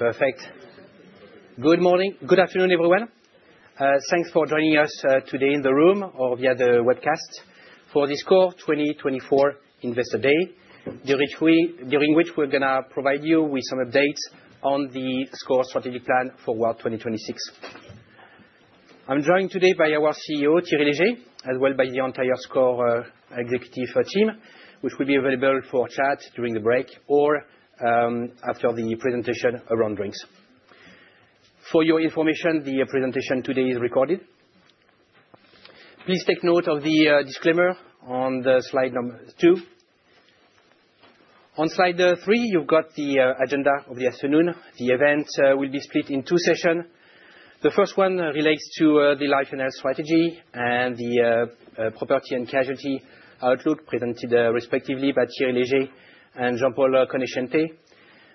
Perfect. Good morning - good afternoon, everyone. Thanks for joining us today in the room or via the webcast for the SCOR 2024 Investor Day, during which we're gonna provide you with some updates on the SCOR strategic plan for Forward 2026. I'm joined today by our CEO, Thierry Léger, as well as the entire SCOR executive team, which will be available for chat during the break or after the presentation around drinks. For your information, the presentation today is recorded. Please take note of the disclaimer on the slide number two. On slide three, you've got the agenda of the afternoon. The event will be split in two sessions. The first one relates to the Life & Health strategy and the property and casualty outlook presented respectively by Thierry Léger and Jean-Paul Conoscente.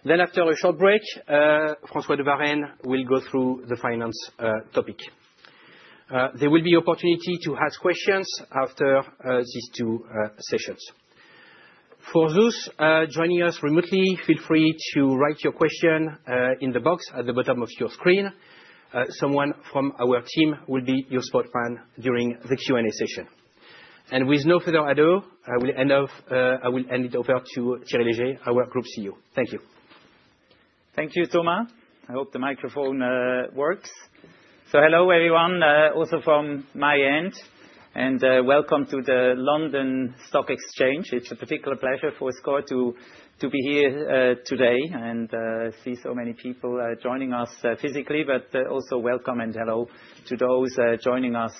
Then, after a short break, François de Varenne will go through the finance topic. There will be opportunity to ask questions after these two sessions. For those joining us remotely, feel free to write your question in the box at the bottom of your screen. Someone from our team will be your spokesman during the Q&A session. And with no further ado, I will end off, I will hand it over to Thierry Léger, our Group CEO. Thank you. Thank you, Thomas. I hope the microphone works. So hello, everyone, also from my end, and welcome to the London Stock Exchange. It's a particular pleasure for SCOR to be here today and see so many people joining us physically, but also welcome and hello to those joining us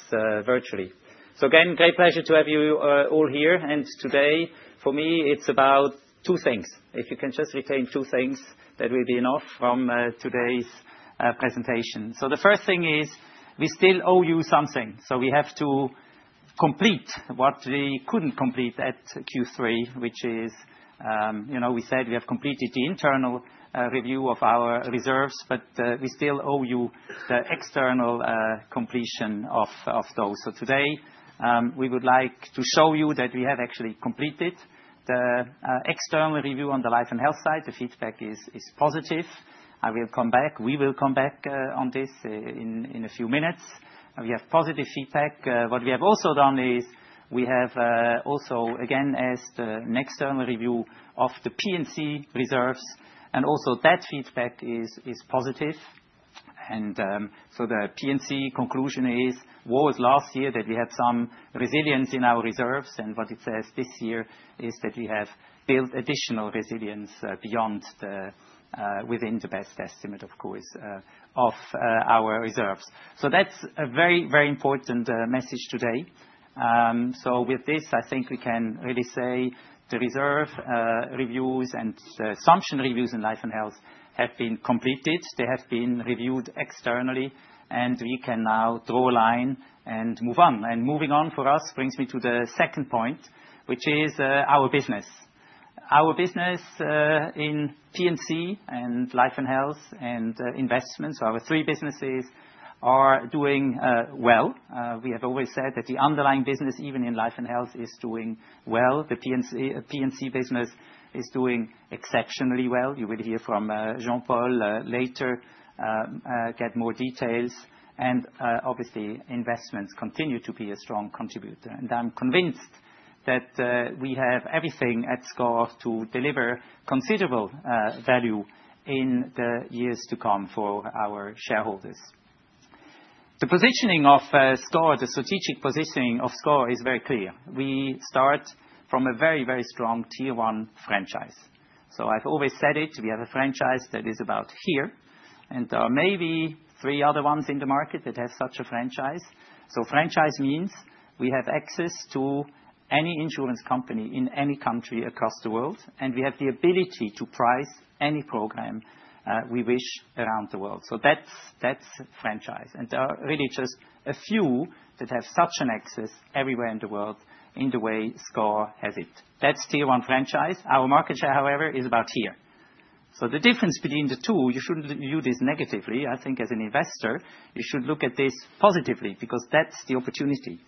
virtually. So again, great pleasure to have you all here. And today, for me, it's about two things. If you can just reclaim two things, that will be enough from today's presentation. So the first thing is we still owe you something. So we have to complete what we couldn't complete at Q3, which is, you know, we said we have completed the internal review of our reserves, but we still owe you the external completion of those. So today, we would like to show you that we have actually completed the external review on the Life & Health side. The feedback is positive. I will come back. We will come back on this in a few minutes. We have positive feedback. What we have also done is we have also again asked an external review of the P&C reserves, and also that feedback is positive. And so the P&C conclusion was last year that we had some resilience in our reserves, and what it says this year is that we have built additional resilience beyond the within the best estimate, of course, of our reserves. So that's a very, very important message today. So with this, I think we can really say the reserve reviews and assumption reviews in Life & Health have been completed. They have been reviewed externally, and we can now draw a line and move on, and moving on for us brings me to the second point, which is our business. Our business, in P&C and Life & Health and investments, our three businesses, are doing well. We have always said that the underlying business, even in Life & Health, is doing well. The P&C, P&C business is doing exceptionally well. You will hear from Jean-Paul later, get more details. And obviously, investments continue to be a strong contributor. And I'm convinced that we have everything at SCOR to deliver considerable value in the years to come for our shareholders. The positioning of SCOR, the strategic positioning of SCOR, is very clear. We start from a very, very strong tier-one franchise. So I've always said it. We have a franchise that is about here, and there are maybe three other ones in the market that have such a franchise. So franchise means we have access to any insurance company in any country across the world, and we have the ability to price any program we wish around the world. So that's, that's franchise. And there are really just a few that have such an access everywhere in the world in the way SCOR has it. That's tier-one franchise. Our market share, however, is about here. So the difference between the two, you shouldn't view this negatively. I think as an investor, you should look at this positively because that's the opportunity.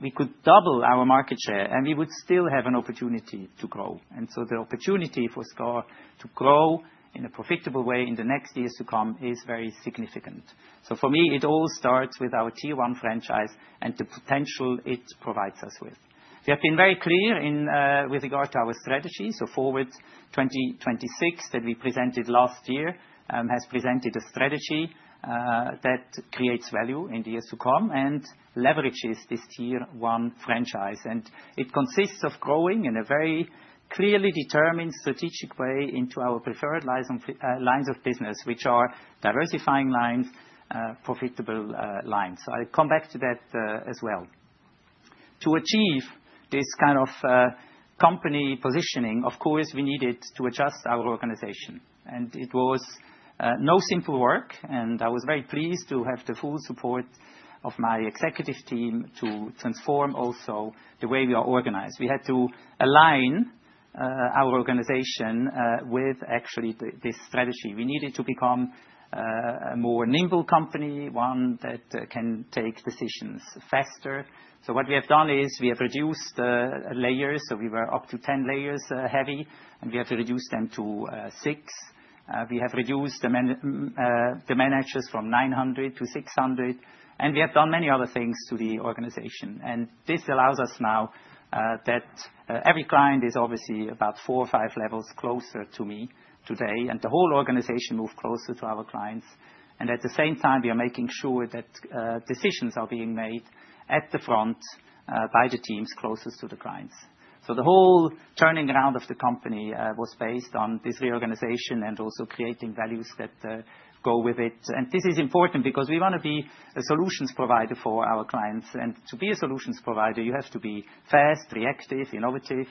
We could double our market share, and we would still have an opportunity to grow. And so the opportunity for SCOR to grow in a profitable way in the next years to come is very significant. So for me, it all starts with our tier-one franchise and the potential it provides us with. We have been very clear with regard to our strategy. So Forward 2026 that we presented last year has presented a strategy that creates value in the years to come and leverages this tier-one franchise. And it consists of growing in a very clearly determined strategic way into our preferred lines of business, which are diversifying, profitable lines. So I'll come back to that, as well. To achieve this kind of company positioning, of course, we needed to adjust our organization. And it was no simple work, and I was very pleased to have the full support of my executive team to transform also the way we are organized. We had to align our organization with actually the strategy. We needed to become a more nimble company, one that can take decisions faster. So what we have done is we have reduced the layers. So we were up to 10 layers, heavy, and we have reduced them to six. We have reduced the managers from 900 to 600. And we have done many other things to the organization. And this allows us now that every client is obviously about four or five levels closer to me today, and the whole organization moved closer to our clients. And at the same time, we are making sure that decisions are being made at the front, by the teams closest to the clients. So the whole turning around of the company was based on this reorganization and also creating values that go with it. And this is important because we wanna be a solutions provider for our clients. And to be a solutions provider, you have to be fast, reactive, innovative,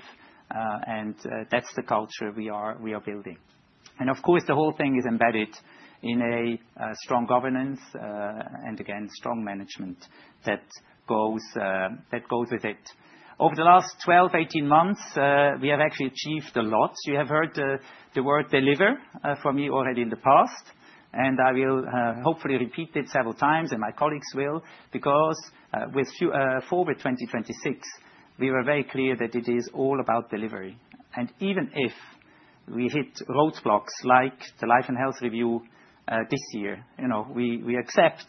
and that's the culture we are building. And of course, the whole thing is embedded in strong governance, and again, strong management that goes with it. Over the last 12-18 months, we have actually achieved a lot. You have heard the word deliver from me already in the past, and I will hopefully repeat it several times, and my colleagues will because with Forward 2026, we were very clear that it is all about delivery. And even if we hit roadblocks like the Life & Health review this year, you know, we accept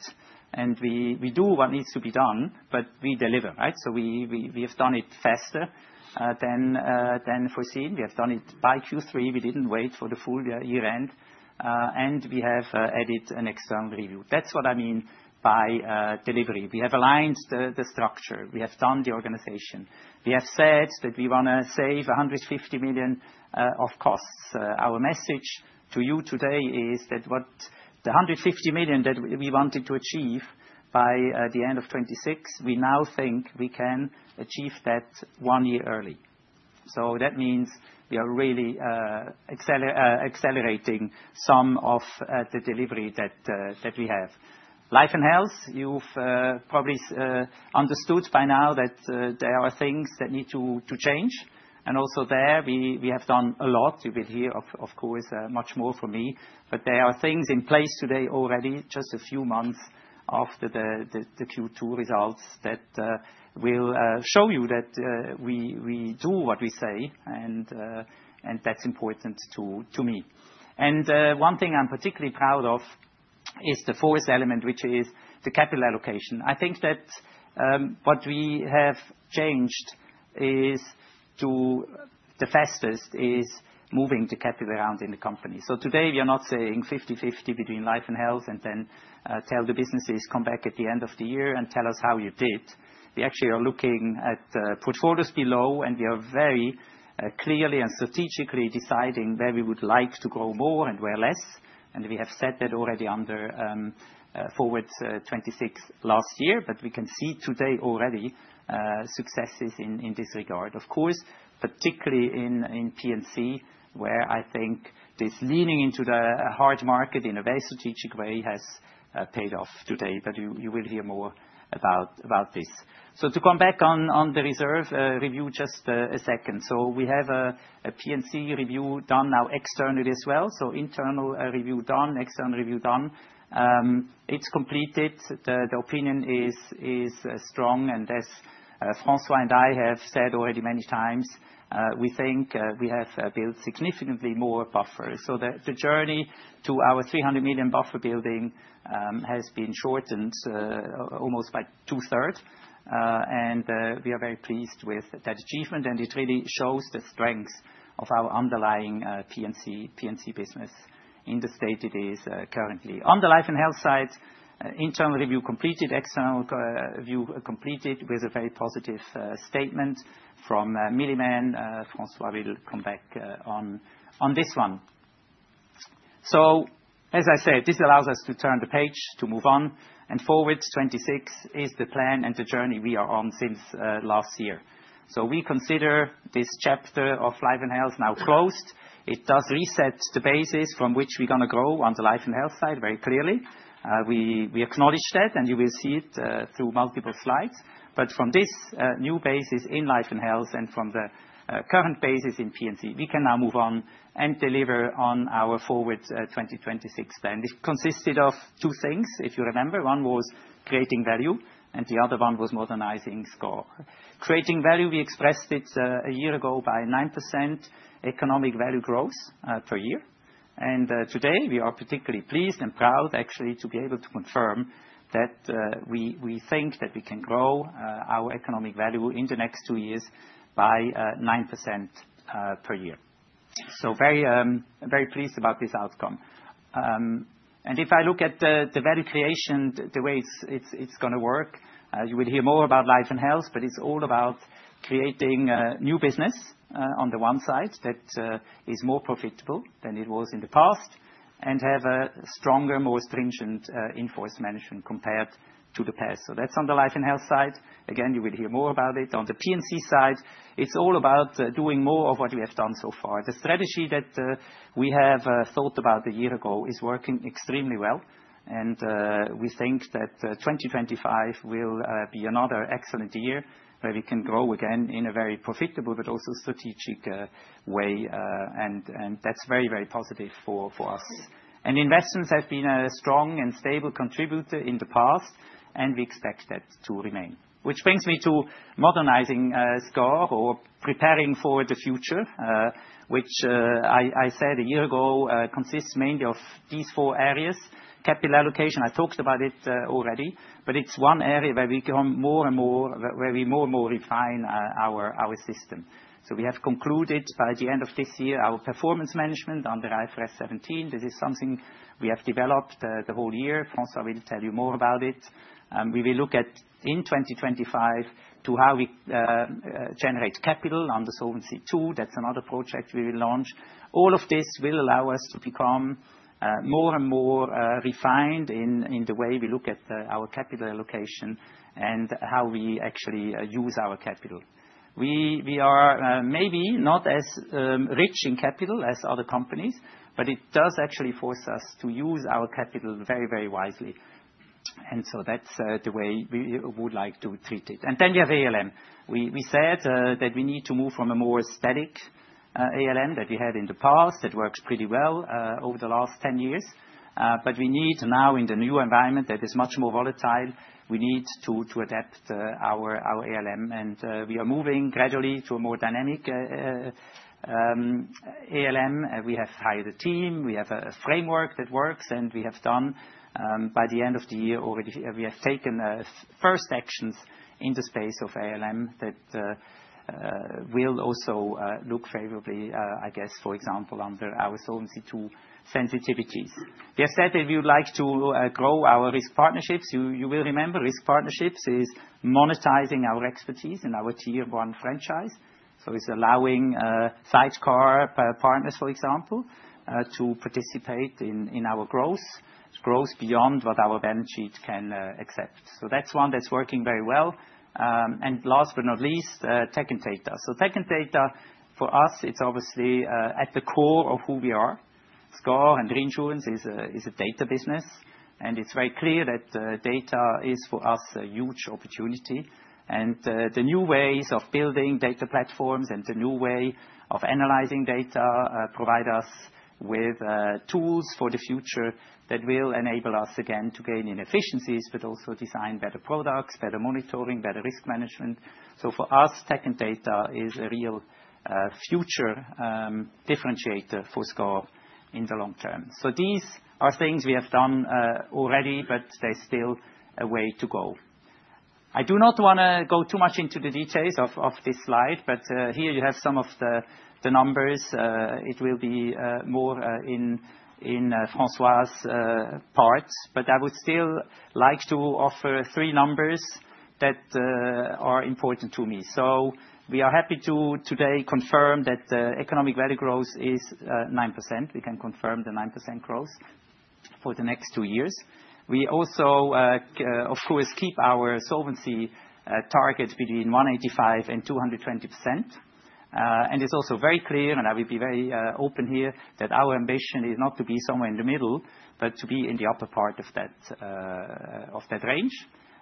and we do what needs to be done, but we deliver, right? So we have done it faster than foreseen. We have done it by Q3. We didn't wait for the full year end, and we have added an external review. That's what I mean by delivery. We have aligned the structure. We have done the organization. We have said that we wanna save 150 million of costs. Our message to you today is that what the 150 million that we wanted to achieve by the end of 2026, we now think we can achieve that one year early. That means we are really accelerating some of the delivery that we have. Life & Health, you've probably understood by now that there are things that need to change. Also there, we have done a lot. You will hear, of course, much more from me. But there are things in place today already, just a few months after the Q2 results that will show you that we do what we say, and that's important to me. One thing I'm particularly proud of is the fourth element, which is the capital allocation. I think that what we have changed is to the fastest is moving the capital around in the company. So today, we are not saying 50/50 between Life & Health and then tell the businesses come back at the end of the year and tell us how you did. We actually are looking at portfolios below, and we are very clearly and strategically deciding where we would like to grow more and where less. We have said that already under Forward 2026 last year, but we can see today already successes in this regard. Of course, particularly in P&C, where I think this leaning into the hard market in a very strategic way has paid off today. But you will hear more about this. So to come back on the reserve review just a second. So we have a P&C review done now externally as well. So internal review done, external review done. It's completed. The opinion is strong, and as François and I have said already many times, we think we have built significantly more buffer. So the journey to our 300 million buffer building has been shortened almost by two-thirds, and we are very pleased with that achievement, and it really shows the strength of our underlying P&C business in the state it is currently. On the Life & Health side, internal review completed, external review completed with a very positive statement from Milliman. François will come back on this one. So, as I said, this allows us to turn the page to move on. Forward 2026 is the plan and the journey we are on since last year. We consider this chapter of Life & Health now closed. It does reset the basis from which we're gonna grow on the Life & Health side very clearly. We acknowledge that, and you will see it through multiple slides. But from this new basis in Life & Health and from the current basis in P&C, we can now move on and deliver on our Forward 2026 plan. This consisted of two things, if you remember. One was creating value, and the other one was modernizing SCOR. Creating value, we expressed it a year ago by 9% Economic Value Growth per year. Today, we are particularly pleased and proud, actually, to be able to confirm that we think that we can grow our economic value in the next two years by 9% per year. So very, very pleased about this outcome. If I look at the value creation, the way it's gonna work, you will hear more about Life & Health, but it's all about creating new business on the one side that is more profitable than it was in the past and have a stronger, more stringent, inforce management compared to the past. So that's on the Life & Health side. Again, you will hear more about it. On the P&C side, it's all about doing more of what we have done so far. The strategy that we have thought about a year ago is working extremely well, and we think that 2025 will be another excellent year where we can grow again in a very profitable but also strategic way, and that's very, very positive for us, and investments have been a strong and stable contributor in the past, and we expect that to remain. Which brings me to modernizing SCOR or preparing for the future, which I said a year ago, consists mainly of these four areas. Capital allocation, I talked about it already, but it's one area where we more and more refine our system. So we have concluded by the end of this year our performance management under IFRS 17. This is something we have developed the whole year. François will tell you more about it. We will look at in 2025 to how we generate capital under Solvency II. That's another project we will launch. All of this will allow us to become more and more refined in the way we look at our capital allocation and how we actually use our capital. We are maybe not as rich in capital as other companies, but it does actually force us to use our capital very, very wisely. So that's the way we would like to treat it. Then we have ALM. We said that we need to move from a more static ALM that we had in the past that works pretty well over the last 10 years. We need now in the new environment that is much more volatile to adapt our ALM. We are moving gradually to a more dynamic ALM. We have hired a team. We have a framework that works, and we have done by the end of the year already. We have taken first actions in the space of ALM that will also look favorably, I guess, for example, under our Solvency II sensitivities. We have said that we would like to grow our risk partnerships. You will remember risk partnerships is monetizing our expertise in our tier-one franchise. So it's allowing sidecar partners, for example, to participate in our growth beyond what our balance sheet can accept. So that's one that's working very well and last but not least, tech and data. So tech and data for us, it's obviously at the core of who we are. SCOR and reinsurance is a data business, and it's very clear that data is for us a huge opportunity. The new ways of building data platforms and the new way of analyzing data provide us with tools for the future that will enable us again to gain in efficiencies but also design better products, better monitoring, better risk management. For us, tech and data is a real future differentiator for SCOR in the long term. These are things we have done already, but there's still a way to go. I do not wanna go too much into the details of this slide, but here you have some of the numbers. It will be more in François's part, but I would still like to offer three numbers that are important to me. We are happy to today confirm that the economic value growth is 9%. We can confirm the 9% growth for the next two years. We also, of course, keep our solvency target between 185%-220%, and it's also very clear, and I will be very open here that our ambition is not to be somewhere in the middle, but to be in the upper part of that, of that range.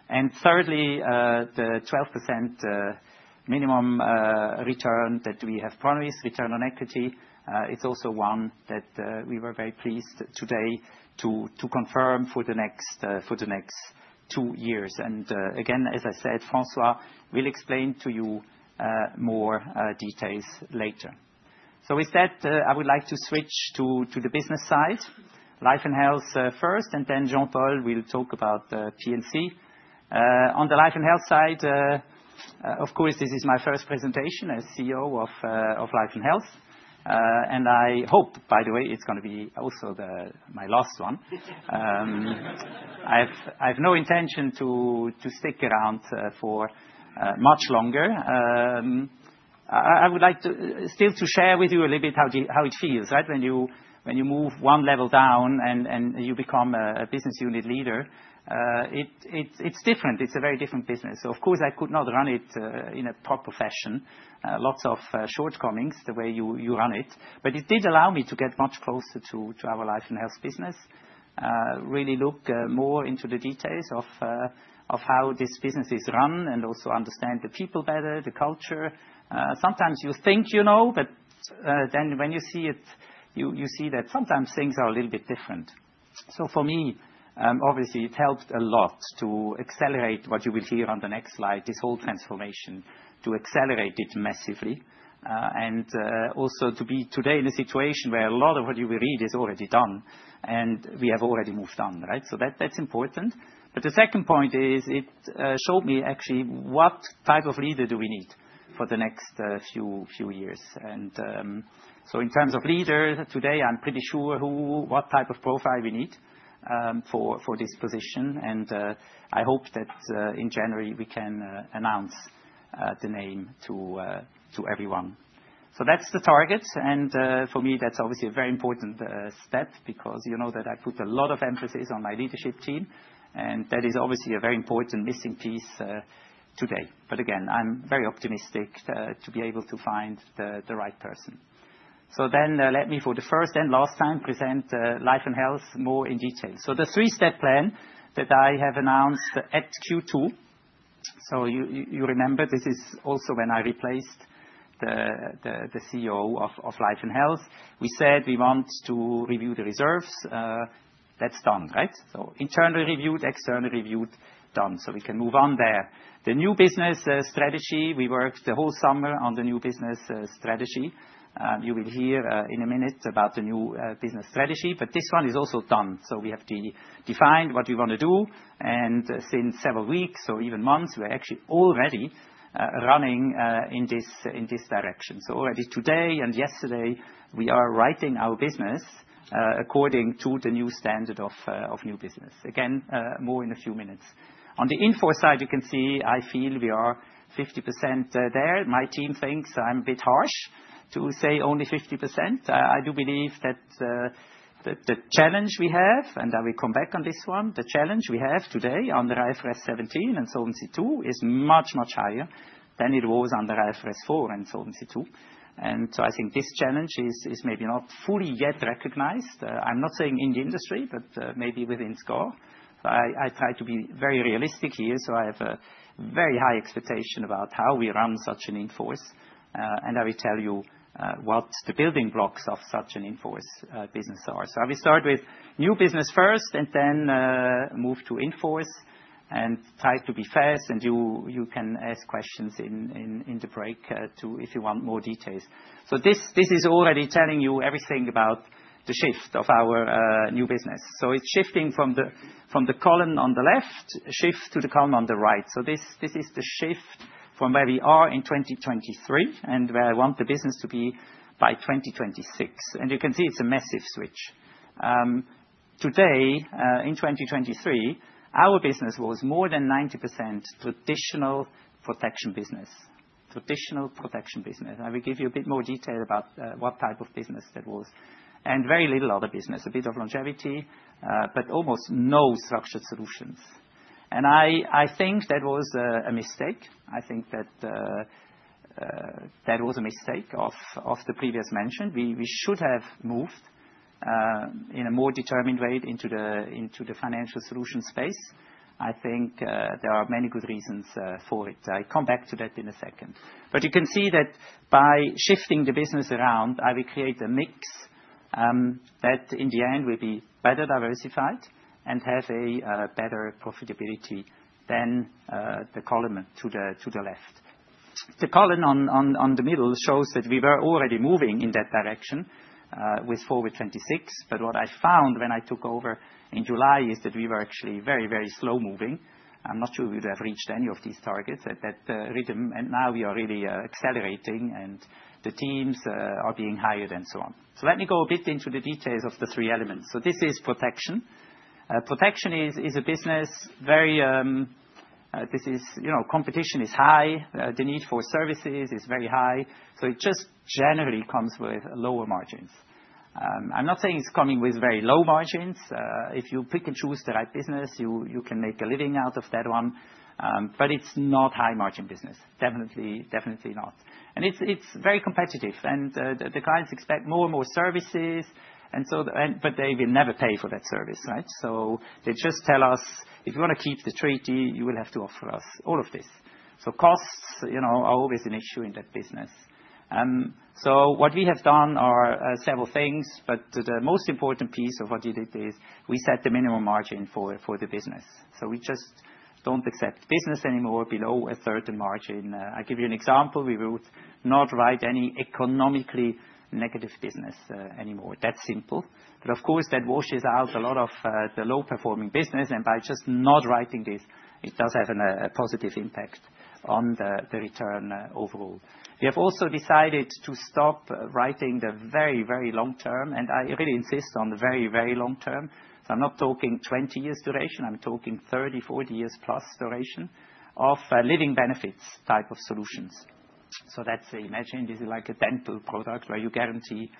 And thirdly, the 12% minimum return that we have promised, return on equity, it's also one that we were very pleased today to confirm for the next two years, and again, as I said, François will explain to you more details later, so with that, I would like to switch to the business side, Life & Health, first, and then Jean-Paul will talk about P&C. On the Life & Health side, of course, this is my first presentation as CEO of Life & Health. I hope, by the way, it's gonna be also my last one. I have no intention to stick around for much longer. I would like to still share with you a little bit how it feels, right? When you move one level down and you become a business unit leader, it's different. It's a very different business. So, of course, I could not run it in a proper fashion. Lots of shortcomings the way you run it, but it did allow me to get much closer to our Life & Health business, really look more into the details of how this business is run and also understand the people better, the culture. Sometimes you think you know, but then when you see it, you, you see that sometimes things are a little bit different. So for me, obviously, it helped a lot to accelerate what you will hear on the next slide, this whole transformation to accelerate it massively, and also to be today in a situation where a lot of what you will read is already done and we have already moved on, right? So that, that's important. But the second point is it showed me actually what type of leader do we need for the next few, few years. And so in terms of leader today, I'm pretty sure who what type of profile we need for this position. And I hope that in January, we can announce the name to everyone. So that's the target. For me, that's obviously a very important step because you know that I put a lot of emphasis on my leadership team, and that is obviously a very important missing piece today. Again, I'm very optimistic to be able to find the right person. Let me for the first and last time present Life & Health more in detail. The three-step plan that I have announced at Q2. You remember this is also when I replaced the CEO of Life & Health. We said we want to review the reserves. That's done, right? We can move on there. The new business strategy, we worked the whole summer on the new business strategy. You will hear in a minute about the new business strategy, but this one is also done. So we have to define what we wanna do. And, since several weeks or even months, we're actually already running in this, in this direction. So already today and yesterday, we are writing our business according to the new standard of, of new business. Again, more in a few minutes. On the inforce side, you can see I feel we are 50% there. My team thinks I'm a bit harsh to say only 50%. I do believe that the challenge we have, and I will come back on this one, the challenge we have today under IFRS 17 and Solvency II is much, much higher than it was under IFRS 4 and Solvency II. And so I think this challenge is maybe not fully yet recognized. I'm not saying in the industry, but maybe within SCOR. So I try to be very realistic here. So I have a very high expectation about how we run such an inforce, and I will tell you what the building blocks of such an inforce business are. I will start with new business first and then move to inforce and try to be fast. You can ask questions in the break if you want more details. So this is already telling you everything about the shift of our new business. So it's shifting from the column on the left to the column on the right. So this is the shift from where we are in 2023 and where I want the business to be by 2026. You can see it's a massive switch. Today, in 2023, our business was more than 90% traditional protection business, traditional protection business. I will give you a bit more detail about what type of business that was and very little other business, a bit of longevity, but almost no Structured Solutions. I think that was a mistake. I think that was a mistake of the previous management. We should have moved in a more determined way into the Financial Solutions space. I think there are many good reasons for it. I come back to that in a second. But you can see that by shifting the business around, I will create a mix that in the end will be better diversified and have a better profitability than the column to the left. The column on the middle shows that we were already moving in that direction, with Forward 2026. But what I found when I took over in July is that we were actually very, very slow moving. I'm not sure we would have reached any of these targets at that rhythm. And now we are really accelerating and the teams are being hired and so on. So let me go a bit into the details of the three elements. So this is protection. Protection is a business. Very, you know, competition is high. The need for services is very high. So it just generally comes with lower margins. I'm not saying it's coming with very low margins. If you pick and choose the right business, you can make a living out of that one. But it's not high margin business. Definitely, definitely not. And it's very competitive. And the clients expect more and more services. They will never pay for that service, right? They just tell us, "If you wanna keep the treaty, you will have to offer us all of this." Costs, you know, are always an issue in that business. What we have done are several things, but the most important piece of what we did is we set the minimum margin for the business. We just don't accept business anymore below a certain margin. I'll give you an example. We would not write any economically negative business, anymore. That's simple. Of course, that washes out a lot of the low performing business. By just not writing this, it does have a positive impact on the return, overall. We have also decided to stop writing the very, very long term. I really insist on the very, very long term. So I'm not talking 20 years duration. I'm talking 30-40 years plus duration of living benefits type of solutions. So that's. Imagine this is like a dental product where you guarantee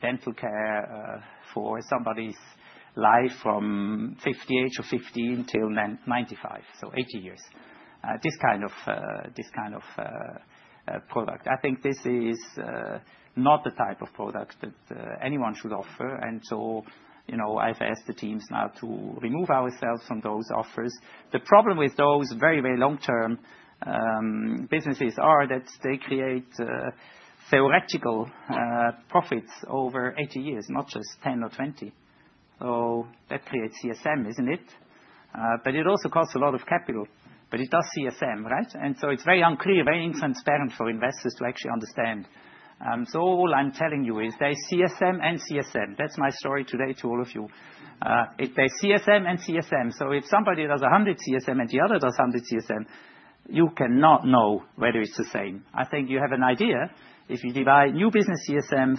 dental care for somebody's life from age 50 until 95, so 80 years. This kind of product, I think this is not the type of product that anyone should offer. And so, you know, I've asked the teams now to remove ourselves from those offers. The problem with those very, very long-term businesses are that they create theoretical profits over 80 years, not just 10 or 20. So that creates CSM, isn't it? But it also costs a lot of capital, but it does CSM, right? And so it's very unclear, very intransparent for investors to actually understand. So all I'm telling you is there's CSM and CSM. That's my story today to all of you. It's, there's CSM and CSM. So if somebody does 100 CSM and the other does 100 CSM, you cannot know whether it's the same. I think you have an idea if you divide new business CSM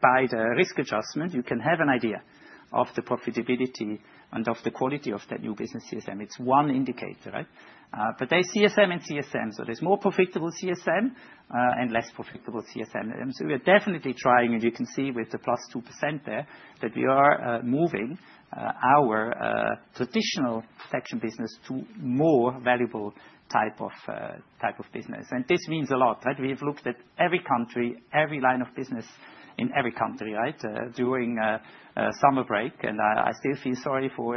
by the risk adjustment, you can have an idea of the profitability and of the quality of that new business CSM. It's one indicator, right, but there's CSM and CSM. So there's more profitable CSM, and less profitable CSM. And so we are definitely trying, and you can see with the +2% there that we are moving our traditional protection business to more valuable type of business. And this means a lot, right? We have looked at every country, every line of business in every country, right? During summer break. And I still feel sorry for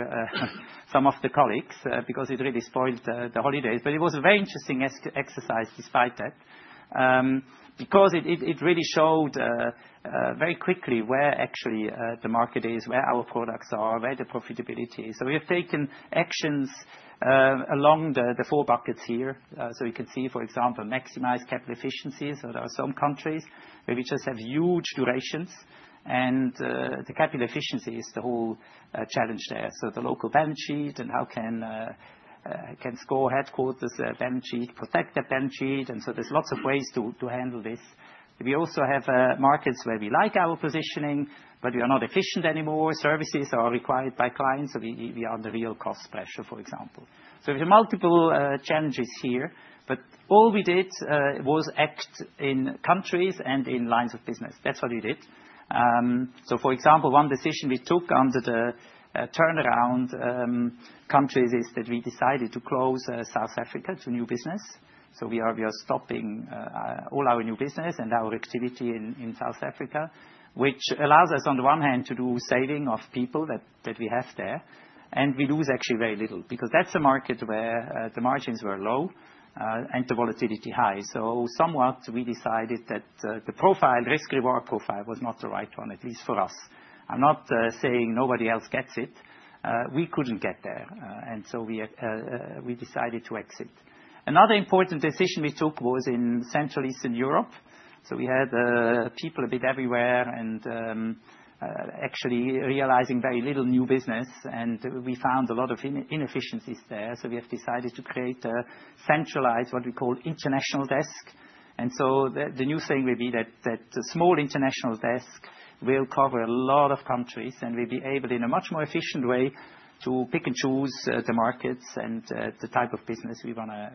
some of the colleagues, because it really spoiled the holidays. But it was a very interesting exercise despite that, because it really showed very quickly where actually the market is, where our products are, where the profitability is. So we have taken actions along the four buckets here. So you can see, for example, maximize capital efficiencies. So there are some countries where we just have huge durations, and the capital efficiency is the whole challenge there. So the local balance sheet and how can SCOR headquarters balance sheet protect that balance sheet. And so there's lots of ways to handle this. We also have markets where we like our positioning, but we are not efficient anymore. Services are required by clients. So we are under real cost pressure, for example. So there's multiple challenges here, but all we did was act in countries and in lines of business. That's what we did. So for example, one decision we took under the turnaround countries is that we decided to close South Africa to new business. So we are stopping all our new business and our activity in South Africa, which allows us on the one hand to do saving of people that we have there. And we lose actually very little because that's a market where the margins were low, and the volatility high. So somewhat we decided that the risk-reward profile was not the right one, at least for us. I'm not saying nobody else gets it. We couldn't get there. And so we decided to exit. Another important decision we took was in Central and Eastern Europe. We had people a bit everywhere and actually realizing very little new business. We found a lot of inefficiencies there. We have decided to create a centralized what we call international desk. The new thing will be that the small international desk will cover a lot of countries and will be able in a much more efficient way to pick and choose the markets and the type of business we wanna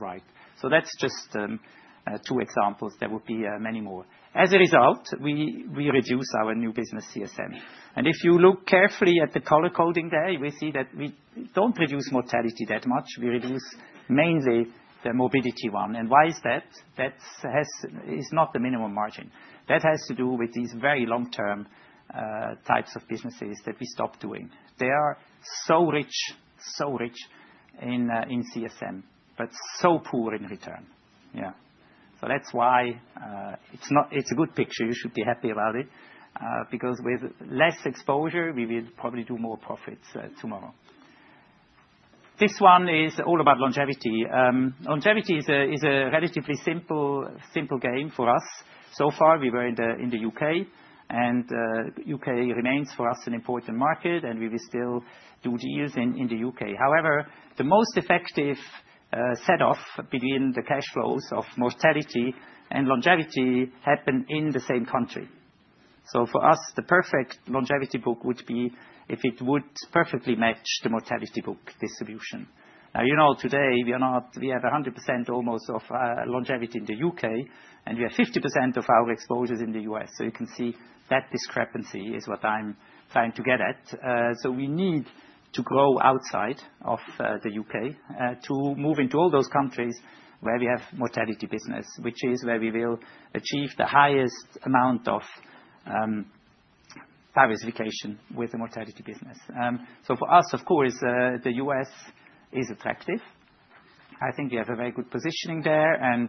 write. That's just two examples. There would be many more. As a result, we reduce our new business CSM. If you look carefully at the color coding there, we see that we don't reduce mortality that much. We reduce mainly the morbidity one. Why is that? That has to do with the minimum margin. That has to do with these very long term types of businesses that we stopped doing. They are so rich, so rich in CSM, but so poor in return. Yeah. So that's why it's not; it's a good picture. You should be happy about it, because with less exposure, we will probably do more profits tomorrow. This one is all about longevity. Longevity is a relatively simple game for us. So far we were in the U.K., and U.K. remains for us an important market, and we will still do deals in the U.K.. However, the most effective set off between the cash flows of mortality and longevity happen in the same country. So for us, the perfect longevity book would be if it would perfectly match the mortality book distribution. Now, you know, today we are not. We have almost 100% of longevity in the U.K., and we have 50% of our exposures in the U.S. So you can see that discrepancy is what I'm trying to get at, so we need to grow outside of the U.K., to move into all those countries where we have mortality business, which is where we will achieve the highest amount of diversification with the mortality business, so for us, of course, the U.S. is attractive. I think we have a very good positioning there, and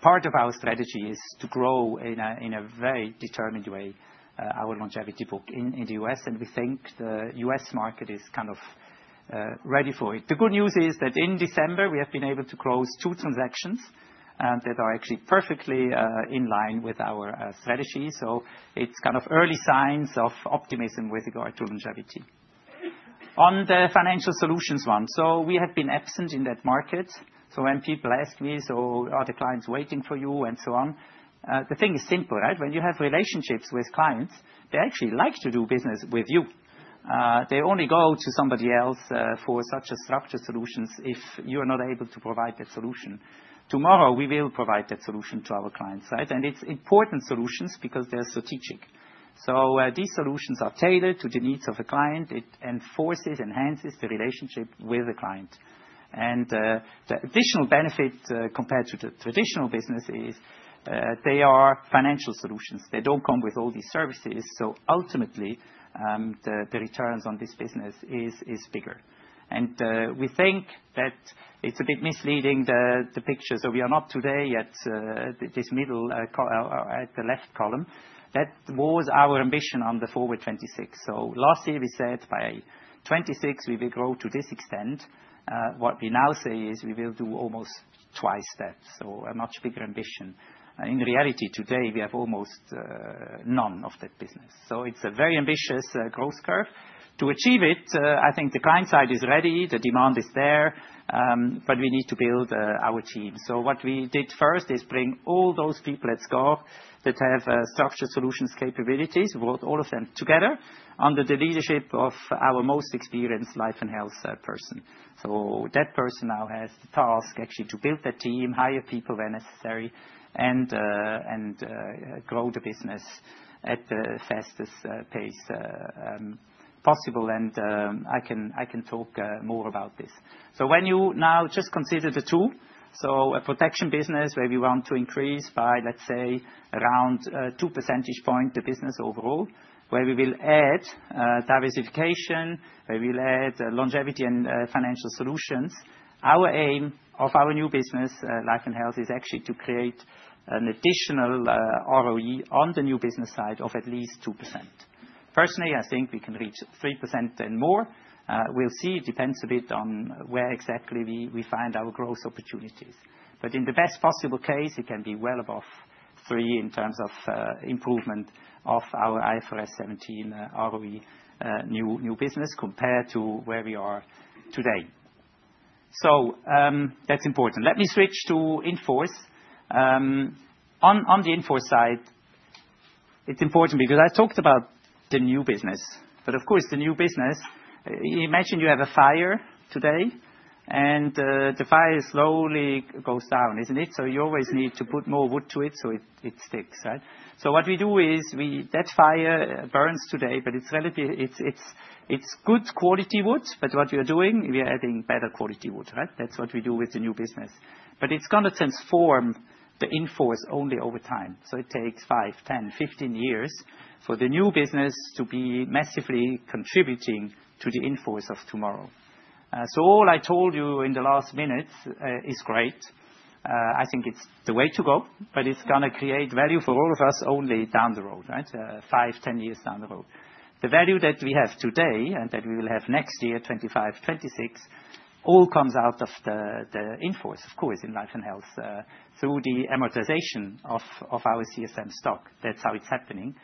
part of our strategy is to grow in a very determined way, our longevity book in the U.S. And we think the U.S. market is kind of ready for it. The good news is that in December we have been able to close two transactions that are actually perfectly in line with our strategy. So it's kind of early signs of optimism with regard to longevity on the financial solutions one. So we have been absent in that market. So when people ask me, "So are the clients waiting for you?" and so on, the thing is simple, right? When you have relationships with clients, they actually like to do business with you. They only go to somebody else, for such a structured solutions if you are not able to provide that solution. Tomorrow we will provide that solution to our clients, right? And it's important solutions because they're strategic. So, these solutions are tailored to the needs of a client. It enforces, enhances the relationship with the client. And, the additional benefit, compared to the traditional business is, they are financial solutions. They don't come with all these services. So ultimately, the returns on this business is bigger. We think that it's a bit misleading, the picture. So we are not today at this middle column, the left column. That was our ambition on the Forward 2026. So last year we said by 2026 we will grow to this extent. What we now say is we will do almost twice that. So a much bigger ambition. In reality today we have almost none of that business. So it's a very ambitious growth curve. To achieve it, I think the client side is ready, the demand is there, but we need to build our team. So what we did first is bring all those people at SCOR that have structured solutions capabilities, brought all of them together under the leadership of our most experienced Life & Health person. That person now has the task actually to build that team, hire people where necessary, and grow the business at the fastest pace possible. I can talk more about this. When you now just consider the two, a protection business where we want to increase by, let's say, around 2 percentage points the business overall, where we will add diversification, where we'll add longevity and financial solutions, our aim of our new business, Life & Health, is actually to create an additional ROE on the new business side of at least 2%. Personally, I think we can reach 3% and more. We'll see. It depends a bit on where exactly we find our growth opportunities. But in the best possible case, it can be well above three in terms of improvement of our IFRS 17 ROE, new business compared to where we are today. So that's important. Let me switch to inforce. On the inforce side, it's important because I talked about the new business. But of course, the new business, imagine you have a fire today and the fire slowly goes down, isn't it? So you always need to put more wood to it so it sticks, right? So what we do is we keep that fire burns today, but it's relative. It's good quality wood. But what we are doing, we are adding better quality wood, right? That's what we do with the new business. But it's gonna transform the inforce only over time. So it takes five, 10, 15 years for the new business to be massively contributing to the inforce of tomorrow. So all I told you in the last minutes is great. I think it's the way to go, but it's gonna create value for all of us only down the road, right? Five, 10 years down the road. The value that we have today and that we will have next year, 2025, 2026, all comes out of the inforce, of course, in Life & Health, through the amortization of our CSM stock. That's how it's happening.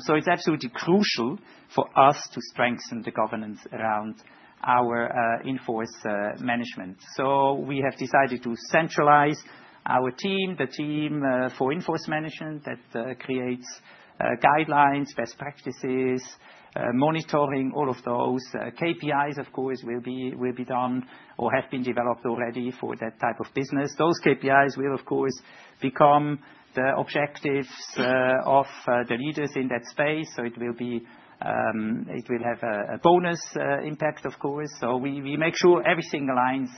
So it's absolutely crucial for us to strengthen the governance around our inforce management. So we have decided to centralize our team, the team for inforce management that creates guidelines, best practices, monitoring, all of those. KPIs, of course, will be done or have been developed already for that type of business. Those KPIs will, of course, become the objectives of the leaders in that space. So it will have a bonus impact, of course. So we make sure everything aligns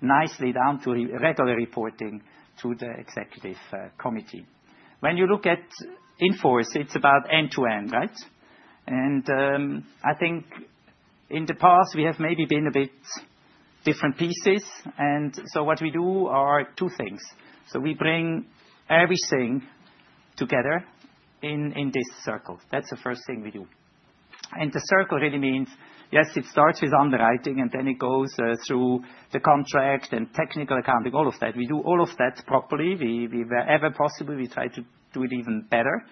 nicely down to regular reporting to the executive committee. When you look at inforce, it's about end to end, right? I think in the past we have maybe been a bit different pieces. And so what we do are two things. So we bring everything together in this circle. That's the first thing we do. And the circle really means yes, it starts with underwriting and then it goes through the contract and technical accounting, all of that. We do all of that properly. We wherever possible, we try to do it even better.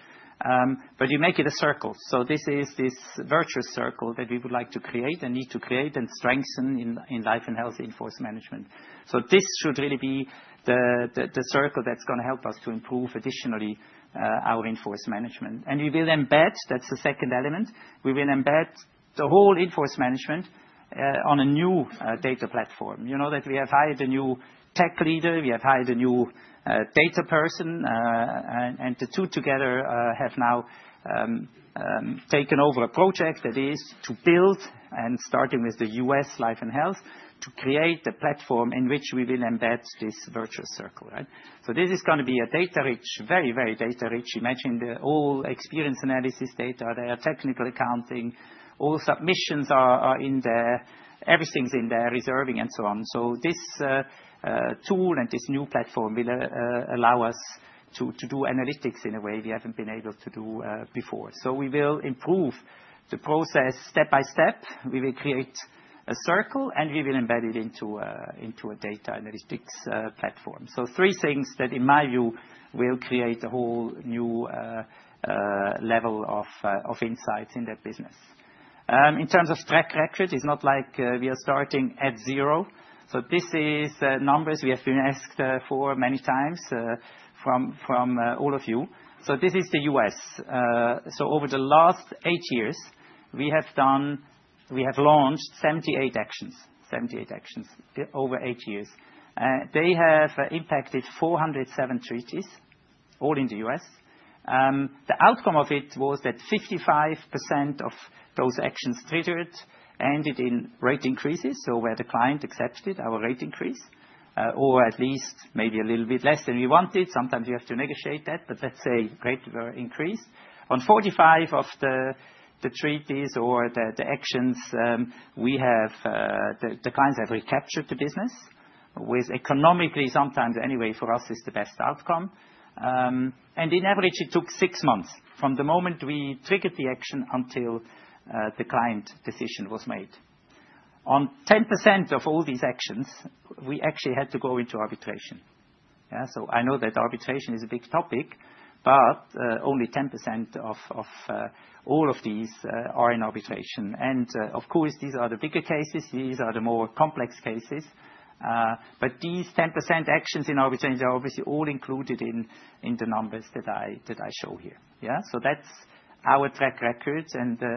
But you make it a circle. So this is this virtuous circle that we would like to create and need to create and strengthen in Life & Health inforce management. So this should really be the circle that's gonna help us to improve additionally our inforce management. And we will embed. That's the second element. We will embed the whole inforce management on a new data platform. You know that we have hired a new tech leader, we have hired a new data person, and the two together have now taken over a project that is to build and starting with the U.S. Life & Health to create the platform in which we will embed this virtuous circle, right? So this is gonna be a data rich, very, very data rich. Imagine all the experience analysis data. There are technical accounting all submissions are in there, everything's in there, reserving and so on. So this tool and this new platform will allow us to do analytics in a way we haven't been able to do before. We will improve the process step by step. We will create a circle and we will embed it into a data analytics platform. So three things that in my view will create a whole new level of insights in that business. In terms of track record, it's not like we are starting at zero. So this is numbers we have been asked for many times from all of you. So this is the U.S. So over the last eight years we have launched 78 actions, 78 actions over eight years. They have impacted 407 treaties all in the U.S. The outcome of it was that 55% of those actions triggered ended in rate increases. So where the client accepted our rate increase, or at least maybe a little bit less than we wanted. Sometimes you have to negotiate that, but let's say rate were increased. On 45 of the treaties or the actions, the clients have recaptured the business with economically sometimes anyway for us is the best outcome. And in average it took six months from the moment we triggered the action until the client decision was made. On 10% of all these actions we actually had to go into arbitration. Yeah. So I know that arbitration is a big topic, but only 10% of all of these are in arbitration. Of course these are the bigger cases, these are the more complex cases. But these 10% actions in arbitration are obviously all included in the numbers that I show here. Yeah. That's our track record.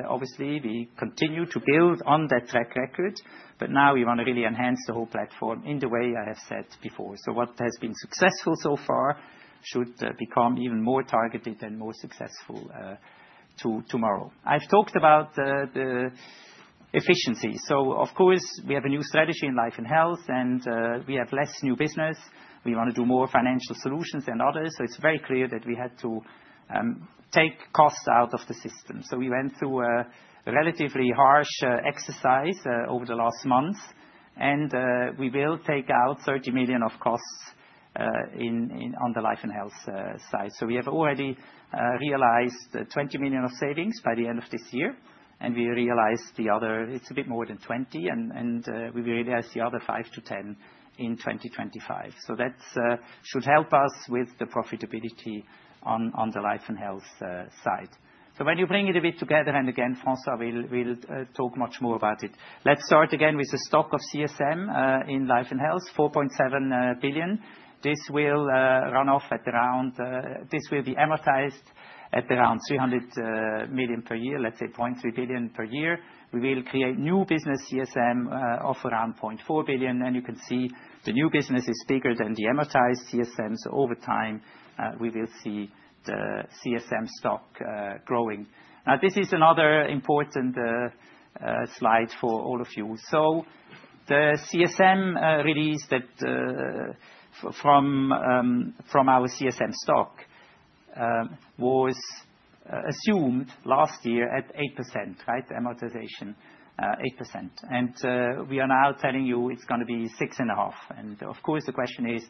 Obviously we continue to build on that track record, but now we wanna really enhance the whole platform in the way I have said before. What has been successful so far should become even more targeted and more successful to tomorrow. I've talked about the efficiency. Of course we have a new strategy in Life & Health and we have less new business. We wanna do more financial solutions and others. It's very clear that we had to take costs out of the system. So we went through a relatively harsh exercise over the last months and we will take out 30 million of costs in the Life & Health side. So we have already realized 20 million of savings by the end of this year. And we realized the other. It's a bit more than 20 and we realized the other 5-10 in 2025. So that should help us with the profitability on the Life & Health side. So when you bring it a bit together and again, François will talk much more about it. Let's start again with the stock of CSM in Life & Health, 4.7 billion. This will run off at around. This will be amortized at around 300 million per year, let's say 0.3 billion per year. We will create new business CSM of around 0.4 billion. You can see the new business is bigger than the amortized CSMs. Over time, we will see the CSM stock growing. Now this is another important slide for all of you. The CSM release from our CSM stock was assumed last year at 8%, right? Amortization 8%. We are now telling you it's gonna be 6.5%. Of course the question is,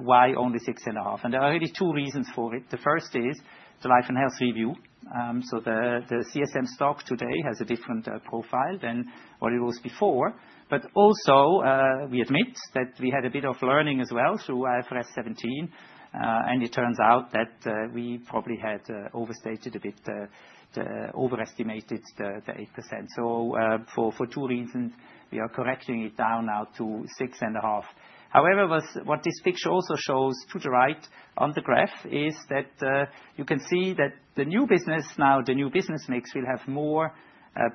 why only 6.5%? There are only two reasons for it. The first is the Life & Health review. The CSM stock today has a different profile than what it was before. We also admit that we had a bit of learning as well through IFRS 17. It turns out that we probably had overstated a bit the 8%. So, for two reasons we are correcting it down now to 6.5. However, what this picture also shows to the right on the graph is that you can see that the new business now, the new business mix will have more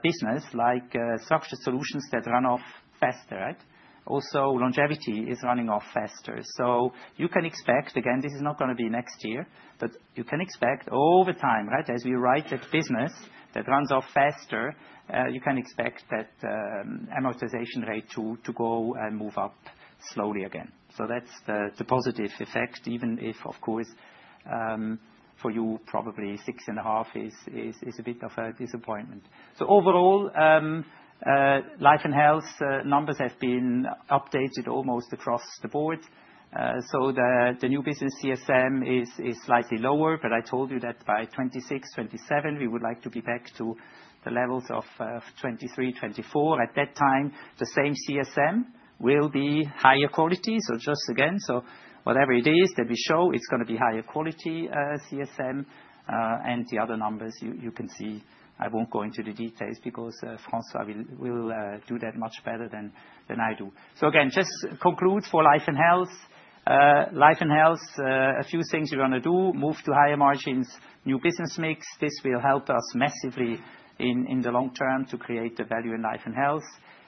business like structured solutions that run off faster, right? Also longevity is running off faster. So you can expect, again, this is not gonna be next year, but you can expect over time, right? As we write that business that runs off faster, you can expect that amortization rate to go and move up slowly again. So that's the positive effect, even if of course for you probably 6.5 is a bit of a disappointment. So overall, Life & Health numbers have been updated almost across the board. So the new business CSM is slightly lower, but I told you that by 2026, 2027 we would like to be back to the levels of 2023, 2024. At that time, the same CSM will be higher quality. So just again, whatever it is that we show, it's gonna be higher quality CSM. And the other numbers you can see. I won't go into the details because François will do that much better than I do. So again, it just concludes for Life & Health a few things we wanna do, move to higher margins, new business mix. This will help us massively in the long term to create the value in Life & Health.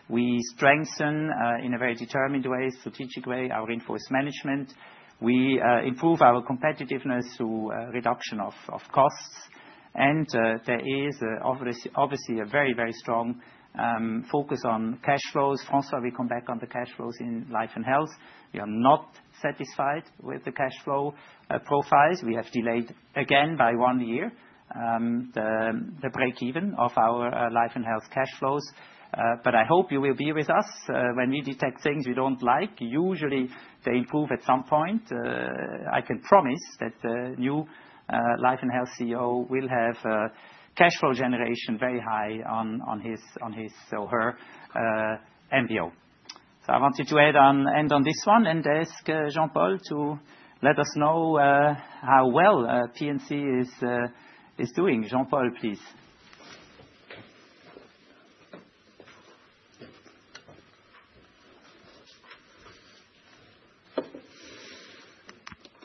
We strengthen, in a very determined way, strategic way, our inforce management. We improve our competitiveness through reduction of costs. There is obviously a very, very strong focus on cash flows. François, we come back on the cash flows in Life & Health. We are not satisfied with the cash flow profiles. We have delayed again by one year the break even of our Life & Health cash flows. But I hope you will be with us, when we detect things we don't like. Usually they improve at some point. I can promise that the new Life & Health CEO will have cash flow generation very high on his or her MBO. I wanted to add on, end on this one and ask Jean-Paul to let us know how well P&C is doing. Jean-Paul, please.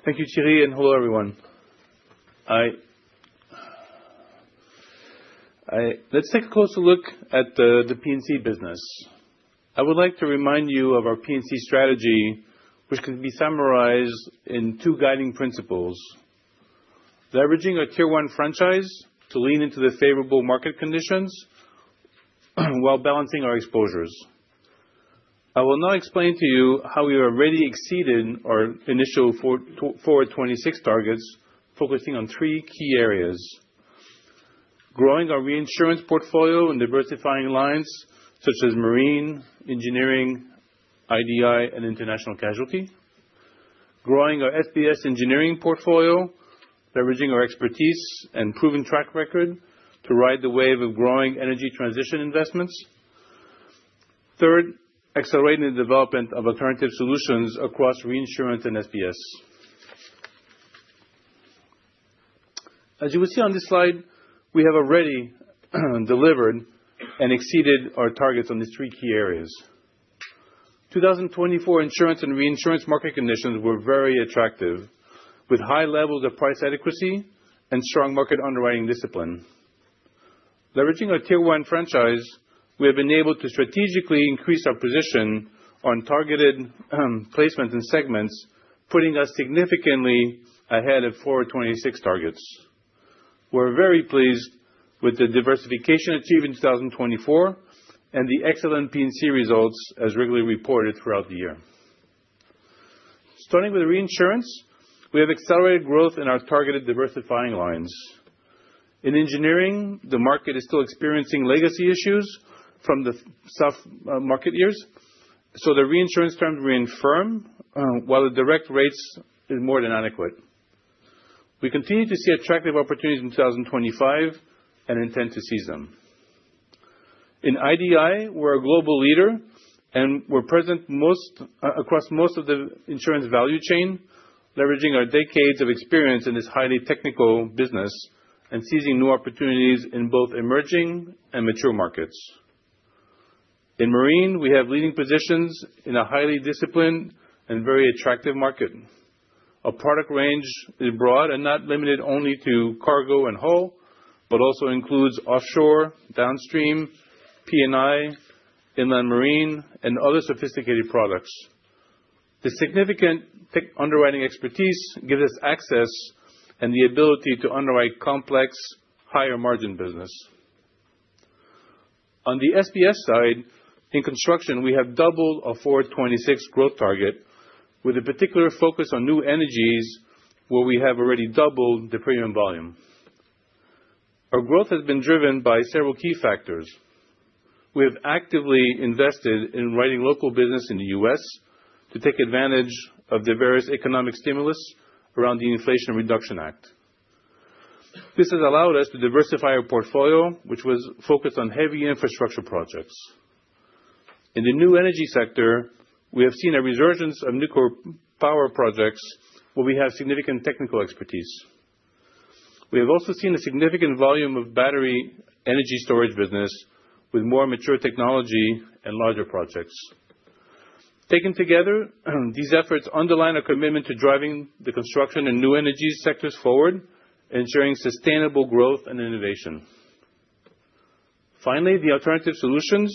Thank you, Thierry. Hello everyone. Let's take a closer look at the P&C business. I would like to remind you of our P&C strategy, which can be summarized in two guiding principles: leveraging our Tier 1 franchise to lean into the favorable market conditions while balancing our exposures. I will now explain to you how we have already exceeded our initial Forward 2026 targets, focusing on three key areas: growing our reinsurance portfolio and diversifying lines such as marine, engineering, IDI, and international casualty; growing our SBS engineering portfolio, leveraging our expertise and proven track record to ride the wave of growing energy transition investments; third, accelerating the development of alternative solutions across reinsurance and SBS. As you will see on this slide, we have already delivered and exceeded our targets on these three key areas. 2024 insurance and reinsurance market conditions were very attractive with high levels of price adequacy and strong market underwriting discipline. Leveraging our Tier 1 franchise, we have been able to strategically increase our position on targeted placements and segments, putting us significantly ahead of 2026 targets. We're very pleased with the diversification achieved in 2024 and the excellent P&C results as regularly reported throughout the year. Starting with reinsurance, we have accelerated growth in our targeted diversifying lines. In engineering, the market is still experiencing legacy issues from the soft market years. So the reinsurance terms remain firm, while the direct rates is more than adequate. We continue to see attractive opportunities in 2025 and intend to seize them. In IDI, we're a global leader and we're present across most of the insurance value chain, leveraging our decades of experience in this highly technical business and seizing new opportunities in both emerging and mature markets. In marine, we have leading positions in a highly disciplined and very attractive market. Our product range is broad and not limited only to cargo and hull, but also includes offshore, downstream, P&I, inland marine, and other sophisticated products. The significant tech underwriting expertise gives us access and the ability to underwrite complex, higher margin business. On the SBS side, in construction, we have doubled our 26% growth target with a particular focus on new energies where we have already doubled the premium volume. Our growth has been driven by several key factors. We have actively invested in writing local business in the U.S. to take advantage of the various economic stimulus around the Inflation Reduction Act. This has allowed us to diversify our portfolio, which was focused on heavy infrastructure projects. In the new energy sector, we have seen a resurgence of nuclear power projects where we have significant technical expertise. We have also seen a significant volume of battery energy storage business with more mature technology and larger projects. Taken together, these efforts underline our commitment to driving the construction and new energy sectors forward, ensuring sustainable growth and innovation. Finally, the alternative solutions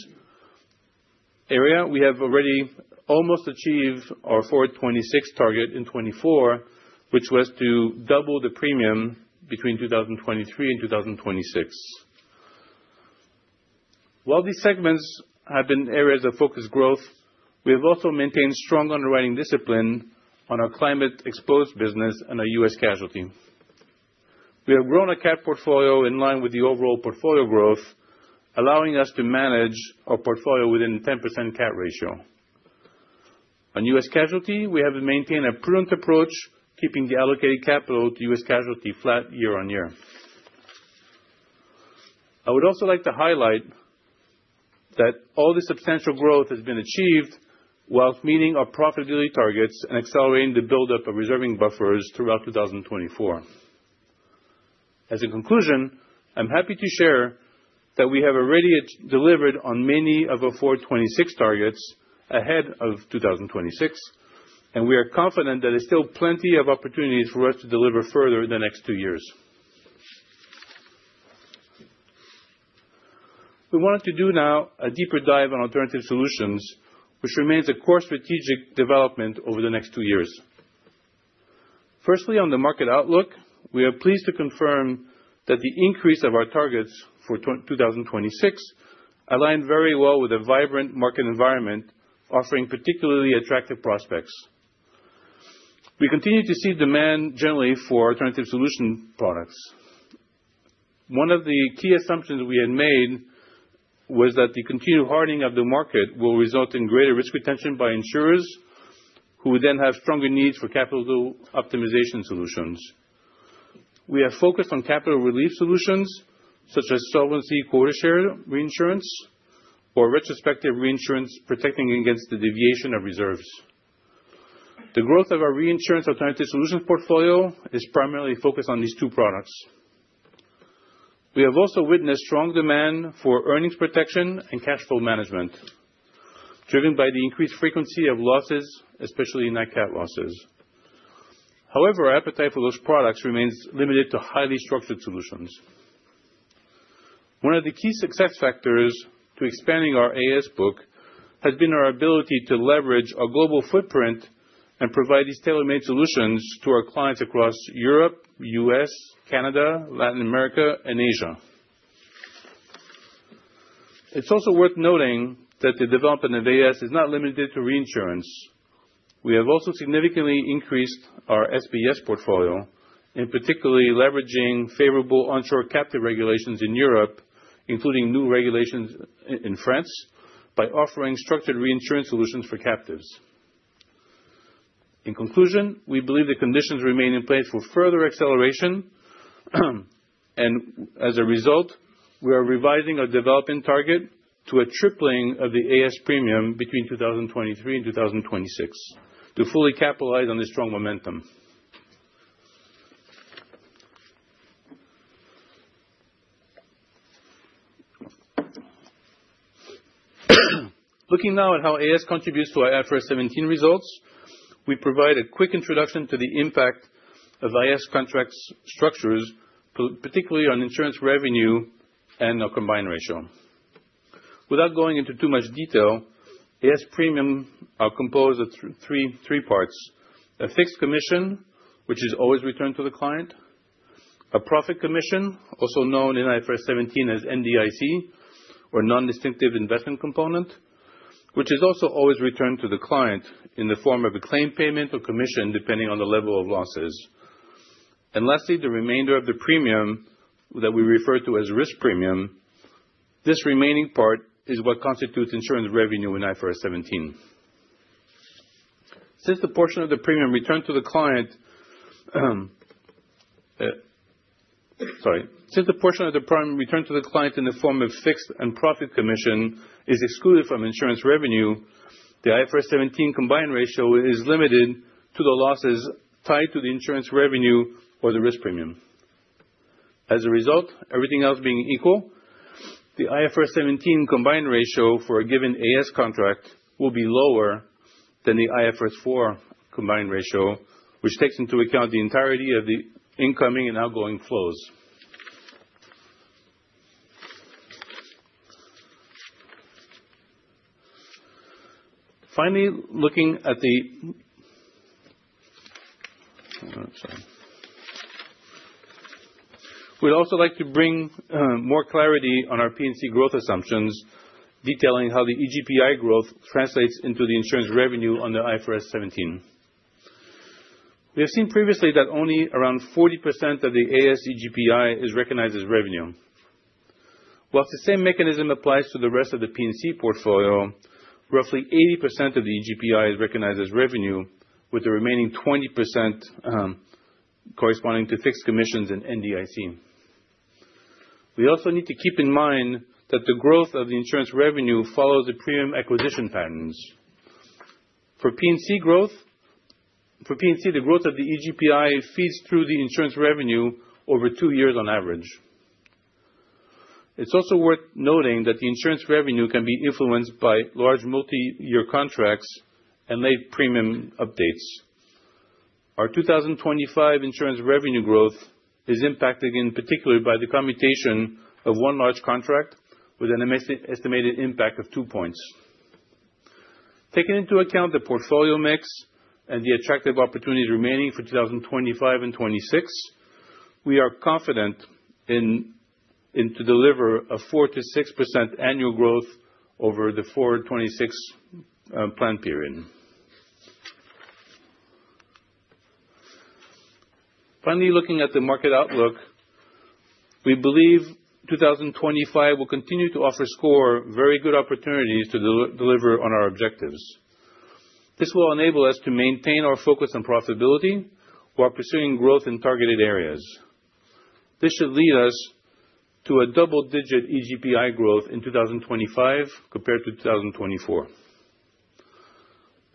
area, we have already almost achieved our Forward 2026 target in 2024, which was to double the premium between 2023 and 2026. While these segments have been areas of focused growth, we have also maintained strong underwriting discipline on our climate exposed business and our U.S. casualty. We have grown a Cat portfolio in line with the overall portfolio growth, allowing us to manage our portfolio within a 10% cat ratio. On U.S. casualty, we have maintained a prudent approach, keeping the allocated capital to U.S. casualty flat year on year. I would also like to highlight that all this substantial growth has been achieved while meeting our profitability targets and accelerating the buildup of reserving buffers throughout 2024. As a conclusion, I'm happy to share that we have already delivered on many of our 2026 targets ahead of 2026, and we are confident that there's still plenty of opportunities for us to deliver further in the next two years. We wanted to do now a deeper dive on alternative solutions, which remains a core strategic development over the next two years. Firstly, on the market outlook, we are pleased to confirm that the increase of our targets for 2026 aligned very well with a vibrant market environment, offering particularly attractive prospects. We continue to see demand generally for alternative solution products. One of the key assumptions we had made was that the continued hardening of the market will result in greater risk retention by insurers who would then have stronger needs for capital optimization solutions. We have focused on capital relief solutions such as solvency quota share reinsurance or retrospective reinsurance protecting against the deviation of reserves. The growth of our reinsurance alternative solutions portfolio is primarily focused on these two products. We have also witnessed strong demand for earnings protection and cash flow management driven by the increased frequency of losses, especially in Nat Cat losses. However, our appetite for those products remains limited to highly structured solutions. One of the key success factors to expanding our AS book has been our ability to leverage our global footprint and provide these tailor-made solutions to our clients across Europe, U.S., Canada, Latin America, and Asia. It's also worth noting that the development of AS is not limited to reinsurance. We have also significantly increased our SBS portfolio, in particular leveraging favorable onshore captive regulations in Europe, including new regulations in France, by offering structured reinsurance solutions for captives. In conclusion, we believe the conditions remain in place for further acceleration, and as a result, we are revising our development target to a tripling of the AS premium between 2023 and 2026 to fully capitalize on this strong momentum. Looking now at how AS contributes to our IFRS 17 results, we provide a quick introduction to the impact of AS contract structures, particularly on insurance revenue and our combined ratio. Without going into too much detail, AS premium are composed of three parts: a fixed commission, which is always returned to the client, a profit commission, also known in IFRS 17 as NDIC, or non-distinct investment component, which is also always returned to the client in the form of a claim payment or commission depending on the level of losses, and lastly, the remainder of the premium that we refer to as risk premium. This remaining part is what constitutes insurance revenue in IFRS 17. Since the portion of the premium returned to the client in the form of fixed and profit commission is excluded from insurance revenue, the IFRS 17 combined ratio is limited to the losses tied to the insurance revenue or the risk premium. As a result, everything else being equal, the IFRS 17 combined ratio for a given AS contract will be lower than the IFRS 4 combined ratio, which takes into account the entirety of the incoming and outgoing flows. Finally, sorry, we'd also like to bring more clarity on our P&C growth assumptions detailing how the EGPI growth translates into the insurance revenue on the IFRS 17. We have seen previously that only around 40% of the AS EGPI is recognized as revenue. While the same mechanism applies to the rest of the P&C portfolio, roughly 80% of the EGPI is recognized as revenue, with the remaining 20%, corresponding to fixed commissions and NDIC. We also need to keep in mind that the growth of the insurance revenue follows the premium acquisition patterns. For P&C growth, for P&C, the growth of the EGPI feeds through the insurance revenue over two years on average. It's also worth noting that the insurance revenue can be influenced by large multi-year contracts and late premium updates. Our 2025 insurance revenue growth is impacted in particular by the commutation of one large contract with an estimated impact of two points. Taking into account the portfolio mix and the attractive opportunities remaining for 2025 and 2026, we are confident in to deliver a 4-6% annual growth over the 2024-2026 plan period. Finally, looking at the market outlook, we believe 2025 will continue to offer SCOR very good opportunities to deliver on our objectives. This will enable us to maintain our focus on profitability while pursuing growth in targeted areas. This should lead us to a double-digit EGPI growth in 2025 compared to 2024.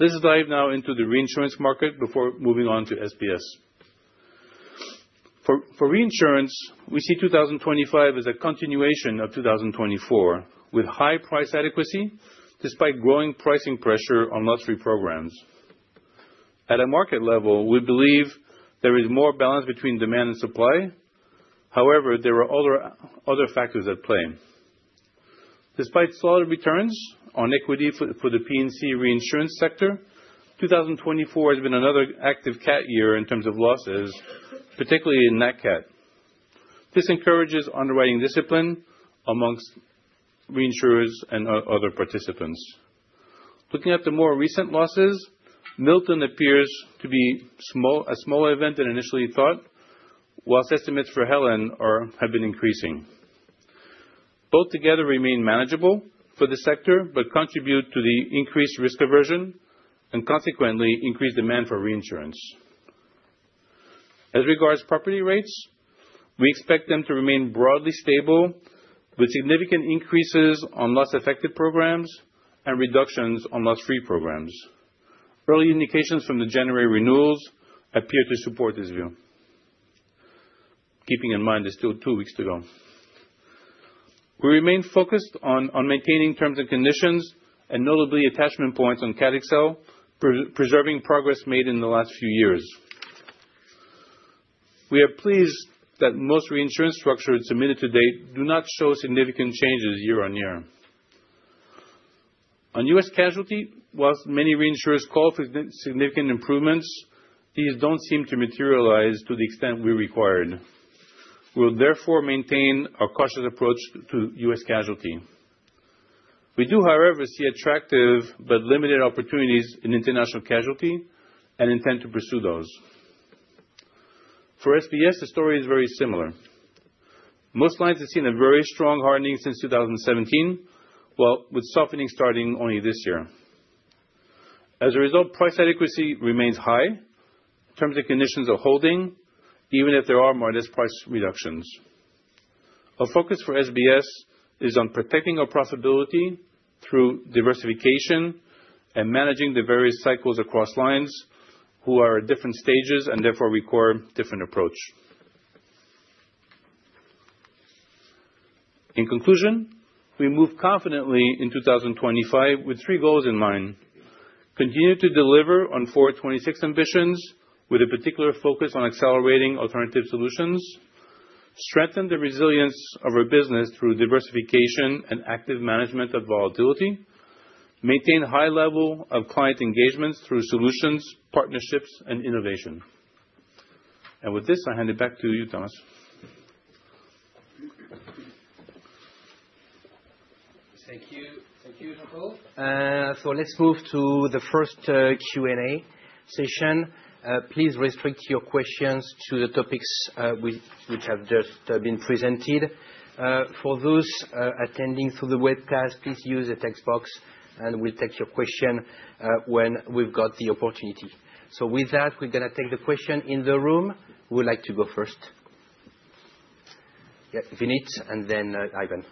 Let's dive now into the reinsurance market before moving on to SBS. For reinsurance, we see 2025 as a continuation of 2024 with high price adequacy despite growing pricing pressure on luxury programs. At a market level, we believe there is more balance between demand and supply. However, there are other factors at play. Despite solid returns on equity for the P&C reinsurance sector, 2024 has been another active Cat year in terms of losses, particularly in Nat Cat. This encourages underwriting discipline amongst reinsurers and other participants. Looking at the more recent losses, Milton appears to be small, a smaller event than initially thought, whilst estimates for Helene have been increasing. Both together remain manageable for the sector but contribute to the increased risk aversion and consequently increased demand for reinsurance. As regards property rates, we expect them to remain broadly stable with significant increases on loss-affected programs and reductions on loss-free programs. Early indications from the January renewals appear to support this view, keeping in mind there's still two weeks to go. We remain focused on maintaining terms and conditions and notably attachment points on Cat XL, preserving progress made in the last few years. We are pleased that most reinsurance structures submitted to date do not show significant changes year on year. On U.S. casualty, while many reinsurers call for significant improvements, these don't seem to materialize to the extent we required. We'll therefore maintain a cautious approach to U.S. casualty. We do, however, see attractive but limited opportunities in international casualty and intend to pursue those. For SBS, the story is very similar. Most lines have seen a very strong hardening since 2017, while the softening starting only this year. As a result, price adequacy remains high, terms and conditions hardening, even if there are modest price reductions. Our focus for SBS is on protecting our profitability through diversification and managing the various cycles across lines who are at different stages and therefore require different approach. In conclusion, we move confidently in 2025 with three goals in mind: continue to deliver on Forward 2026 ambitions with a particular focus on accelerating alternative solutions; strengthen the resilience of our business through diversification and active management of volatility; maintain high level of client engagements through solutions, partnerships, and innovation. And with this, I hand it back to you, Thomas. Thank you. Thank you, Jean-Paul. So let's move to the first Q&A session. Please restrict your questions to the topics, which have just been presented. For those attending through the webcast, please use the text box and we'll take your question when we've got the opportunity. So with that, we're gonna take the question in the room. Who would like to go first? Yeah, Vinit and then Ivan.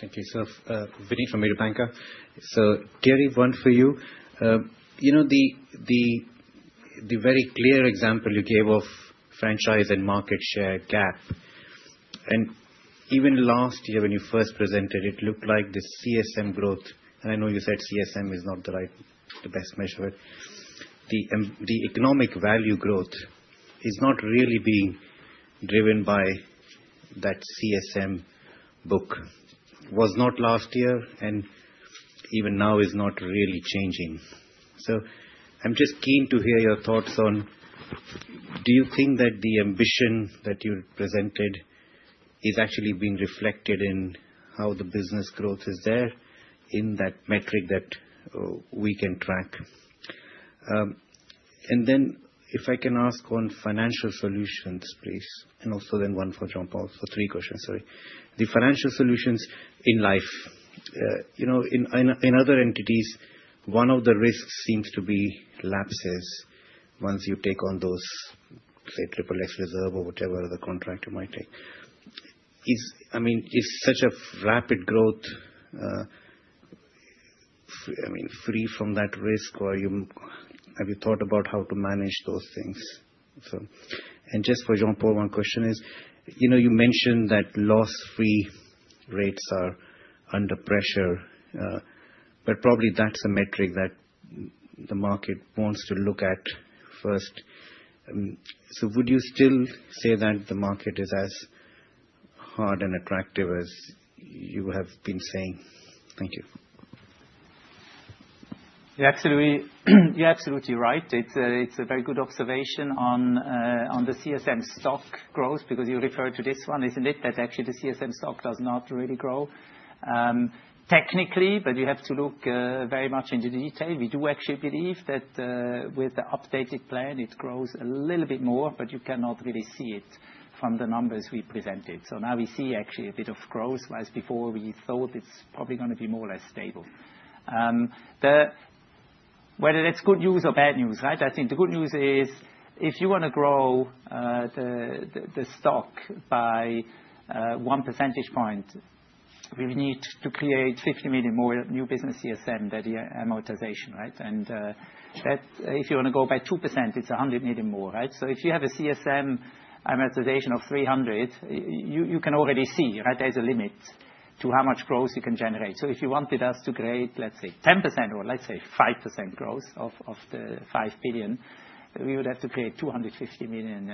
Thank you. So, Vinit from Mediobanca. So, Thierry, one for you. You know, the very clear example you gave of franchise and market share gap, and even last year when you first presented, it looked like the CSM growth, and I know you said CSM is not the right, the best measure, but the economic value growth is not really being driven by that CSM book was not last year and even now is not really changing. So, I'm just keen to hear your thoughts on, do you think that the ambition that you presented is actually being reflected in how the business growth is there in that metric that we can track? And then if I can ask on Financial Solutions, please, and also then one for Jean-Paul for three questions, sorry. The Financial olutions in life, you know, in other entities, one of the risks seems to be lapses once you take on those, say, Triple X reserves or whatever the contract you might take. I mean, is such a rapid growth, I mean, free from that risk, or have you thought about how to manage those things? So, and just for Jean-Paul, one question is, you know, you mentioned that loss-free rates are under pressure, but probably that's a metric that the market wants to look at first. So would you still say that the market is as hard and attractive as you have been saying? Thank you. Yeah, absolutely. You're absolutely right. It's, it's a very good observation on, on the CSM stock growth because you referred to this one, isn't it, that actually the CSM stock does not really grow, technically, but you have to look, very much into the detail. We do actually believe that, with the updated plan, it grows a little bit more, but you cannot really see it from the numbers we presented. So now we see actually a bit of growth, whereas before we thought it's probably gonna be more or less stable. So whether that's good news or bad news, right? I think the good news is if you wanna grow the stock by one percentage point, we need to create 50 million more new business CSM, that amortization, right? And that if you wanna go by 2%, it's 100 million more, right? So if you have a CSM amortization of 300, you can already see, right, there's a limit to how much growth you can generate. So if you wanted us to create, let's say, 10% or let's say 5% growth of the 5 billion, we would have to create 250 million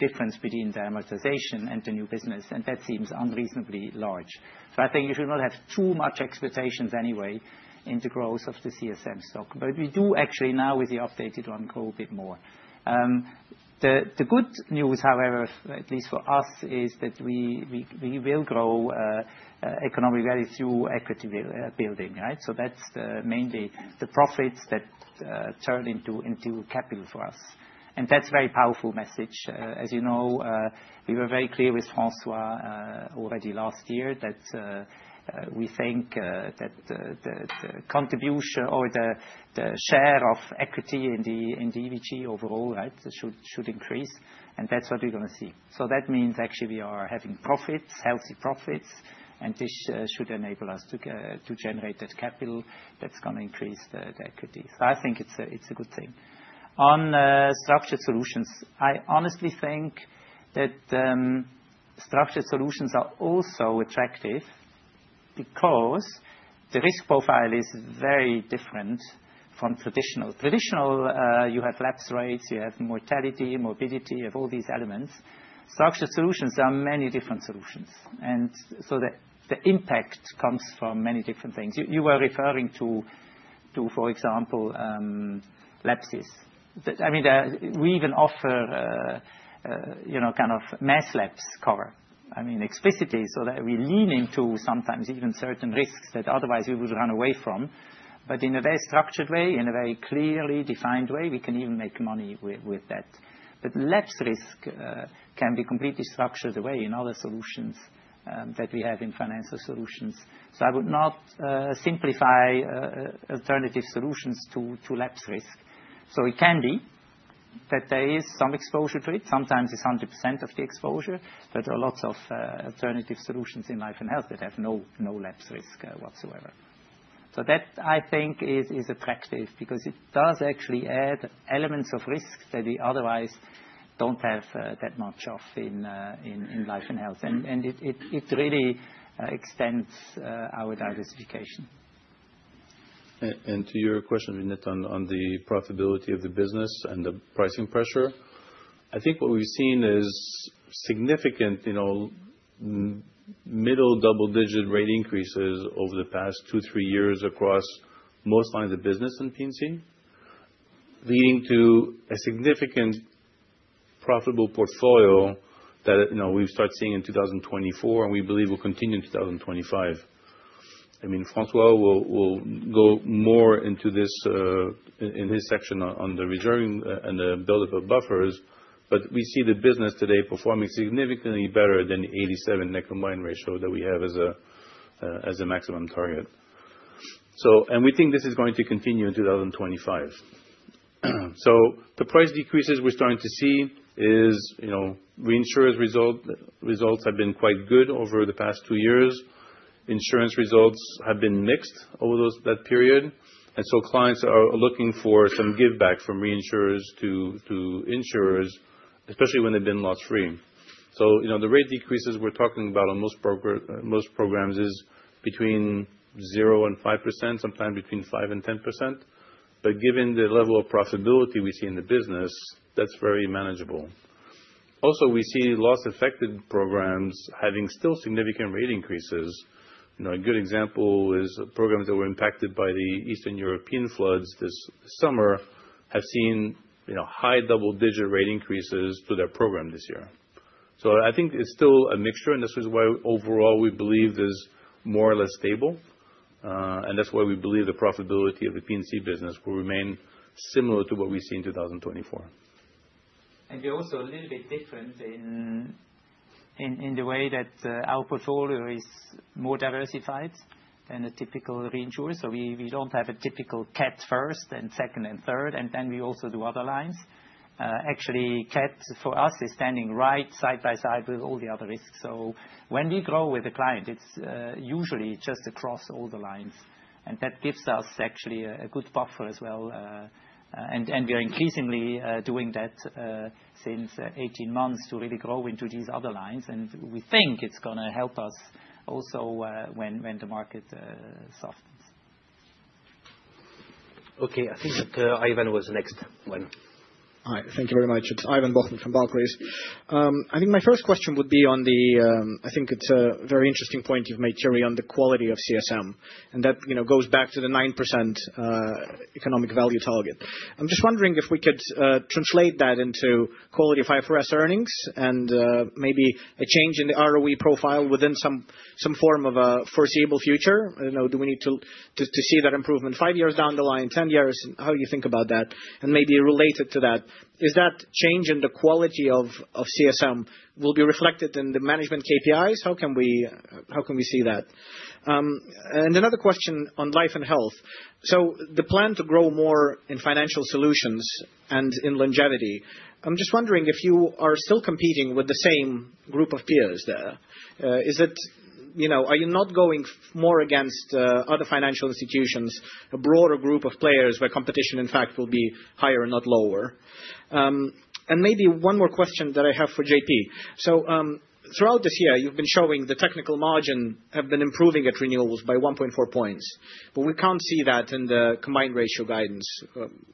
difference between the amortization and the new business, and that seems unreasonably large. So I think you should not have too much expectations anyway into growth of the CSM stock. But we do actually now with the updated one grow a bit more. The good news, however, at least for us, is that we will grow economic value through equity building, right? So that's mainly the profits that turn into capital for us. And that's a very powerful message. As you know, we were very clear with François already last year that we think that the contribution or the share of equity in the EVG overall, right, should increase, and that's what we're gonna see. So that means actually we are having profits, healthy profits, and this should enable us to generate that capital that's gonna increase the equity. So I think it's a good thing. On structured solutions, I honestly think that structured solutions are also attractive because the risk profile is very different from traditional. Traditional, you have lapse rates, you have mortality, morbidity, you have all these elements. Structured solutions, there are many different solutions. And so the impact comes from many different things. You were referring to, for example, lapses. I mean, we even offer, you know, kind of mass lapse cover, I mean, explicitly, so that we lean into sometimes even certain risks that otherwise we would run away from. But in a very structured way, in a very clearly defined way, we can even make money with that. But lapse risk can be completely structured away in other solutions that we have in financial solutions. So I would not simplify alternative solutions to lapse risk. So it can be that there is some exposure to it. Sometimes it's 100% of the exposure, but there are lots of alternative solutions in Life & Health that have no lapse risk whatsoever. So that I think is attractive because it does actually add elements of risk that we otherwise don't have that much of in Life & Health. And it really extends our diversification. And to your question, Vinit, on the profitability of the business and the pricing pressure, I think what we've seen is significant, you know, middle double-digit rate increases over the past two, three years across most lines of business in P&C, leading to a significant profitable portfolio that, you know, we've started seeing in 2024 and we believe will continue in 2025. I mean, François will go more into this in his section on the reserving and the buildup of buffers, but we see the business today performing significantly better than the 87 net combined ratio that we have as a maximum target. We think this is going to continue in 2025. The price decreases we're starting to see is, you know, reinsurers results have been quite good over the past two years. Insurance results have been mixed over that period. Clients are looking for some give back from reinsurers to insurers, especially when they've been loss-free. You know, the rate decreases we're talking about on most programs is between 0% and 5%, sometimes between 5% and 10%. But given the level of profitability we see in the business, that's very manageable. Also, we see loss-affected programs having still significant rate increases. You know, a good example is programs that were impacted by the Eastern European floods this summer have seen, you know, high double-digit rate increases to their program this year. So I think it's still a mixture, and this is why overall we believe this is more or less stable. And that's why we believe the profitability of the P&C business will remain similar to what we see in 2024. And we're also a little bit different in the way that our portfolio is more diversified than a typical reinsurer. So we don't have a typical Cat first and second and third, and then we also do other lines. Actually, Cat for us is standing right side by side with all the other risks. So when we grow with a client, it's usually just across all the lines. And that gives us actually a good buffer as well. And we are increasingly doing that since 18 months to really grow into these other lines. And we think it's gonna help us also when the market softens. Okay. I think that Ivan was the next one. All right. Thank you very much. Ivan Bokhmat from Barclays. I think my first question would be on the. I think it's a very interesting point you've made, Thierry, on the quality of CSM, and that you know goes back to the 9% economic value target. I'm just wondering if we could translate that into quality of IFRS earnings and maybe a change in the ROE profile within some form of a foreseeable future. You know, do we need to see that improvement five years down the line, 10 years? How do you think about that? And maybe related to that, is that change in the quality of CSM will be reflected in the management KPIs? How can we see that? And another question on Life & Health. So the plan to grow more in financial solutions and in longevity, I'm just wondering if you are still competing with the same group of peers there. Is it, you know, are you not going more against other financial institutions, a broader group of players where competition, in fact, will be higher and not lower? And maybe one more question that I have for JP. So, throughout this year, you've been showing the technical margin have been improving at renewals by 1.4 points, but we can't see that in the combined ratio guidance,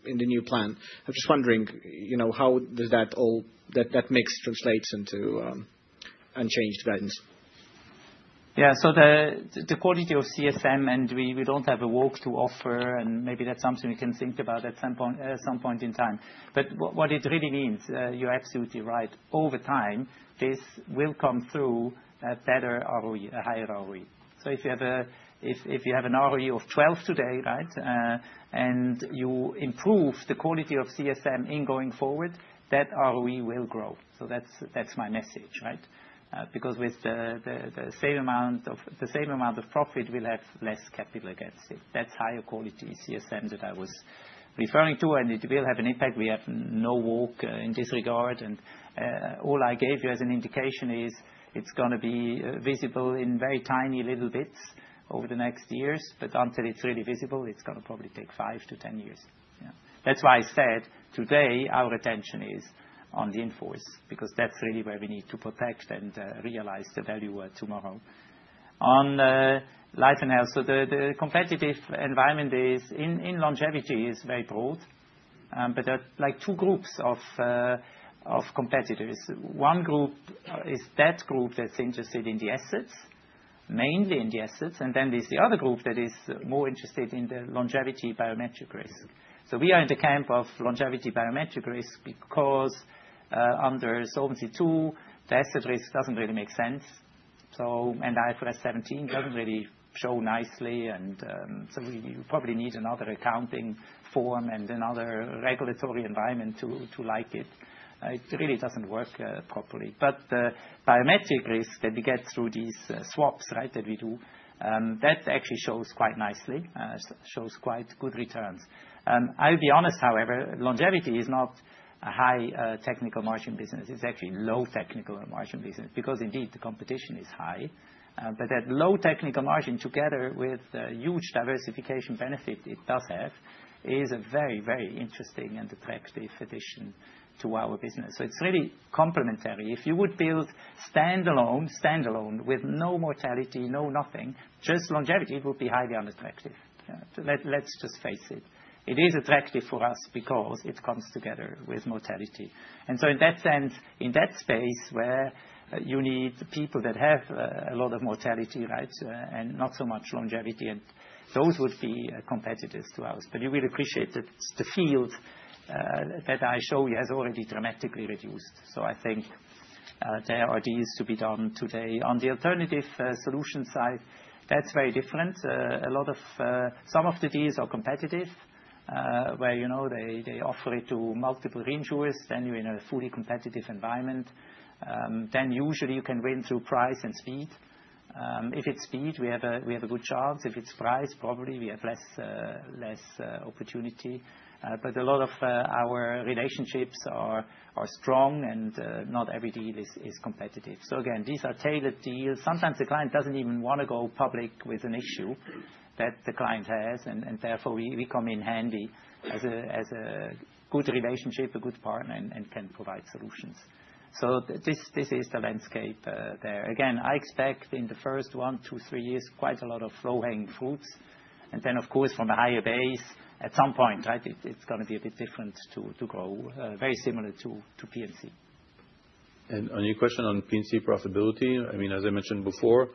in the new plan. I'm just wondering, you know, how does that all, that mix translates into unchanged guidance? Yeah. So the quality of CSM and we don't have a walk to offer, and maybe that's something we can think about at some point in time. But what it really means, you're absolutely right. Over time, this will come through a better ROE, a higher ROE. So if you have an ROE of 12 today, right, and you improve the quality of CSM going forward, that ROE will grow. So that's my message, right? Because with the same amount of profit, we'll have less capital against it. That's higher quality CSM that I was referring to, and it will have an impact. We have no walk in this regard, and all I gave you as an indication is it's gonna be visible in very tiny little bits over the next years, but until it's really visible, it's gonna probably take 5 to 10 years. Yeah. That's why I said today our attention is on the inforce because that's really where we need to protect and realize the value tomorrow on Life & Health. So the competitive environment in longevity is very broad, but there are like two groups of competitors. One group is that group that's interested in the assets, mainly in the assets, and then there's the other group that is more interested in the longevity biometric risk. So we are in the camp of longevity biometric risk because, under Solvency II, the asset risk doesn't really make sense. So and IFRS 17 doesn't really show nicely. And so we probably need another accounting form and another regulatory environment to like it. It really doesn't work properly. But the biometric risk that we get through these swaps, right, that we do, that actually shows quite nicely, shows quite good returns. I'll be honest, however, longevity is not a high technical margin business. It's actually low technical margin business because indeed the competition is high. But that low technical margin together with the huge diversification benefit it does have is a very, very interesting and attractive addition to our business. So it's really complementary. If you would build standalone with no mortality, no nothing, just longevity, it would be highly unattractive. Yeah. Let's just face it. It is attractive for us because it comes together with mortality. And so in that sense, in that space where you need people that have a lot of mortality, right, and not so much longevity, and those would be competitors to us. But you will appreciate that the field that I show you has already dramatically reduced. So I think there are deals to be done today on the alternative solution side. That's very different. A lot of some of the deals are competitive, where you know they offer it to multiple reinsurers. Then you're in a fully competitive environment. Then usually you can win through price and speed. If it's speed, we have a good chance. If it's price, probably we have less opportunity. But a lot of our relationships are strong and not every deal is competitive. So again, these are tailored deals. Sometimes the client doesn't even wanna go public with an issue that the client has, and therefore we come in handy as a good relationship, a good partner, and can provide solutions. So this is the landscape there. Again, I expect in the first one, two, three years, quite a lot of low-hanging fruits. And then, of course, from a higher base at some point, right, it's gonna be a bit different to grow, very similar to P&C. On your question on P&C profitability, I mean, as I mentioned before,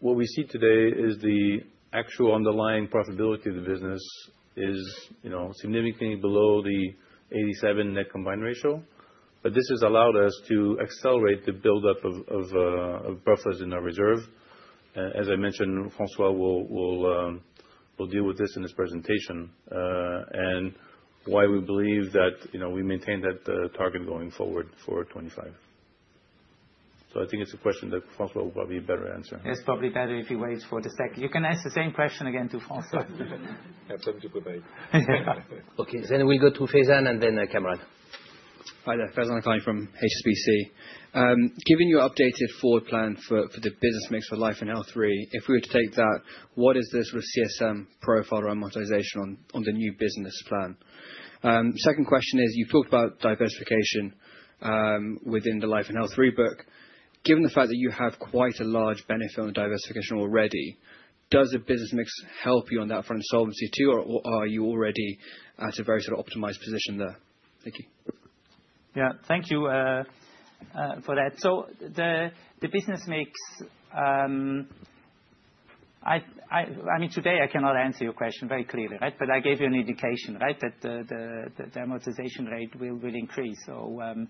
what we see today is the actual underlying profitability of the business is, you know, significantly below the 87 net combined ratio. But this has allowed us to accelerate the buildup of buffers in our reserve. As I mentioned, François will deal with this in his presentation, and why we believe that, you know, we maintain that target going forward for 2025. So I think it's a question that François will probably be better answer. It's probably better if he waits for the second. You can ask the same question again to François. Yeah. I'll put him to goodbye. Okay. Then we'll go to Faizan and then Cameron. Hi there. Faizan calling from HSBC. Given your updated forward plan for the business mix for Life & Health Re, if we were to take that, what is the sort of CSM profile around monetization on the new business plan? Second question is, you've talked about diversification within the Life & Health Re book. Given the fact that you have quite a large benefit on the diversification already, does the business mix help you on that front in solvency too, or are you already at a very sort of optimized position there? Thank you. Yeah. Thank you for that. So the business mix, I mean, today I cannot answer your question very clearly, right? But I gave you an indication, right, that the amortization rate will increase. But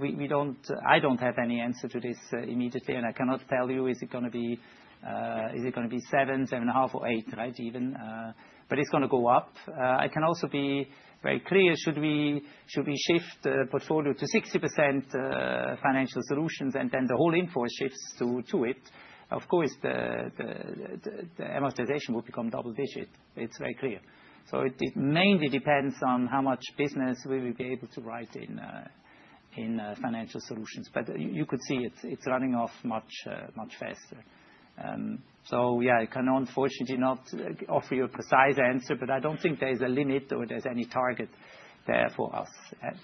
we don't have any answer to this immediately, and I cannot tell you, is it gonna be seven, seven and a half, or eight, right, even? But it's gonna go up. I can also be very clear. Should we shift the portfolio to 60% financial solutions, and then the whole inforce shifts to it? Of course, the amortization will become double digit. It's very clear. So it mainly depends on how much business we will be able to write in financial solutions. But you could see it's running off much faster. Yeah, I can unfortunately not offer you a precise answer, but I don't think there's a limit or there's any target there for us.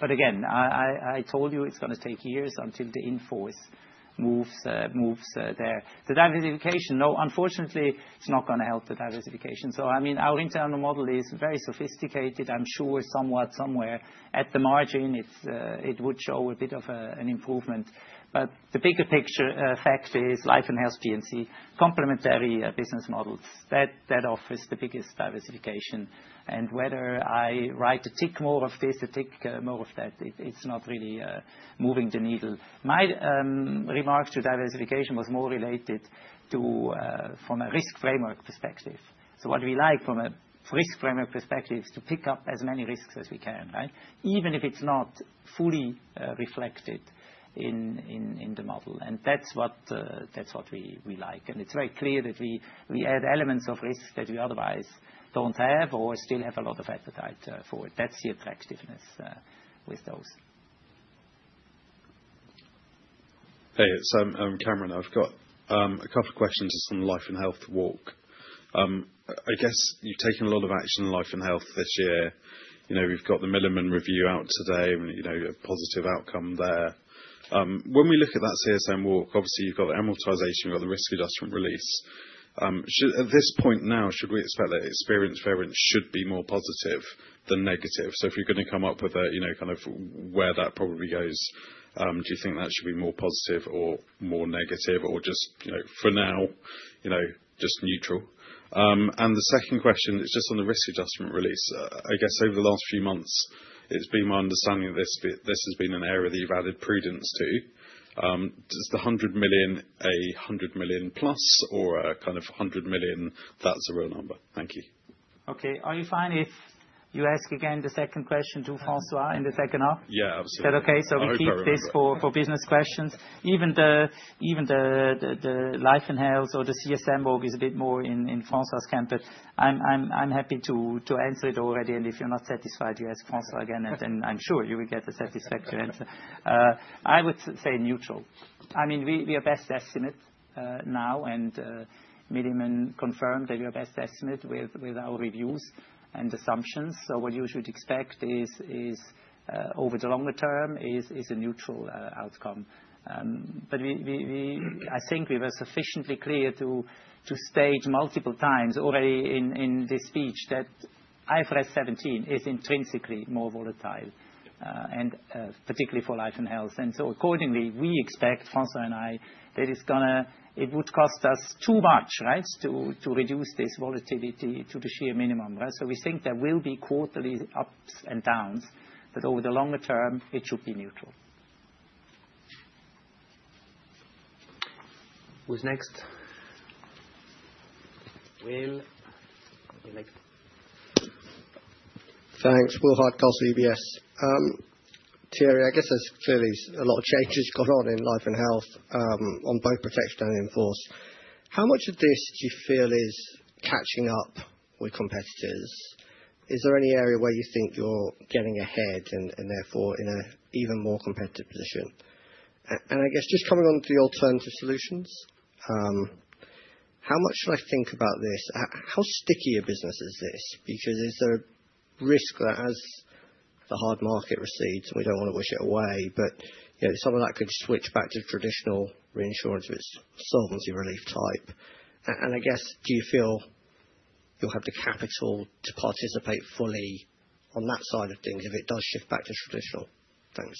But again, I told you it's gonna take years until the inforce moves there. The diversification, no, unfortunately, it's not gonna help the diversification. So, I mean, our internal model is very sophisticated. I'm sure somewhere at the margin, it would show a bit of an improvement. But the bigger picture, fact is Life & Health P&C complementary business models that offers the biggest diversification. And whether I write a tick more of this, a tick more of that, it's not really moving the needle. My remark to diversification was more related to from a risk framework perspective. So what we like from a risk framework perspective is to pick up as many risks as we can, right, even if it's not fully reflected in the model. And that's what we like. And it's very clear that we add elements of risks that we otherwise don't have or still have a lot of appetite for it. That's the attractiveness with those. Hey, it's Cameron. I've got a couple of questions just on the Life & Health walk. I guess you've taken a lot of action in Life & Health this year. You know, we've got the Milliman review out today and, you know, a positive outcome there. When we look at that CSM walk, obviously you've got the amortization, you've got the risk adjustment release. Should at this point now we expect that experience variance should be more positive than negative? So if you're gonna come up with a, you know, kind of where that probably goes, do you think that should be more positive or more negative or just, you know, for now, you know, just neutral? And the second question is just on the risk adjustment release. I guess over the last few months, it's been my understanding that this has been an area that you've added prudence to. Is the 100 million a 100 million plus or a kind of 100 million? That's a real number. Thank you. Okay. Are you fine if you ask again the second question to François in the second half? Yeah. Absolutely. Is that okay? So we keep this for business questions. Even the Life & Health or the CSM walk is a bit more in François's camp. But I'm happy to answer it already. And if you're not satisfied, you ask François again, and then I'm sure you will get a satisfactory answer. I would say neutral. I mean, we are best estimate now, and Milliman confirmed that we are best estimate with our reviews and assumptions. So what you should expect is over the longer term a neutral outcome, but we, I think we were sufficiently clear to state multiple times already in this speech that IFRS 17 is intrinsically more volatile, and particularly for Life & Health, and so accordingly, we expect, François and I, that it's gonna, it would cost us too much, right, to reduce this volatility to the sheer minimum, right? So we think there will be quarterly ups and downs, but over the longer term, it should be neutral. Who's next? Will, you're next. Thanks. Will Hardcastle, UBS. Thierry, I guess there's clearly a lot of changes gone on in Life & Health, on both protection and inforce. How much of this do you feel is catching up with competitors? Is there any area where you think you're getting ahead and, and therefore in a even more competitive position? And, and I guess just coming onto the alternative solutions, how much should I think about this? How sticky a business is this? Because is there a risk that as the hard market recedes and we don't wanna wish it away, but, you know, some of that could switch back to traditional reinsurance of its solvency relief type? And, and I guess, do you feel you'll have the capital to participate fully on that side of things if it does shift back to traditional things?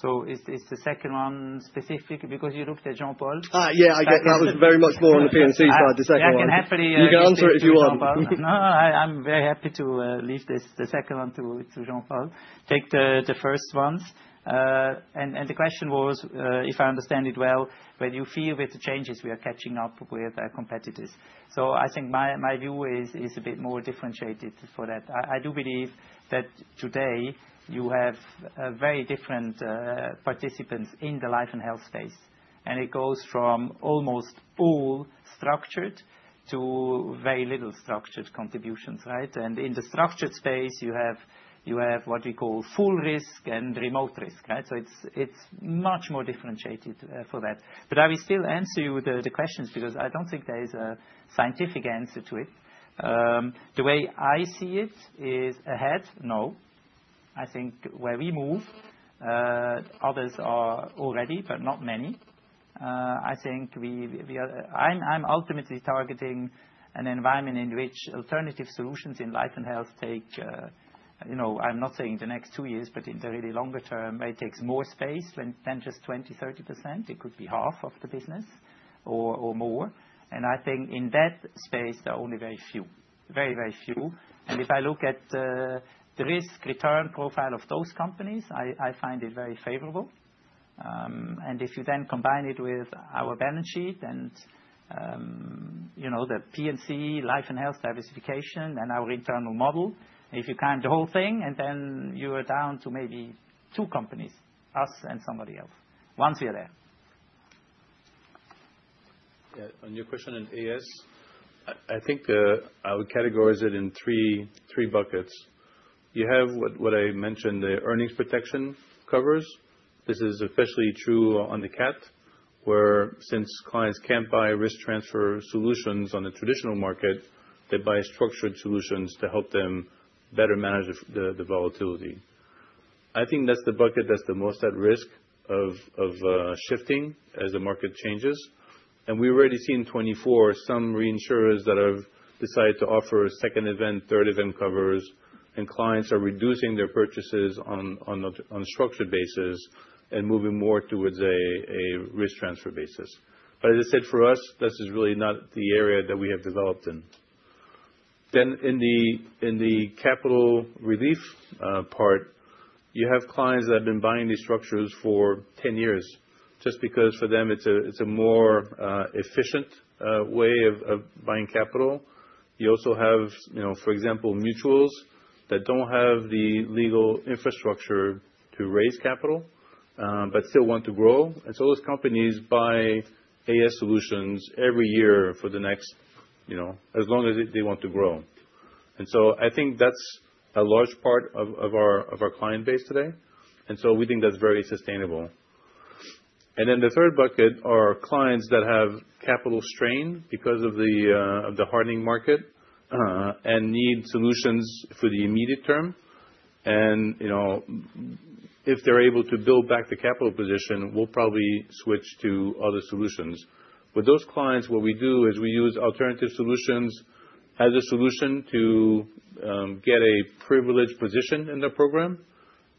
So is, is the second one specific because you looked at Jean-Paul? Yeah, I get that was very much more on the P&C side, the second one. Yeah. I can happily you can answer it if you want. No, I'm very happy to leave this, the second one to Jean-Paul, take the first ones and the question was, if I understand it well, when you feel with the changes, we are catching up with our competitors. So I think my view is a bit more differentiated for that. I do believe that today you have very different participants in the Life & Health space, and it goes from almost all structured to very little structured contributions, right? And in the structured space, you have what we call full risk and remote risk, right? So it's much more differentiated for that. But I will still answer you the questions because I don't think there is a scientific answer to it. The way I see it is ahead. No. I think where we move, others are already, but not many. I think we are. I'm ultimately targeting an environment in which alternative solutions in Life & Health take, you know, I'm not saying the next two years, but in the really longer term, where it takes more space than just 20%-30%. It could be half of the business or more. I think in that space, there are only very few. If I look at the risk return profile of those companies, I find it very favorable. And if you then combine it with our balance sheet and, you know, the P&C Life & Health diversification and our internal model, if you combine the whole thing, and then you are down to maybe two companies, us and somebody else, once we are there. Yeah. On your question on AS, I think I would categorize it in three buckets. You have what I mentioned, the earnings protection covers. This ise especially true on the Cat, where since clients can't buy risk transfer solutions on the traditional market, they buy structured solutions to help them better manage the volatility. I think that's the bucket that's the most at risk of shifting as the market changes. And we already see in 2024 some reinsurers that have decided to offer second event, third event covers, and clients are reducing their purchases on a structured basis and moving more towards a risk transfer basis. But as I said, for us, this is really not the area that we have developed in. Then in the capital relief part, you have clients that have been buying these structures for 10 years just because for them it's a more efficient way of buying capital. You also have, you know, for example, mutuals that don't have the legal infrastructure to raise capital, but still want to grow. And so those companies buy alternative solutions every year for the next, you know, as long as they want to grow. And so I think that's a large part of our client base today. And so we think that's very sustainable. And then the third bucket are clients that have capital strain because of the hardening market, and need solutions for the immediate term. And, you know, if they're able to build back the capital position, we'll probably switch to other solutions. With those clients, what we do is we use alternative solutions as a solution to get a privileged position in the program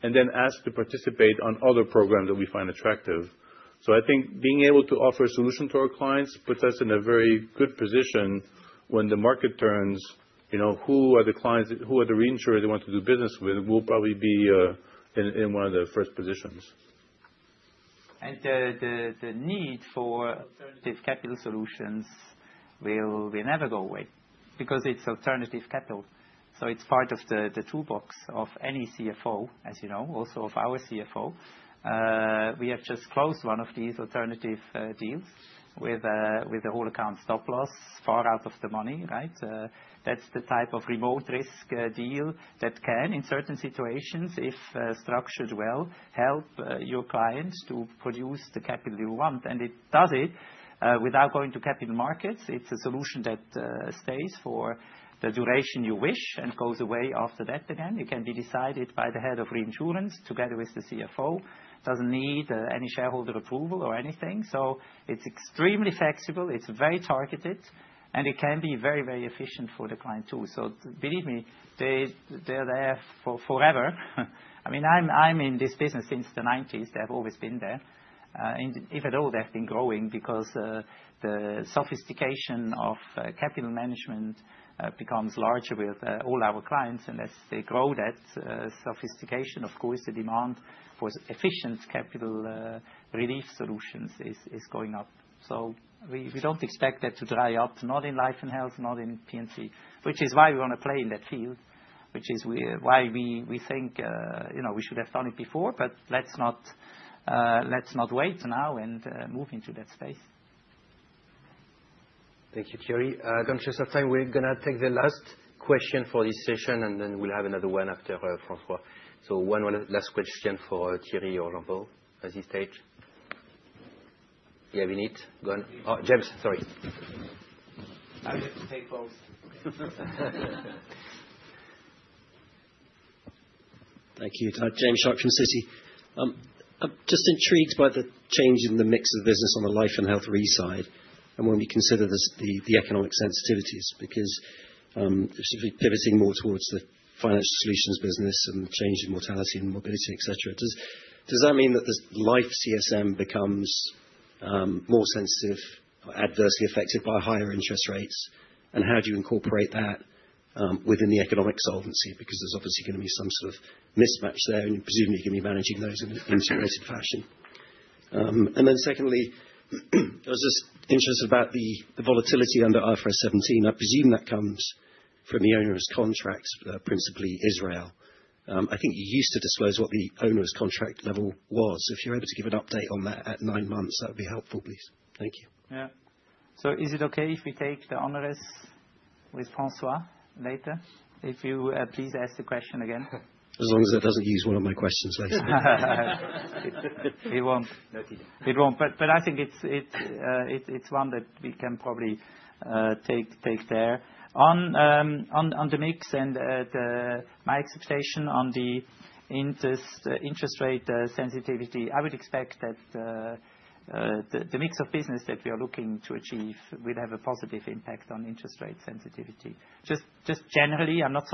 and then ask to participate on other programs that we find attractive. So I think being able to offer a solution to our clients puts us in a very good position when the market turns, you know, who are the clients who are the reinsurers they want to do business with. We'll probably be in one of the first positions. And the need for alternative capital solutions will never go away because it's alternative capital. So it's part of the toolbox of any CFO, as you know, also of our CFO. We have just closed one of these alternative deals with the whole account stop loss, far out of the money, right? That's the type of remote risk deal that can, in certain situations, if structured well, help your client to produce the capital you want. And it does it without going to capital markets. It's a solution that stays for the duration you wish and goes away after that. Again, it can be decided by the head of reinsurance together with the CFO. It doesn't need any shareholder approval or anything. So it's extremely flexible. It's very targeted, and it can be very, very efficient for the client too. So believe me, they're there forever. I mean, I'm in this business since the 1990s. They've always been there. And even though they've been growing because the sophistication of capital management becomes larger with all our clients. And as they grow that sophistication, of course, the demand for efficient capital relief solutions is going up. So we don't expect that to dry up, not in Life & Health, not in P&C, which is why we wanna play in that field, which is why we think, you know, we should have done it before, but let's not wait now and move into that space. Thank you, Thierry. Given just our time, we're gonna take the last question for this session, and then we'll have another one after, François. So one last question for Thierry or Jean-Paul at this stage. Do you have a need? Go on. Oh, James, sorry. I'll take both. Thank you. James Shuck from Citi. I'm just intrigued by the change in the mix of business on the Life & Health side and when we consider this, the economic sensitivities because, specifically pivoting more towards the financial solutions business and change in mortality and morbidity, etc. Does that mean that this life CSM becomes more sensitive or adversely affected by higher interest rates? And how do you incorporate that within the economic solvency? Because there's obviously gonna be some sort of mismatch there, and you're presumably gonna be managing those in an integrated fashion. And then secondly, I was just interested about the volatility under IFRS 17. I presume that comes from the onerous contracts, principally Israel. I think you used to disclose what the onerous contract level was. If you're able to give an update on that at nine months, that would be helpful, please. Thank you. Yeah. So is it okay if we take the ALM with François later? If you please ask the question again. As long as it doesn't use one of my questions later. It won't. It won't. But I think it's one that we can probably take there. On the mix and my expectation on the interest rate sensitivity, I would expect that the mix of business that we are looking to achieve will have a positive impact on interest rate sensitivity. Just generally, I'm not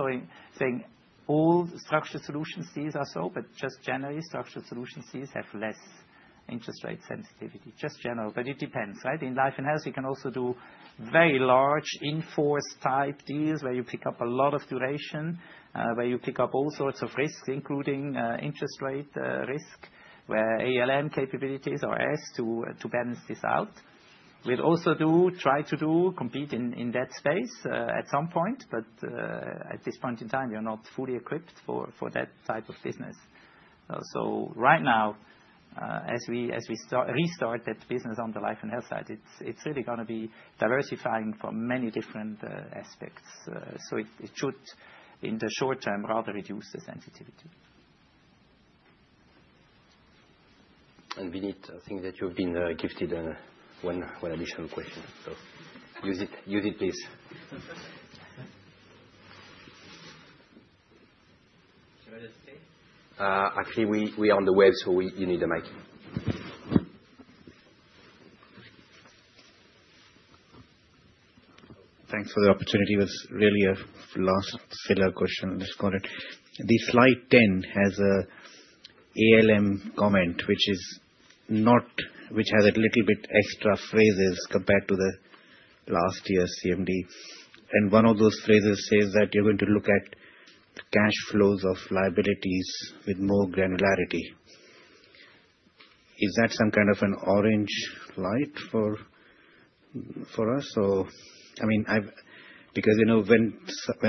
saying all structured solutions deals are so, but just generally, structured solutions deals have less interest rate sensitivity. Just general. But it depends, right? In Life & Health, you can also do very large inforce type deals where you pick up a lot of duration, where you pick up all sorts of risks, including interest rate risk, where ALM capabilities are asked to balance this out. We'll also try to compete in that space, at some point. But, at this point in time, you're not fully equipped for that type of business. So right now, as we restart that business on the Life & Health side, it's really gonna be diversifying from many different aspects. So it should, in the short term, rather reduce the sensitivity. And Vinit, I think that you've been gifted one additional question, so use it, please. Actually, we are on the web, so you need the mic. Thanks for the opportunity. It was really a last filler question. Let's call it. The Slide 10 has an ALM comment, which has a little bit extra phrases compared to last year's CMD. And one of those phrases says that you're going to look at cash flows of liabilities with more granularity. Is that some kind of an orange light for us? So, I mean, I've because, you know, when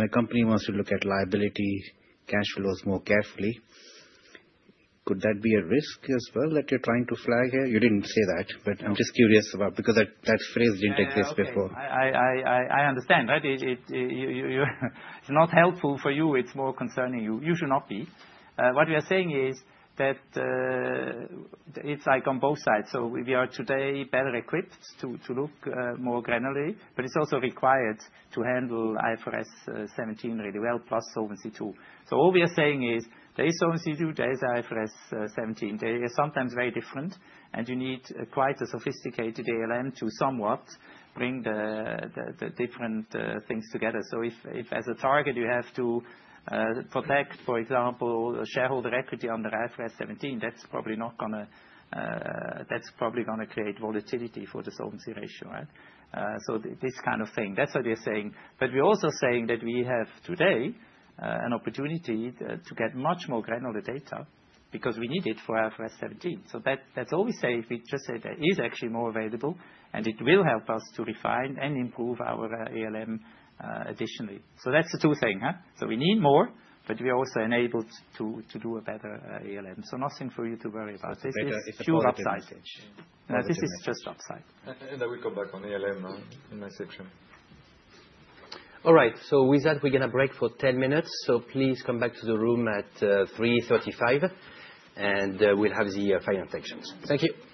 a company wants to look at liability cash flows more carefully, could that be a risk as well that you're trying to flag here? You didn't say that, but I'm just curious about because that phrase didn't exist before. I understand, right? It, it, you, you, you it's not helpful for you. It's more concerning you. You should not be. What we are saying is that, it's like on both sides. So we are today better equipped to look more granularly, but it's also required to handle IFRS 17 really well, plus solvency too. So all we are saying is there is solvency too, there is IFRS 17. They are sometimes very different, and you need quite a sophisticated ALM to somewhat bring the different things together. So if as a target you have to protect, for example, shareholder equity under IFRS 17, that's probably gonna create volatility for the solvency ratio, right? So this kind of thing. That's what we are saying. But we're also saying that we have today an opportunity to get much more granular data because we need it for IFRS 17. So that's all we say. We just say there is actually more available, and it will help us to refine and improve our ALM, additionally. So that's the two things, huh? So we need more, but we are also enabled to do a better ALM. So nothing for you to worry about. This is pure upside edge. Now, this is just upside. I will come back on ALM now in my section. All right. With that, we're gonna break for 10 minutes. Please come back to the room at 3:35 P.M., and we'll have the final sections. Thank you. Thank you.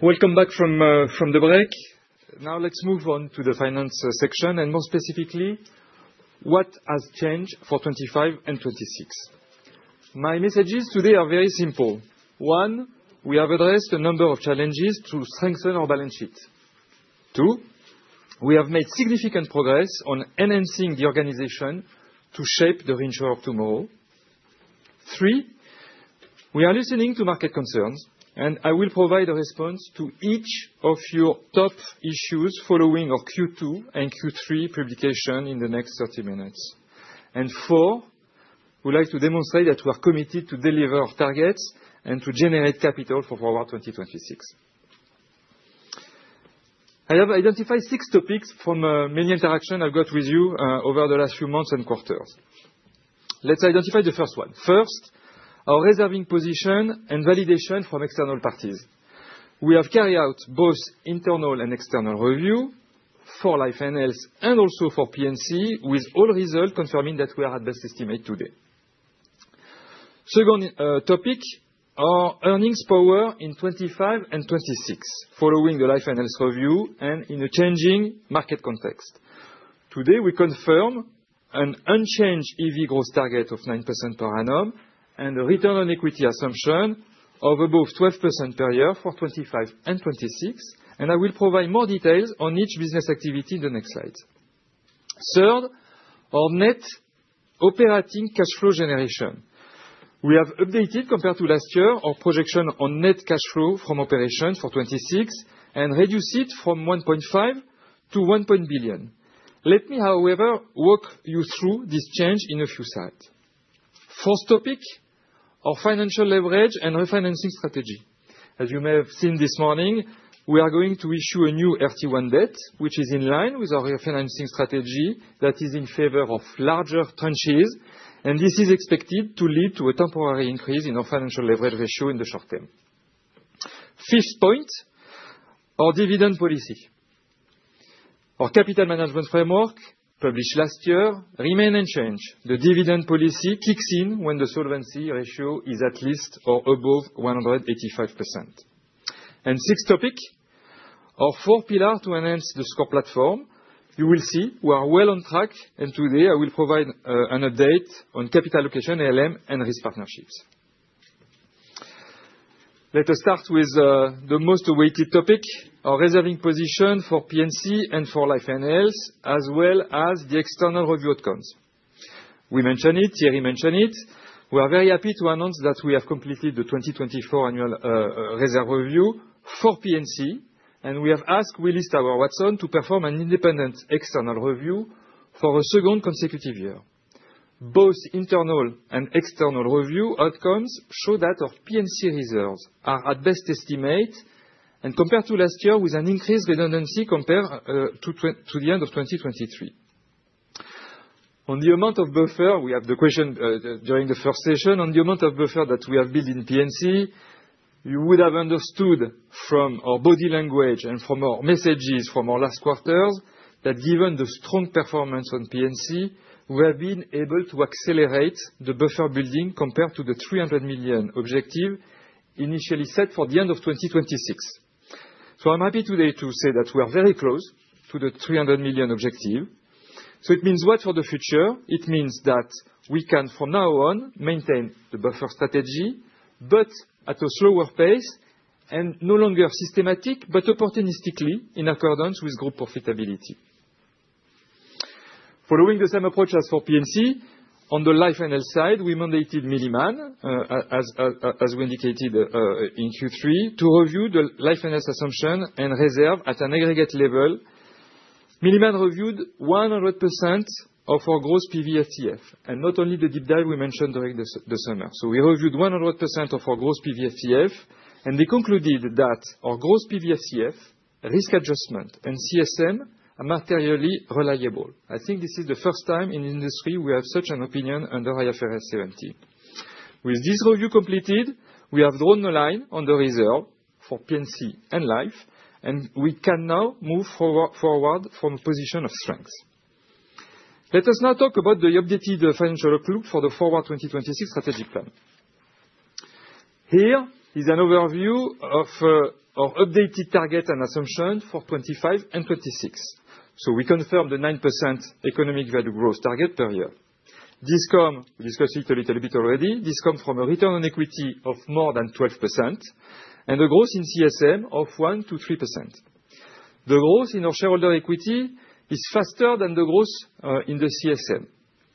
Welcome back from the break. Now let's move on to the finance section, and more specifically, what has changed for 2025 and 2026. My messages today are very simple. One, we have addressed a number of challenges to strengthen our balance sheet. Two, we have made significant progress on enhancing the organization to shape the reinsurance of tomorrow. Three, we are listening to market concerns, and I will provide a response to each of your top issues following our Q2 and Q3 publication in the next 30 minutes. And four, we'd like to demonstrate that we are committed to deliver our targets and to generate capital for Forward 2026. I have identified six topics from many interactions I've got with you over the last few months and quarters. Let's identify the first one. First, our reserving position and validation from external parties. We have carried out both internal and external review for Life & Health and also for P&C, with all results confirming that we are at Best Estimate today. Second, topic, our earnings power in 2025 and 2026 following the Life & Health review and in a changing market context. Today, we confirm an unchanged EV growth target of 9% per annum and a return on equity assumption of above 12% per year for 2025 and 2026, and I will provide more details on each business activity in the next slides. Third, our net operating cash flow generation. We have updated, compared to last year, our projection on net cash flow from operations for 2026 and reduced it from 1.5 billion to 1.1 billion. Let me, however, walk you through this change in a few slides. First topic, our financial leverage and refinancing strategy. As you may have seen this morning, we are going to issue a new RT1 debt, which is in line with our refinancing strategy that is in favor of larger tranches, and this is expected to lead to a temporary increase in our financial leverage ratio in the short term. Fifth point, our dividend policy. Our capital management framework, published last year, remains unchanged. The dividend policy kicks in when the solvency ratio is at least or above 185%. And sixth topic, our four pillars to enhance the SCOR platform. You will see we are well on track, and today I will provide an update on capital allocation, ALM, and risk partnerships. Let us start with the most awaited topic, our reserving position for P&C and for Life & Health, as well as the external review outcomes. We mentioned it. Thierry mentioned it. We are very happy to announce that we have completed the 2024 annual reserve review for P&C, and we have asked Willis Towers Watson to perform an independent external review for a second consecutive year. Both internal and external review outcomes show that our P&C reserves are at best estimate, and compared to last year, with an increased redundancy compared to the end of 2023. On the amount of buffer, we have the question, during the first session, on the amount of buffer that we have built in P&C, you would have understood from our body language and from our messages from our last quarters that given the strong performance on P&C, we have been able to accelerate the buffer building compared to the 300 million objective initially set for the end of 2026. So I'm happy today to say that we are very close to the 300 million objective. So it means what for the future? It means that we can, from now on, maintain the buffer strategy, but at a slower pace and no longer systematic, but opportunistically in accordance with group profitability. Following the same approach as for P&C, on the Life & Health side, we mandated Milliman, as we indicated, in Q3, to review the Life & Health assumption and reserve at an aggregate level. Milliman reviewed 100% of our gross PVFCF, and not only the deep dive we mentioned during the summer. We reviewed 100% of our gross PVFCF, and they concluded that our gross PVFCF, risk adjustment, and CSM are materially reliable. I think this is the first time in the industry we have such an opinion under IFRS 17. With this review completed, we have drawn the line on the reserve for P&C and Life, and we can now move forward from a position of strength. Let us now talk about the updated financial look for the Forward 2026 strategic plan. Here is an overview of our updated targets and assumptions for 2025 and 2026. We confirmed the 9% economic value growth target per year. This comes, we discussed it a little bit already, this comes from a return on equity of more than 12% and a growth in CSM of 1%-3%. The growth in our shareholder equity is faster than the growth in the CSM,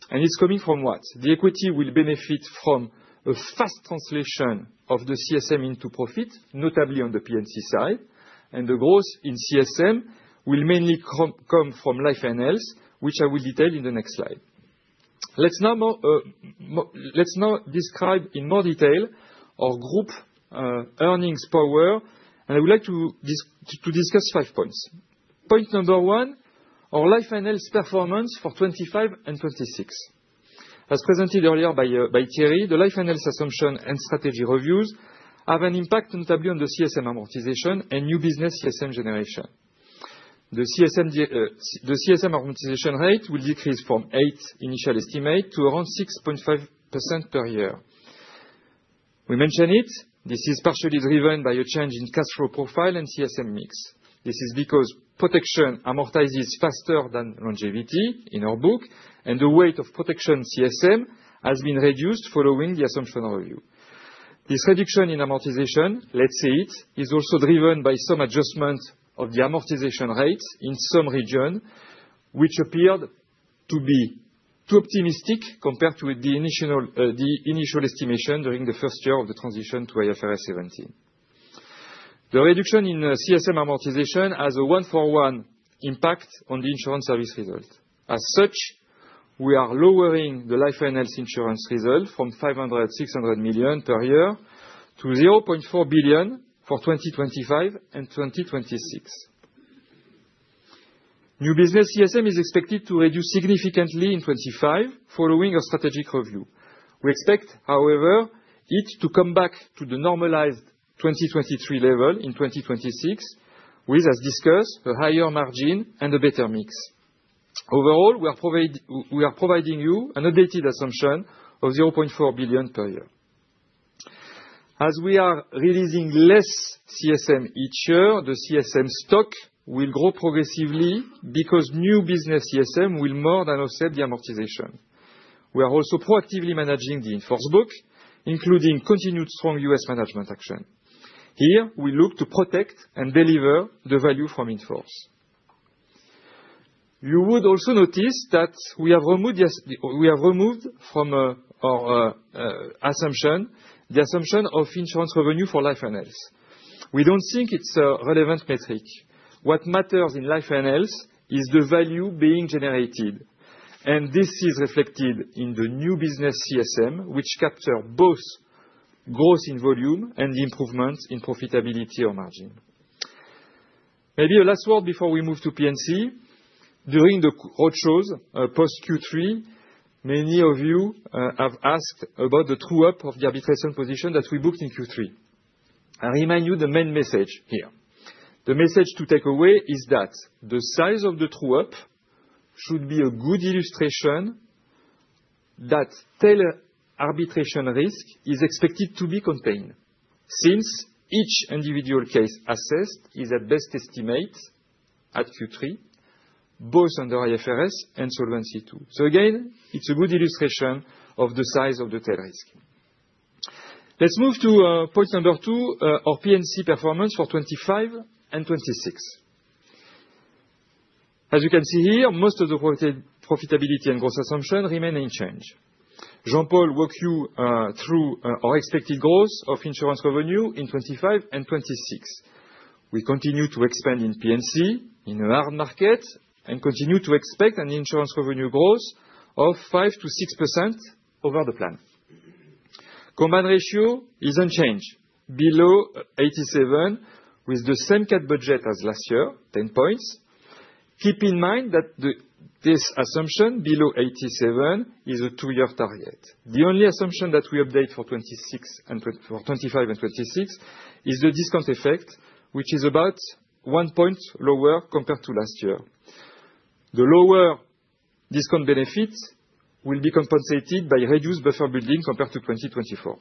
and it's coming from what? The equity will benefit from a fast translation of the CSM into profit, notably on the P&C side, and the growth in CSM will mainly come from Life & Health, which I will detail in the next slide. Let's now describe in more detail our group earnings power, and I would like to discuss five points. Point number one, our Life & Health performance for 2025 and 2026. As presented earlier by Thierry, the Life & Health assumption and strategy reviews have an impact, notably on the CSM amortization and new business CSM generation. The CSM amortization rate will decrease from 8% initial estimate to around 6.5% per year. We mentioned it. This is partially driven by a change in cash flow profile and CSM mix. This is because protection amortizes faster than longevity in our book, and the weight of protection CSM has been reduced following the assumption review. This reduction in amortization, let's say it, is also driven by some adjustment of the amortization rate in some region, which appeared to be too optimistic compared to the initial estimation during the first year of the transition to IFRS 17. The reduction in CSM amortization has a one-for-one impact on the insurance service result. As such, we are lowering the Life & Health insurance result from 500-600 million per year to 0.4 billion for 2025 and 2026. New business CSM is expected to reduce significantly in 2025 following our strategic review. We expect, however, it to come back to the normalized 2023 level in 2026 with, as discussed, a higher margin and a better mix. Overall, we are providing you an updated assumption of 0.4 billion per year. As we are releasing less CSM each year, the CSM stock will grow progressively because new business CSM will more than offset the amortization. We are also proactively managing the inforce book, including continued strong U.S. management action. Here, we look to protect and deliver the value from inforce. You would also notice that we have removed from our assumption the assumption of insurance revenue for Life & Health. We don't think it's a relevant metric. What matters in Life & Health is the value being generated, and this is reflected in the new business CSM, which captures both growth in volume and improvements in profitability or margin. Maybe a last word before we move to P&C. During the roadshows post Q3, many of you have asked about the true-up of the arbitration position that we booked in Q3. I remind you the main message here. The message to take away is that the size of the true-up should be a good illustration that tailored arbitration risk is expected to be contained since each individual case assessed is at best estimate at Q3, both under IFRS and Solvency II. So again, it's a good illustration of the size of the tail risk. Let's move to point number two, our P&C performance for 2025 and 2026. As you can see here, most of the profitability and gross assumption remain unchanged. Jean-Paul walked you through our expected growth of insurance revenue in 2025 and 2026. We continue to expand in P&C in a hard market and continue to expect an insurance revenue growth of 5%-6% over the plan. Combined ratio is unchanged, below 87, with the same cat budget as last year, 10 points. Keep in mind that this assumption below 87 is a two-year target. The only assumption that we update for 2026 and for 2025 and 2026 is the discount effect, which is about one point lower compared to last year. The lower discount benefits will be compensated by reduced buffer building compared to 2024.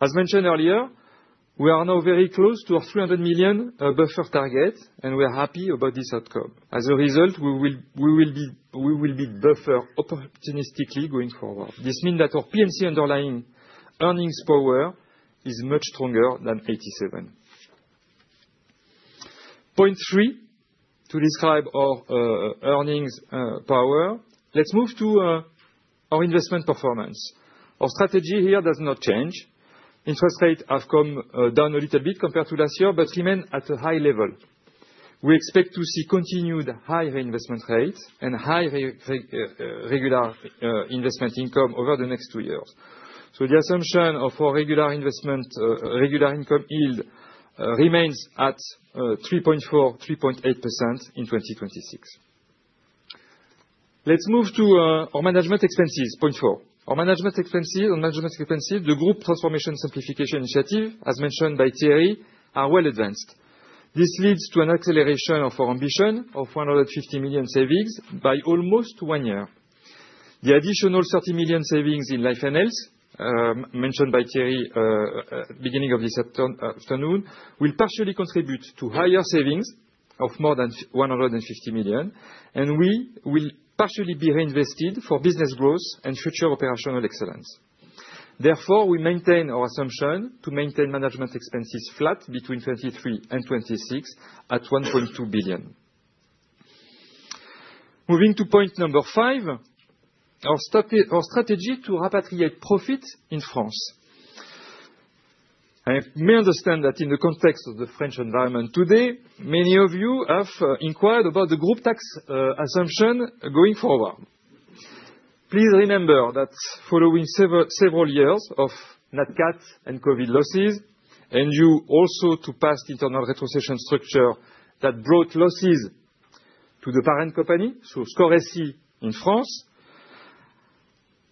As mentioned earlier, we are now very close to our 300 million buffer target, and we are happy about this outcome. As a result, we will build buffer opportunistically going forward. This means that our P&C underlying earnings power is much stronger than 87.3 to describe our earnings power. Let's move to our investment performance. Our strategy here does not change. Interest rates have come down a little bit compared to last year, but remain at a high level. We expect to see continued high reinvestment rates and high regular investment income over the next two years. So the assumption of our regular investment income yield remains at 3.4-3.8% in 2026. Let's move to our management expenses, point four. Our management expenses, the group transformation simplification initiative, as mentioned by Thierry, are well advanced. This leads to an acceleration of our ambition of 150 million savings by almost one year. The additional 30 million savings in Life & Health, mentioned by Thierry, at the beginning of this afternoon, will partially contribute to higher savings of more than 150 million, and we will partially be reinvested for business growth and future operational excellence. Therefore, we maintain our assumption to maintain management expenses flat between 2023 and 2026 at 1.2 billion. Moving to point number five, our strategy, our strategy to repatriate profit in France. I can understand that in the context of the French environment today, many of you have inquired about the group tax assumption going forward. Please remember that following several, several years of Nat Cat and COVID losses, and due also to past internal retrocession structure that brought losses to the parent company, so SCOR SE in France.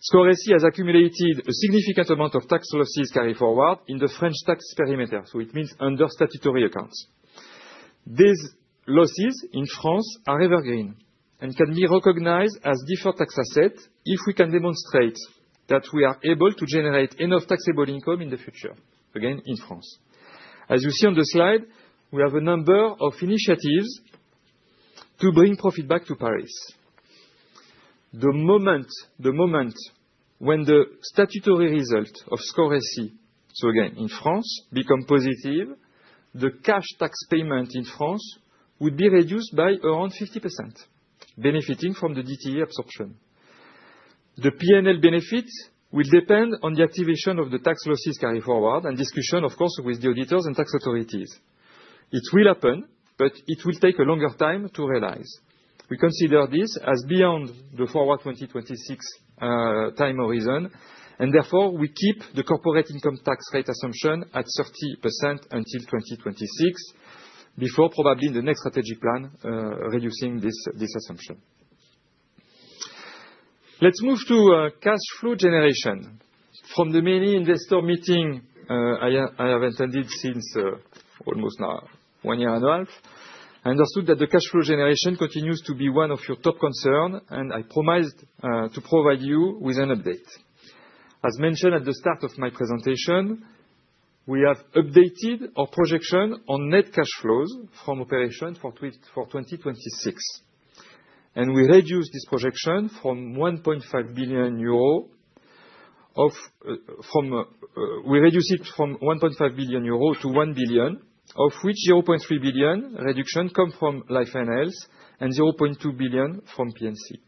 SCOR SE has accumulated a significant amount of tax losses carried forward in the French tax perimeter, so it means under statutory accounts. These losses in France are evergreen and can be recognized as deferred tax assets if we can demonstrate that we are able to generate enough taxable income in the future, again, in France. As you see on the slide, we have a number of initiatives to bring profit back to Paris. The moment, the moment when the statutory result of SCOR SE, so again, in France, becomes positive, the cash tax payment in France would be reduced by around 50%, benefiting from the DTA absorption. The PNL benefit will depend on the activation of the tax losses carried forward and discussion, of course, with the auditors and tax authorities. It will happen, but it will take a longer time to realize. We consider this as beyond the Forward 2026 time horizon, and therefore we keep the corporate income tax rate assumption at 30% until 2026 before probably in the next strategic plan, reducing this assumption. Let's move to cash flow generation. From the many investor meetings I have attended since almost now one year and a half, I understood that the cash flow generation continues to be one of your top concerns, and I promised to provide you with an update. As mentioned at the start of my presentation, we have updated our projection on net cash flows from operations for 2026, and we reduced this projection from 1.5 billion euro to 1 billion, of which 0.3 billion reduction comes from Life & Health and 0.2 billion from P&C.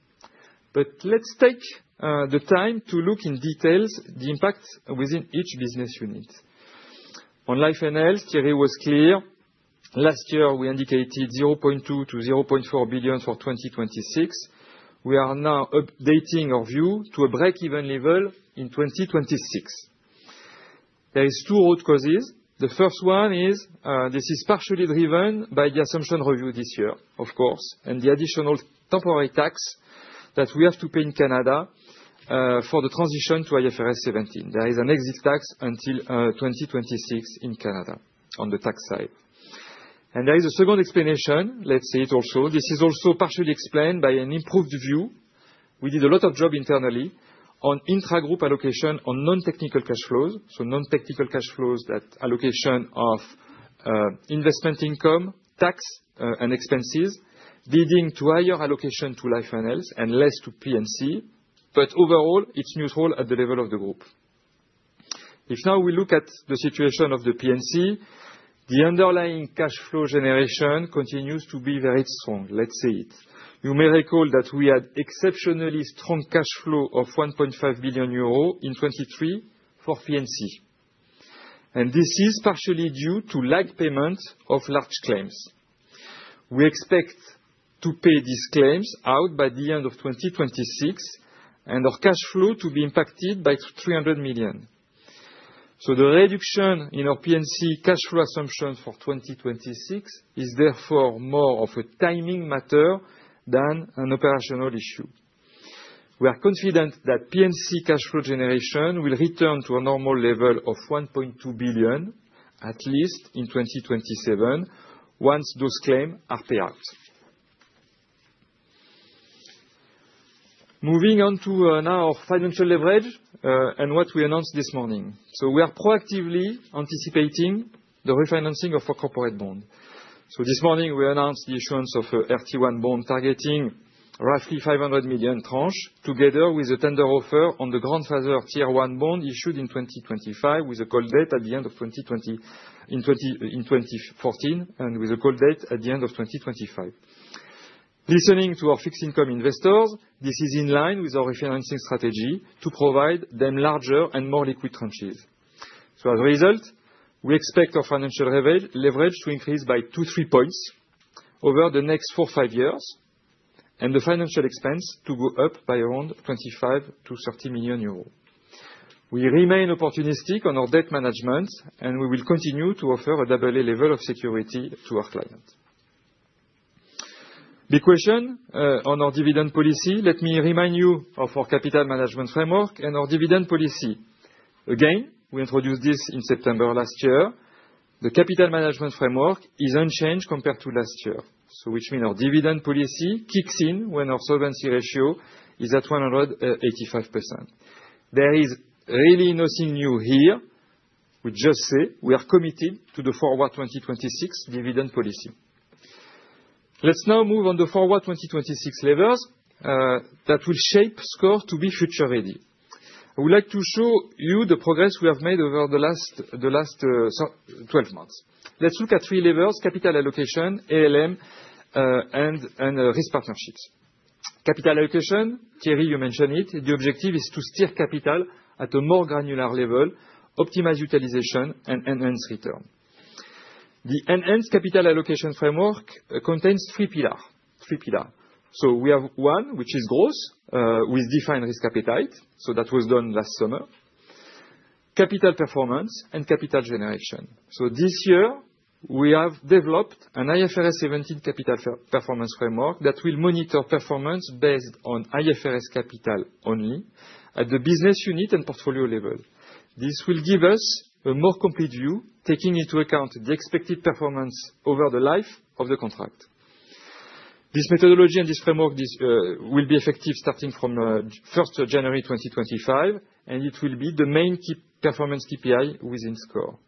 Let's take the time to look in detail at the impact within each business unit. On Life & Health, Thierry was clear. Last year, we indicated 0.2-0.4 billion for 2026. We are now updating our view to a break-even level in 2026. There are two root causes. The first one is this is partially driven by the assumption review this year, of course, and the additional temporary tax that we have to pay in Canada, for the transition to IFRS 17. There is an exit tax until 2026 in Canada on the tax side. And there is a second explanation. Let's say it also. This is also partially explained by an improved view. We did a lot of job internally on intra-group allocation on non-technical cash flows. Non-technical cash flows, that allocation of investment income, tax, and expenses leading to higher allocation to Life & Health and less to P&C, but overall, it's neutral at the level of the group. Now, if we look at the situation of the P&C, the underlying cash flow generation continues to be very strong. Let's say it. You may recall that we had exceptionally strong cash flow of 1.5 billion euro in 2023 for P&C, and this is partially due to lag payment of large claims. We expect to pay these claims out by the end of 2026 and our cash flow to be impacted by 300 million. The reduction in our P&C cash flow assumption for 2026 is therefore more of a timing matter than an operational issue. We are confident that P&C cash flow generation will return to a normal level of 1.2 billion at least in 2027 once those claims are paid out. Moving on to now our financial leverage and what we announced this morning. We are proactively anticipating the refinancing of our corporate bond. This morning, we announced the issuance of an RT1 bond targeting roughly 500 million tranche together with a tender offer on the Grandfathered Tier 1 bond issued in 2014 with a call date at the end of 2025. Listening to our fixed income investors, this is in line with our refinancing strategy to provide them larger and more liquid tranches. As a result, we expect our financial leverage to increase by 2-3 points over the next four-five years and the financial expense to go up by around 25-30 million euros. We remain opportunistic on our debt management, and we will continue to offer a AA level of security to our client. The question on our dividend policy: let me remind you of our capital management framework and our dividend policy. Again, we introduced this in September last year. The capital management framework is unchanged compared to last year, so which means our dividend policy kicks in when our solvency ratio is at 185%. There is really nothing new here. We just say we are committed to the Forward 2026 dividend policy. Let's now move on to the Forward 2026 levers that will shape SCOR to be future-ready. I would like to show you the progress we have made over the last 12 months. Let's look at three levers: capital allocation, ALM, and risk partnerships. Capital allocation, Thierry, you mentioned it. The objective is to steer capital at a more granular level, optimize utilization, and enhance return. The enhanced capital allocation framework contains three pillars. So we have one which is gross, with defined risk appetite. So that was done last summer. Capital performance and capital generation. So this year, we have developed an IFRS 17 capital performance framework that will monitor performance based on IFRS capital only at the business unit and portfolio level. This will give us a more complete view, taking into account the expected performance over the life of the contract. This methodology and this framework will be effective starting from 1st January 2025, and it will be the main key performance KPI within SCOR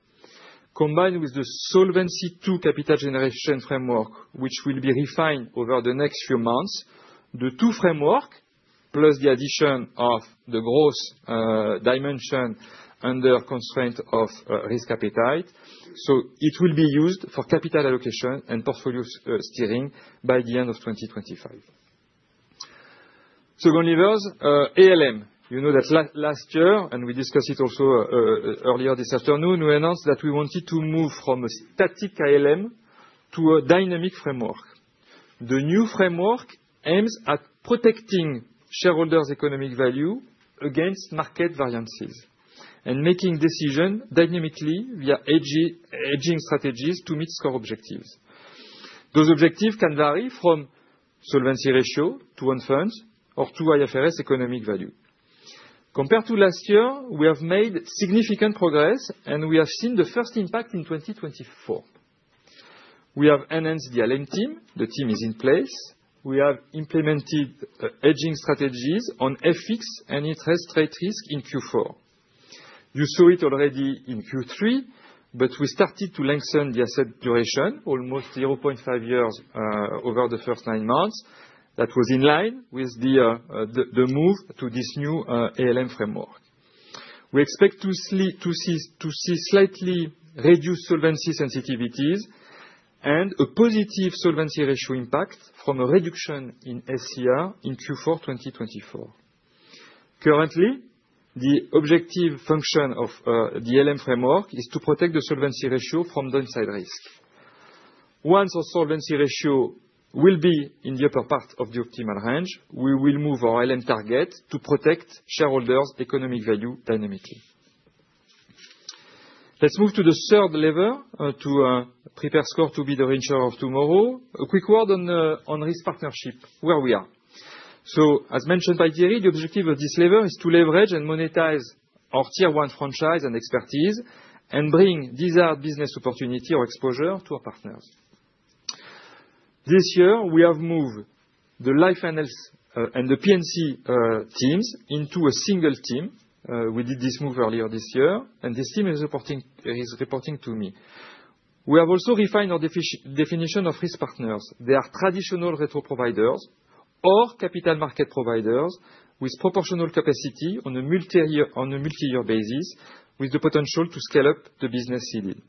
combined with the solvency to capital generation framework, which will be refined over the next few months. The two frameworks, plus the addition of the gross dimension under constraint of risk appetite. So it will be used for capital allocation and portfolio steering by the end of 2025. Second lever, ALM. You know that last year, and we discussed it also earlier this afternoon, we announced that we wanted to move from a static ALM to a dynamic framework. The new framework aims at protecting shareholders' economic value against market variances and making decisions dynamically via hedging strategies to meet SCOR objectives. Those objectives can vary from solvency ratio to own fund or to IFRS economic value. Compared to last year, we have made significant progress, and we have seen the first impact in 2024. We have enhanced the ALM team. The team is in place. We have implemented hedging strategies on FX and interest rate risk in Q4. You saw it already in Q3, but we started to lengthen the asset duration, almost 0.5 years, over the first nine months. That was in line with the move to this new ALM framework. We expect to see slightly reduced solvency sensitivities and a positive solvency ratio impact from a reduction in SCR in Q4 2024. Currently, the objective function of the ALM framework is to protect the solvency ratio from downside risk. Once our solvency ratio will be in the upper part of the optimal range, we will move our ALM target to protect shareholders' economic value dynamically. Let's move to the third lever to prepare SCOR to be the reinsurer of tomorrow. A quick word on risk partnership, where we are. So, as mentioned by Thierry, the objective of this lever is to leverage and monetize our tier one franchise and expertise and bring these hard business opportunities or exposure to our partners. This year, we have moved the Life & Health, and the P&C, teams into a single team. We did this move earlier this year, and this team is reporting to me. We have also refined our definition of risk partners. They are traditional retro providers or capital market providers with proportional capacity on a multi-year basis with the potential to scale up the business ceiling.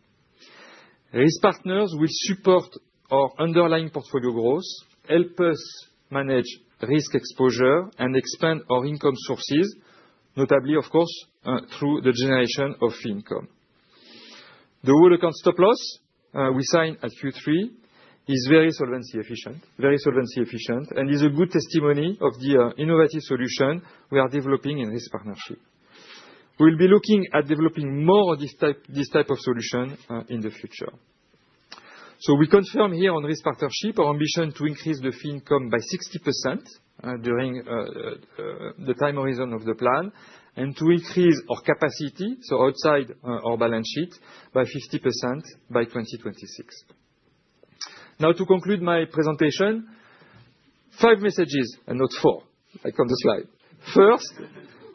Risk Partners will support our underlying portfolio growth, help us manage risk exposure, and expand our income sources, notably, of course, through the generation of income. The Whole Account Stop Loss we signed at Q3 is very solvency efficient, very solvency efficient, and is a good testimony of the innovative solution we are developing in risk partnership. We'll be looking at developing more of this type, this type of solution, in the future. So we confirm here on risk partnership our ambition to increase the fee income by 60% during the time horizon of the plan and to increase our capacity so outside our balance sheet by 50% by 2026. Now, to conclude my presentation, five messages and not four, like on the slide. First,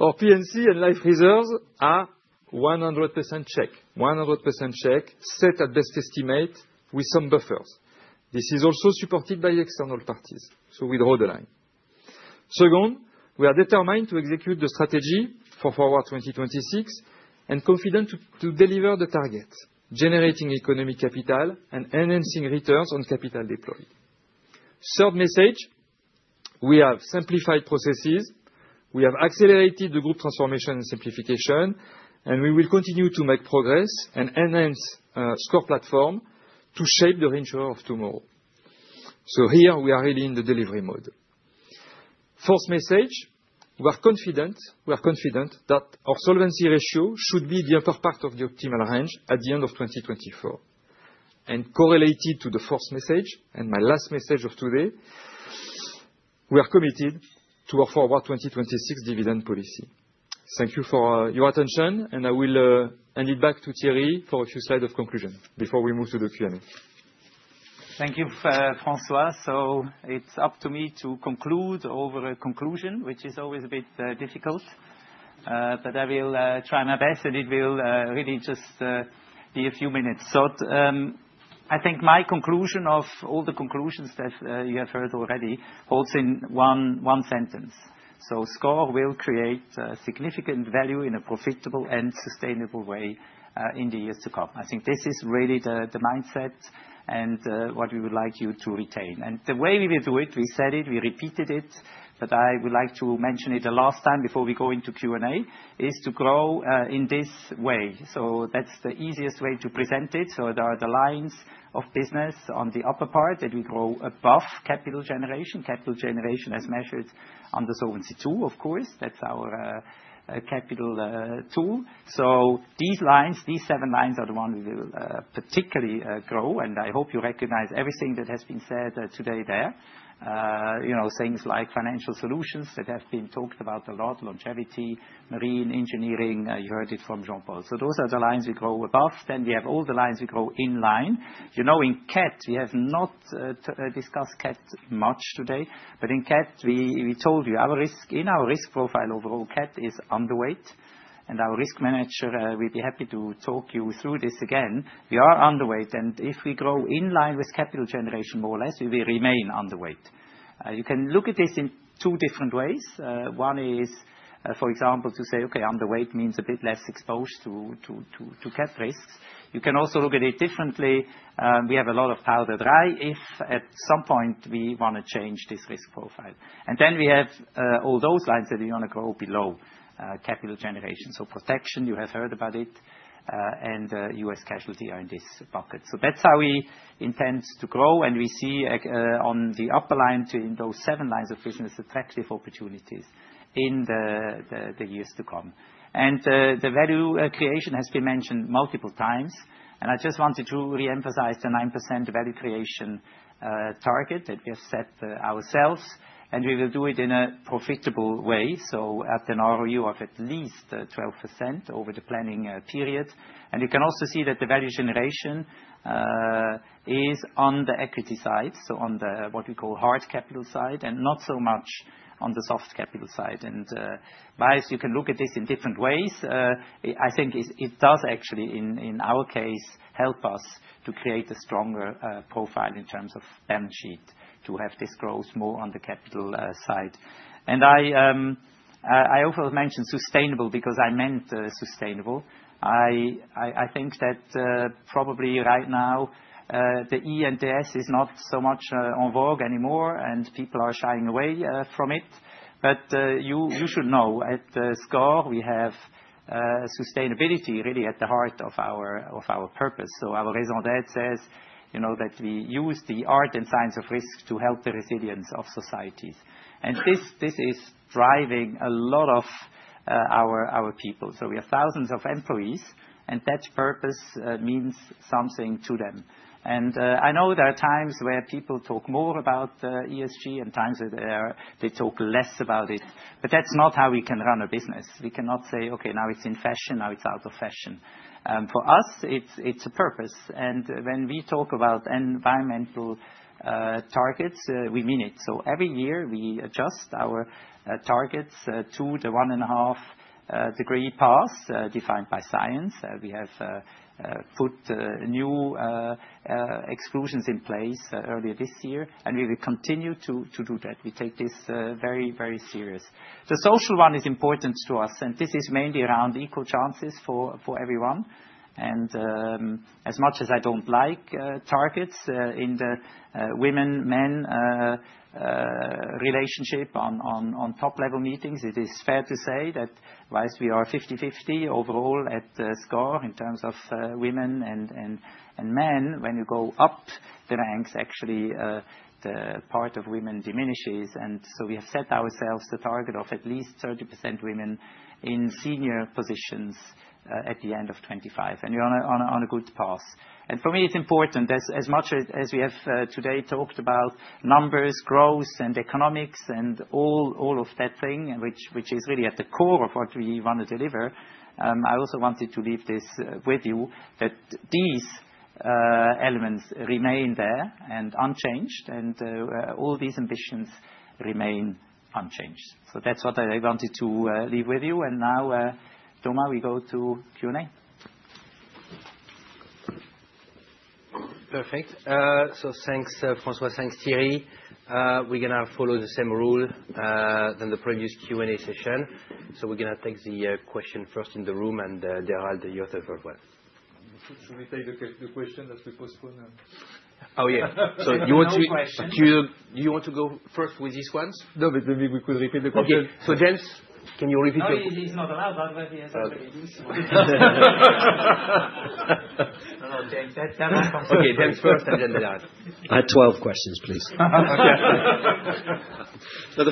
our P&C and life reserves are 100% checked, 100% checked, set at Best Estimate with some buffers. This is also supported by external parties, so we draw the line. Second, we are determined to execute the strategy for Forward 2026 and confident to deliver the target, generating economic capital and enhancing returns on capital deployed. Third message, we have simplified processes. We have accelerated the group transformation and simplification, and we will continue to make progress and enhance SCOR platform to shape the reinsurer of tomorrow. So here, we are really in the delivery mode. Fourth message, we are confident that our solvency ratio should be the upper part of the optimal range at the end of 2024 and correlated to the fourth message and my last message of today. We are committed to our Forward 2026 dividend policy. Thank you for your attention, and I will hand it back to Thierry for a few slides of conclusion before we move to the Q&A. Thank you, François. So it's up to me to conclude our conclusion, which is always a bit difficult, but I will try my best, and it will really just be a few minutes. So, I think my conclusion of all the conclusions that you have heard already holds in one sentence. So SCOR will create a significant value in a profitable and sustainable way, in the years to come. I think this is really the mindset and what we would like you to retain. And the way we will do it, we said it, we repeated it, but I would like to mention it the last time before we go into Q&A is to grow in this way. So that's the easiest way to present it. So there are the lines of business on the upper part that we grow above capital generation. Capital generation as measured under Solvency II, of course. That's our capital tool. So these lines, these seven lines are the ones we will particularly grow. And I hope you recognize everything that has been said today there. You know, things like financial solutions that have been talked about a lot, longevity, marine engineering, you heard it from Jean-Paul. So those are the lines we grow above. Then we have all the lines we grow in line. You know, in Cat, we have not discussed Cat much today, but in Cat, we told you our risk and our risk profile overall Cat is underweight, and our risk manager will be happy to talk you through this again. We are underweight, and if we grow in line with capital generation more or less, we will remain underweight. You can look at this in two different ways. One is, for example, to say, okay, underweight means a bit less exposed to Cat risks. You can also look at it differently. We have a lot of powder dry if at some point we want to change this risk profile. And then we have all those lines that we want to grow below capital generation. So protection, you have heard about it, and U.S. casualty are in this bucket. So that's how we intend to grow, and we see on the upper line to in those seven lines of business, attractive opportunities in the years to come. And the value creation has been mentioned multiple times, and I just wanted to reemphasize the 9% value creation target that we have set ourselves, and we will do it in a profitable way. So at an ROE of at least 12% over the planning period. You can also see that the value generation is on the equity side, so on what we call hard capital side and not so much on the soft capital side. And yes, you can look at this in different ways. I think it does actually in our case help us to create a stronger profile in terms of balance sheet to have this growth more on the capital side. And I overmentioned sustainable because I meant sustainable. I think that probably right now the E and the S is not so much en vogue anymore, and people are shying away from it. But you should know at SCOR we have sustainability really at the heart of our purpose. Our raison d'être says, you know, that we use the art and science of risk to help the resilience of societies. And this is driving a lot of our people. We have thousands of employees, and that purpose means something to them. I know there are times where people talk more about ESG and times where they talk less about it, but that's not how we can run a business. We cannot say, okay, now it's in fashion, now it's out of fashion. For us, it's a purpose. And when we talk about environmental targets, we mean it. Every year we adjust our targets to the one and a half degree path defined by science. We have put new exclusions in place earlier this year, and we will continue to do that. We take this very, very serious. The social one is important to us, and this is mainly around equal chances for everyone. As much as I don't like targets in the women men relationship on top level meetings, it is fair to say that whilst we are 50/50 overall at SCOR in terms of women and men, when you go up the ranks, actually, the part of women diminishes. So we have set ourselves the target of at least 30% women in senior positions at the end of 2025, and we're on a good path. For me, it's important as much as we have today talked about numbers, growth, and economics and all of that thing, which is really at the core of what we want to deliver. I also wanted to leave this with you that these elements remain there and unchanged and all these ambitions remain unchanged. So that's what I wanted to leave with you. And now, Thomas, we go to Q&A. Perfect. So thanks, François, thanks, Thierry. We're gonna follow the same rule as the previous Q&A session. So we're gonna take the question first in the room, and Derald, you have the first one. Should we take the question that we postponed? Oh yeah. So you want to, do you want to go first with this one? No, but maybe we could repeat the question. Okay. So James, can you repeat your question? Oh, he's not allowed, but maybe he has already this one. No, no, James, that's not possible. Okay, James first and then Derald. I have 12 questions, please. Okay. So the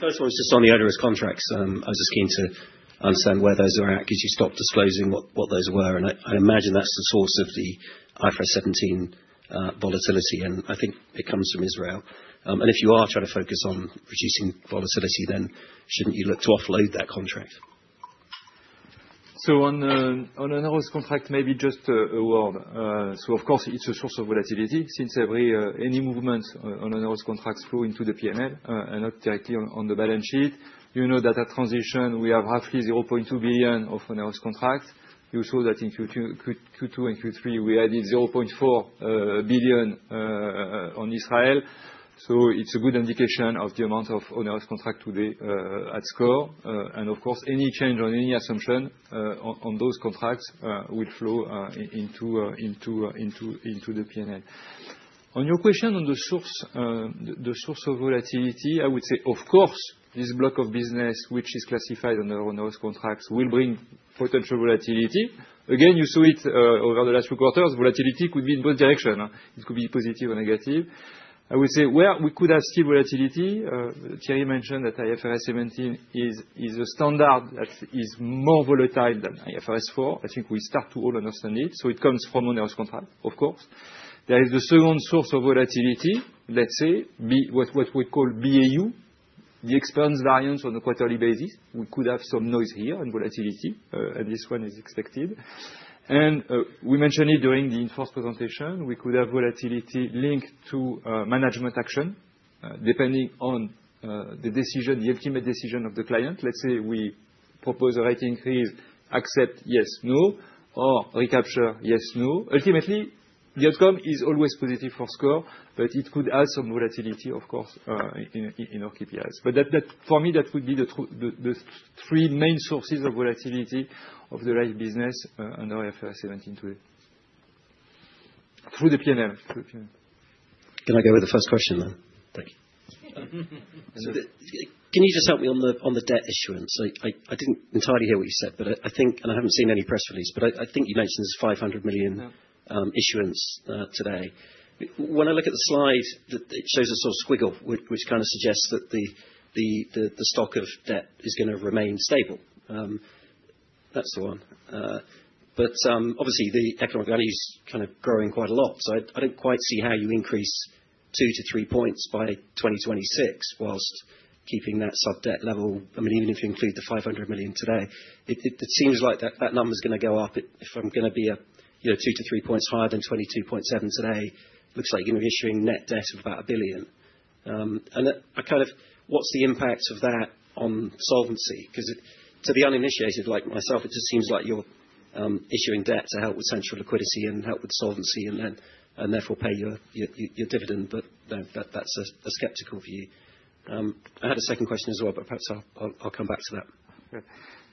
first one was just on the onerous contracts. I was just keen to understand where those were at because you stopped disclosing what those were. And I imagine that's the source of the IFRS 17 volatility, and I think it comes from Israel. And if you are trying to focus on reducing volatility, then shouldn't you look to offload that contract? On onerous contracts, maybe just a word. Of course it's a source of volatility since any movement on onerous contracts flow into the P&L, and not directly on the balance sheet. You know that at transition we have roughly 0.2 billion of onerous contracts. You saw that in Q2 and Q3 we added 0.4 billion on Israel. It's a good indication of the amount of onerous contract today at SCOR. Of course any change on any assumption on those contracts will flow into the P&L. On your question on the source of volatility, I would say of course this block of business which is classified under onerous contracts will bring potential volatility. Again, you saw it over the last few quarters. Volatility could be in both directions. It could be positive or negative. I would say where we could have still volatility. Thierry mentioned that IFRS 17 is a standard that is more volatile than IFRS 4. I think we start to all understand it. So it comes from onerous contract, of course. There is the second source of volatility, let's say, be what we call BAU, the expense variance on a quarterly basis. We could have some noise here on volatility, and this one is expected, and we mentioned it during the inforce presentation. We could have volatility linked to management action, depending on the decision, the ultimate decision of the client. Let's say we propose a rate increase, accept yes, no, or recapture yes, no. Ultimately, the outcome is always positive for SCOR, but it could add some volatility, of course, in our KPIs. But that for me would be the true three main sources of volatility of the Life business, under IFRS 17 today through the P&L. Can I go with the first question then? Thank you. So can you just help me on the debt issuance? I didn't entirely hear what you said, but I think, and I haven't seen any press release, but I think you mentioned there's 500 million issuance today. When I look at the slide, it shows a sort of squiggle, which kind of suggests that the stock of debt is gonna remain stable. That's the one. But obviously the economic value's kind of growing quite a lot. So I don't quite see how you increase 2-3 points by 2026 while keeping that sub debt level. I mean, even if you include the 500 million today, it seems like that number's gonna go up. If I'm gonna be at, you know, two-to-three points higher than 22.7% today, looks like you're gonna be issuing net debt of about 1 billion. And what's the impact of that on solvency? 'Cause to the uninitiated like myself, it just seems like you're issuing debt to help with central liquidity and help with solvency and then therefore pay your dividend. But no, that's a skeptical view. I had a second question as well, but perhaps I'll come back to that. Yeah.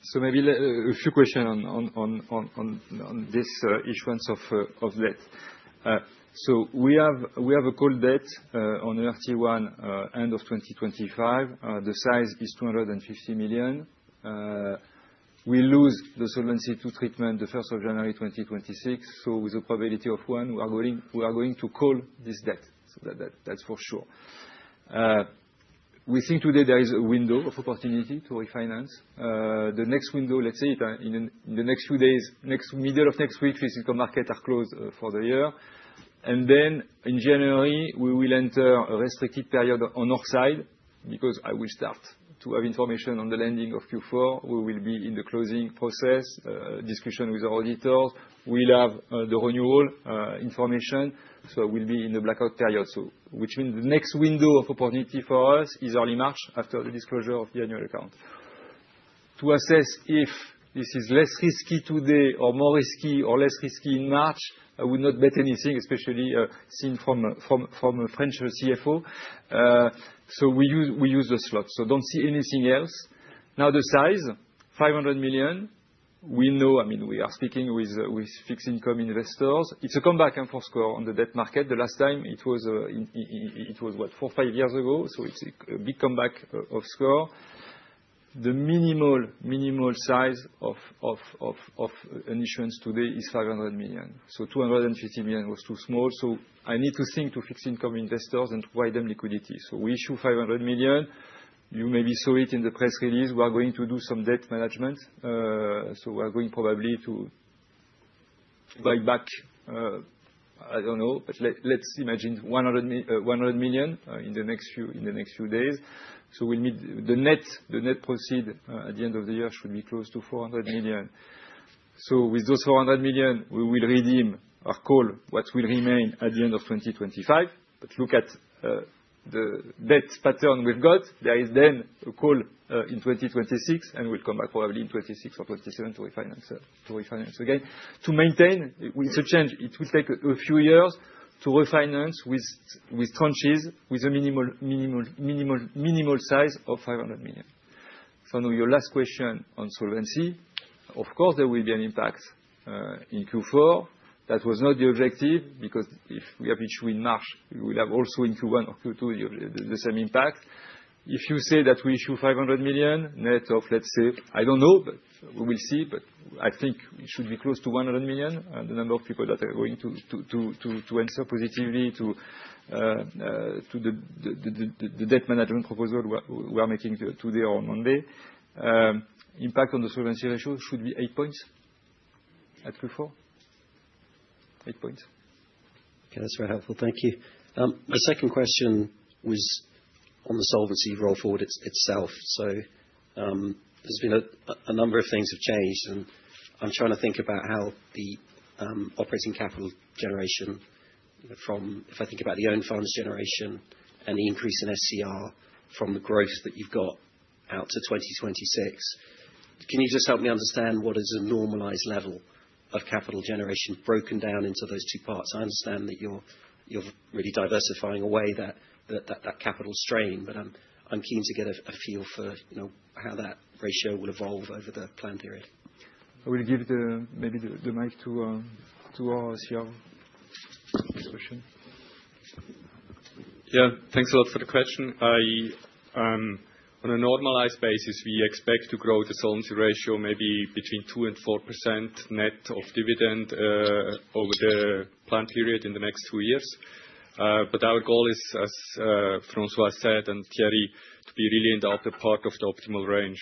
So maybe a few questions on this issuance of debt. So we have a call debt on RT1 end of 2025. The size is 250 million. We lose the Solvency II treatment the 1st of January 2026. So with a probability of one, we are going to call this debt. So that's for sure. We think today there is a window of opportunity to refinance. The next window, let's say in the next few days, mid of next week, financial markets are closed for the year. Then in January, we will enter a restricted period on our side because I will start to have information on the landing of Q4. We will be in the closing process, discussion with our auditors. We'll have the renewal information. So we'll be in the blackout period. Which means the next window of opportunity for us is early March after the disclosure of the annual account to assess if this is less risky today or more risky or less risky in March. I would not bet anything, especially, seen from a French CFO. So we use the slot. Don't see anything else. Now the size, 500 million. We know, I mean, we are speaking with fixed income investors. It's a comeback for SCOR on the debt market. The last time it was, it was what, four, five years ago. It's a big comeback of SCOR. The minimal size of an issuance today is 500 million. So 250 million was too small. I need to think to fixed income investors and to buy them liquidity. We issue 500 million. You maybe saw it in the press release. We are going to do some debt management. So we are going probably to buy back. I don't know, but let's imagine 100 million in the next few days. So the net proceeds at the end of the year should be close to 400 million. So with those 400 million, we will redeem our call what will remain at the end of 2025. But look at the debt pattern we've got. There is then a call in 2026, and we'll come back probably in 2026 or 2027 to refinance again to maintain. It's a change. It will take a few years to refinance with tranches with a minimal size of 500 million. So now your last question on solvency. Of course there will be an impact in Q4. That was not the objective because if we have issue in March, we will have also in Q1 or Q2 the same impact. If you say that we issue 500 million net of, let's say, I don't know, but we will see. But I think it should be close to 100 million, the number of people that are going to answer positively to the debt management proposal we are making today or on Monday. Impact on the solvency ratio should be eight points at Q4. Eight points. Okay. That's very helpful. Thank you. My second question was on the solvency roll forward itself. So, there's been a number of things that have changed, and I'm trying to think about how the operating capital generation from, if I think about the own funds generation and the increase in SCR from the growth that you've got out to 2026. Can you just help me understand what is a normalized level of capital generation broken down into those two parts? I understand that you're really diversifying away that capital strain, but I'm keen to get a feel for, you know, how that ratio will evolve over the planned period. I will give the mic to our CRO. Yeah. Thanks a lot for the question. I, on a normalized basis, we expect to grow the solvency ratio maybe between 2% and 4% net of dividend, over the planned period in the next two years. But our goal is, as François said and Thierry, to be really in the upper part of the optimal range.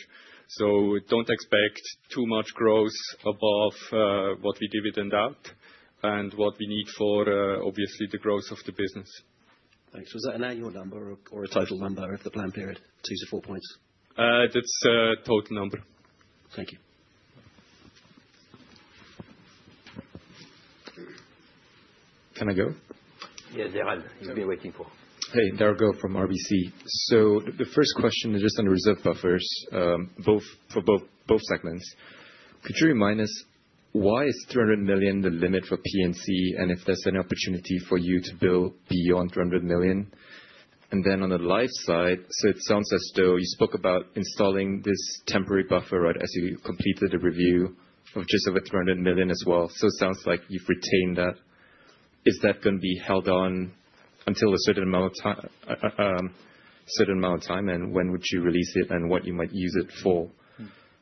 So don't expect too much growth above what we dividend out and what we need for, obviously the growth of the business. Thanks. Was that an annual number or a total number of the planned period, two to four points? That's a total number. Thank you. Can I go? Yeah. Derald, you've been waiting for. Hey, Derald Goh from RBC. So the first question is just on reserve buffers, both segments. Could you remind us why 300 million is the limit for P&C and if there's an opportunity for you to build beyond 300 million? And then on the life side, so it sounds as though you spoke about installing this temporary buffer, right, as you completed the review of just over 300 million as well. So it sounds like you've retained that. Is that gonna be held on until a certain amount of time? And when would you release it and what you might use it for?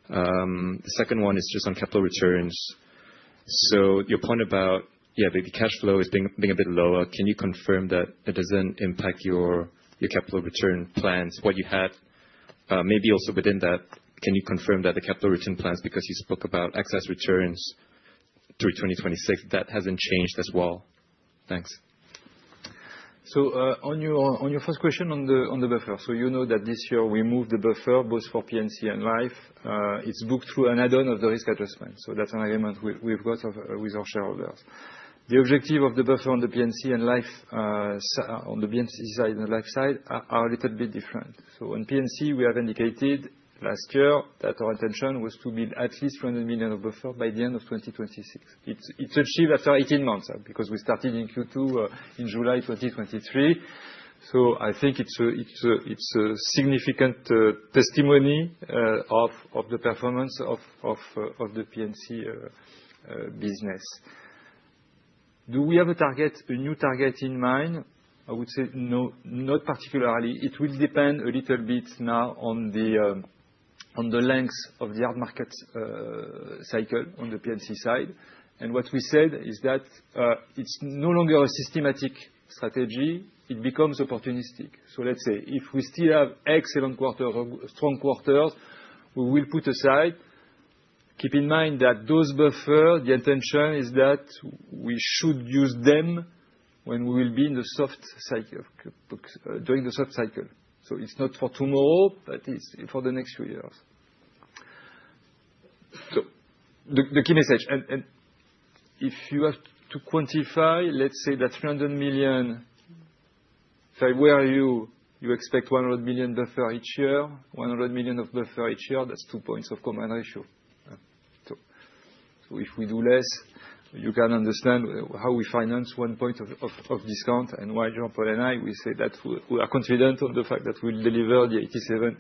The second one is just on capital returns. So your point about, yeah, maybe cash flow is being a bit lower. Can you confirm that it doesn't impact your capital return plans, what you had, maybe also within that? Can you confirm that the capital return plans, because you spoke about excess returns through 2026, that hasn't changed as well? Thanks. On your first question on the buffer, you know that this year we moved the buffer both for P&C and Life. It's booked through an add-on of the risk adjustment. So that's an agreement we've got with our shareholders. The objective of the buffer on the P&C and Life, on the P&C side and the Life side are a little bit different. So on P&C, we have indicated last year that our intention was to build at least 300 million of buffer by the end of 2026. It's achieved after 18 months because we started in Q2, in July 2023. So I think it's a significant testimony of the performance of the P&C business. Do we have a target, a new target in mind? I would say no, not particularly. It will depend a little bit now on the length of the hard market cycle on the P&C side. And what we said is that it's no longer a systematic strategy. It becomes opportunistic. So let's say if we still have excellent quarter, strong quarters, we will put aside. Keep in mind that those buffer, the intention is that we should use them when we will be in the soft cycle, during the soft cycle. So it's not for tomorrow, but it's for the next few years. So the key message, and if you have to quantify, let's say that 300 million, if I were you, you expect 100 million buffer each year, that's two points of combined ratio. So if we do less, you can understand how we finance one point of discount. And why Jean-Paul and I, we say that we are confident on the fact that we'll deliver the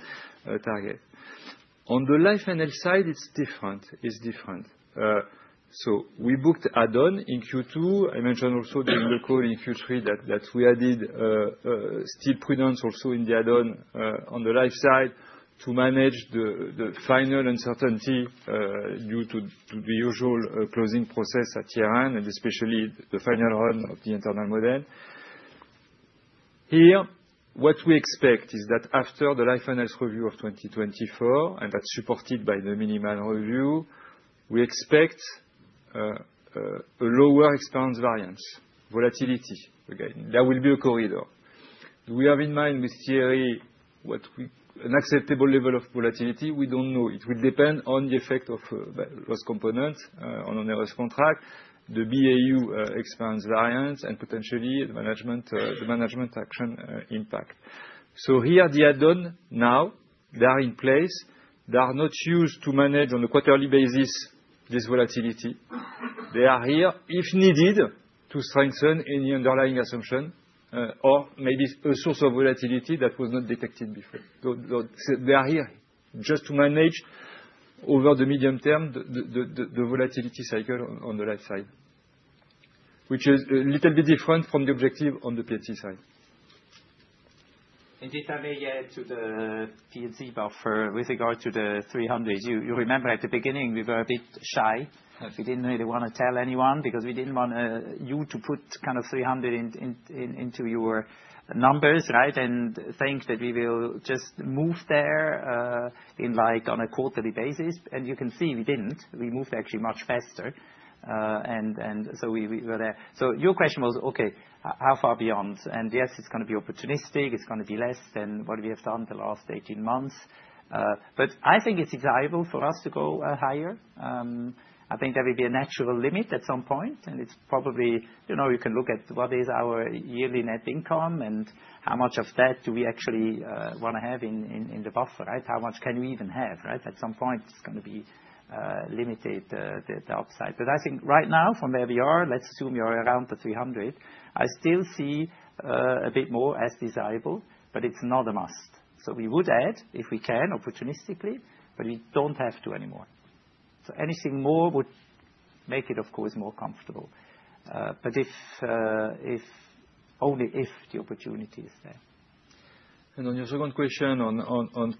87% target. On the Life & Health side, it's different. It is different. We booked add-on in Q2. I mentioned also during the call in Q3 that we added still prudence also in the add-on, on the life side to manage the final uncertainty due to the usual closing process at year end and especially the final run of the internal model. Here, what we expect is that after the Life & Health review of 2024, and that's supported by the Milliman review, we expect a lower expense variance volatility. Again, there will be a corridor. We have in mind with Thierry what is an acceptable level of volatility. We don't know. It will depend on the effect of loss component on an onerous contract, the BAU expense variance, and potentially the management action impact. So here, the add-on now, they are in place. They are not used to manage on a quarterly basis this volatility. They are here if needed to strengthen any underlying assumption, or maybe a source of volatility that was not detected before. So they are here just to manage over the medium term the volatility cycle on the life side, which is a little bit different from the objective on the P&C side. If I may get to the P&C buffer with regard to the 300, you remember at the beginning we were a bit shy. We didn't really wanna tell anyone because we didn't want you to put kind of 300 into your numbers, right? You can see we didn't. We moved actually much faster, and so we were there. So your question was, okay, how far beyond? And yes, it's gonna be opportunistic. It's gonna be less than what we have done the last 18 months, but I think it's desirable for us to go higher. I think there will be a natural limit at some point. It's probably, you know, you can look at what is our yearly net income and how much of that do we actually wanna have in the buffer, right? How much can we even have, right? At some point, it's gonna be limited, the upside. But I think right now, from where we are, let's assume you're around the 300. I still see a bit more as desirable, but it's not a must. So we would add if we can opportunistically, but we don't have to anymore. So anything more would make it, of course, more comfortable, but if only if the opportunity is there. On your second question on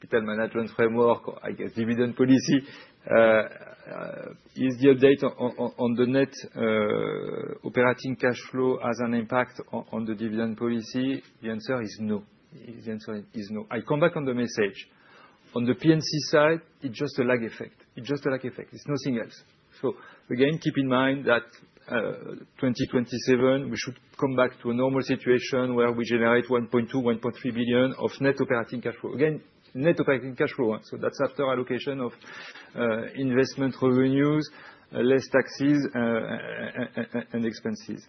capital management framework, I guess dividend policy, is the update on the net operating cash flow has an impact on the dividend policy? The answer is no. I come back on the message. On the P&C side, it's just a lag effect. It's nothing else. So again, keep in mind that 2027, we should come back to a normal situation where we generate 1.2-1.3 billion of net operating cash flow. Again, net operating cash flow, right? So that's after allocation of investment revenues, less taxes, and expenses.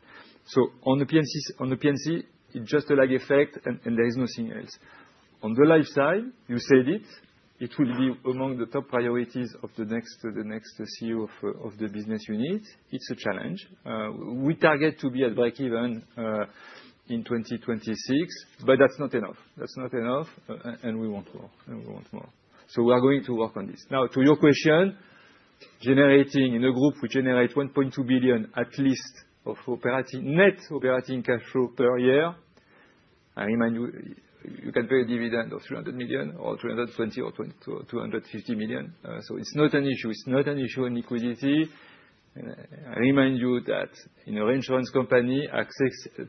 So on the P&C, it's just a lag effect and there is nothing else. On the life side, you said it. It will be among the top priorities of the next CEO of the business unit. It's a challenge. We target to be at break even in 2026, but that's not enough. That's not enough. And we want more. And we want more. So we are going to work on this. Now, to your question, in the group, we generate 1.2 billion at least of net operating cash flow per year. I remind you, you can pay a dividend of 300 million or 320 or 250 million. So it's not an issue. It's not an issue in liquidity. And I remind you that in a reinsurance company, access to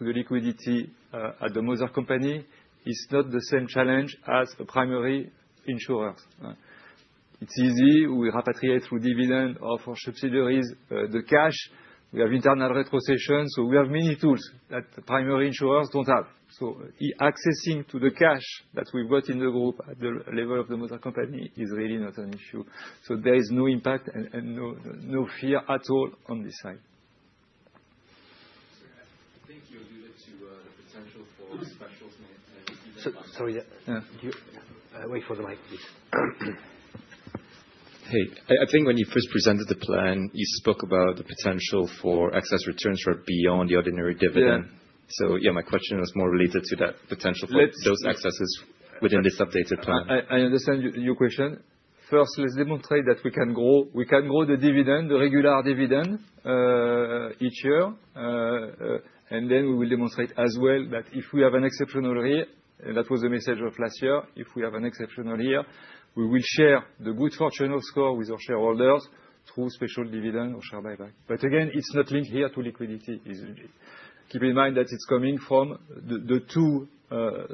the liquidity at the mother company is not the same challenge as a primary insurer. It's easy. We repatriate through dividend of our subsidiaries the cash. We have internal retrocession. So we have many tools that the primary insurers don't have. So accessing to the cash that we've got in the group at the level of the mother company is really not an issue. So there is no impact and no fear at all on this side. Thank you. I'll leave it to the potential for specials and. Sorry. Yeah. Wait for the mic, please. Hey, I think when you first presented the plan, you spoke about the potential for excess returns or beyond the ordinary dividend. Yeah. So yeah, my question was more related to that potential for those excesses within this updated plan. I understand your question. First, let's demonstrate that we can grow the dividend, the regular dividend, each year, and then we will demonstrate as well that if we have an exceptional year, and that was the message of last year, if we have an exceptional year, we will share the good fortune of SCOR with our shareholders through special dividend or share buyback. But again, it's not linked here to liquidity. Keep in mind that it's coming from the two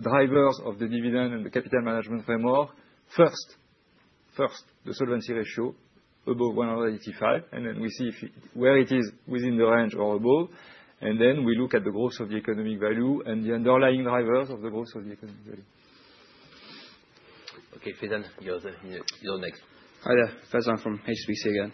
drivers of the dividend and the capital management framework. First, the solvency ratio above 185, and then we see if where it is within the range or above. Then we look at the growth of the economic value and the underlying drivers of the growth of the economic value. Okay. Faizan, you're the, you're next. Hi there. Faizan from HSBC again.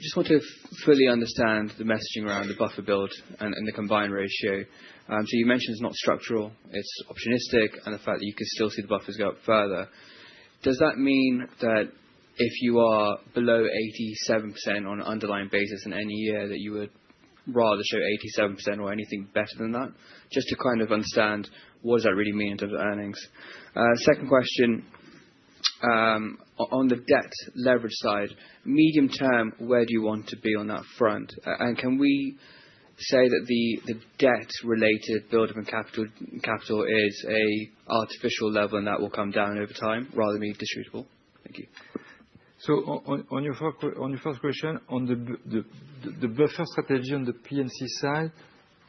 Just want to fully understand the messaging around the buffer build and the combined ratio. So you mentioned it's not structural, it's opportunistic, and the fact that you could still see the buffers go up further. Does that mean that if you are below 87% on an underlying basis in any year, that you would rather show 87% or anything better than that? Just to kind of understand what does that really mean in terms of earnings. Second question, on the debt leverage side, medium-term, where do you want to be on that front? And can we say that the debt-related buildup in capital is an artificial level and that will come down over time rather than be distributable? Thank you. So on your first question, on the buffer strategy on the P&C side,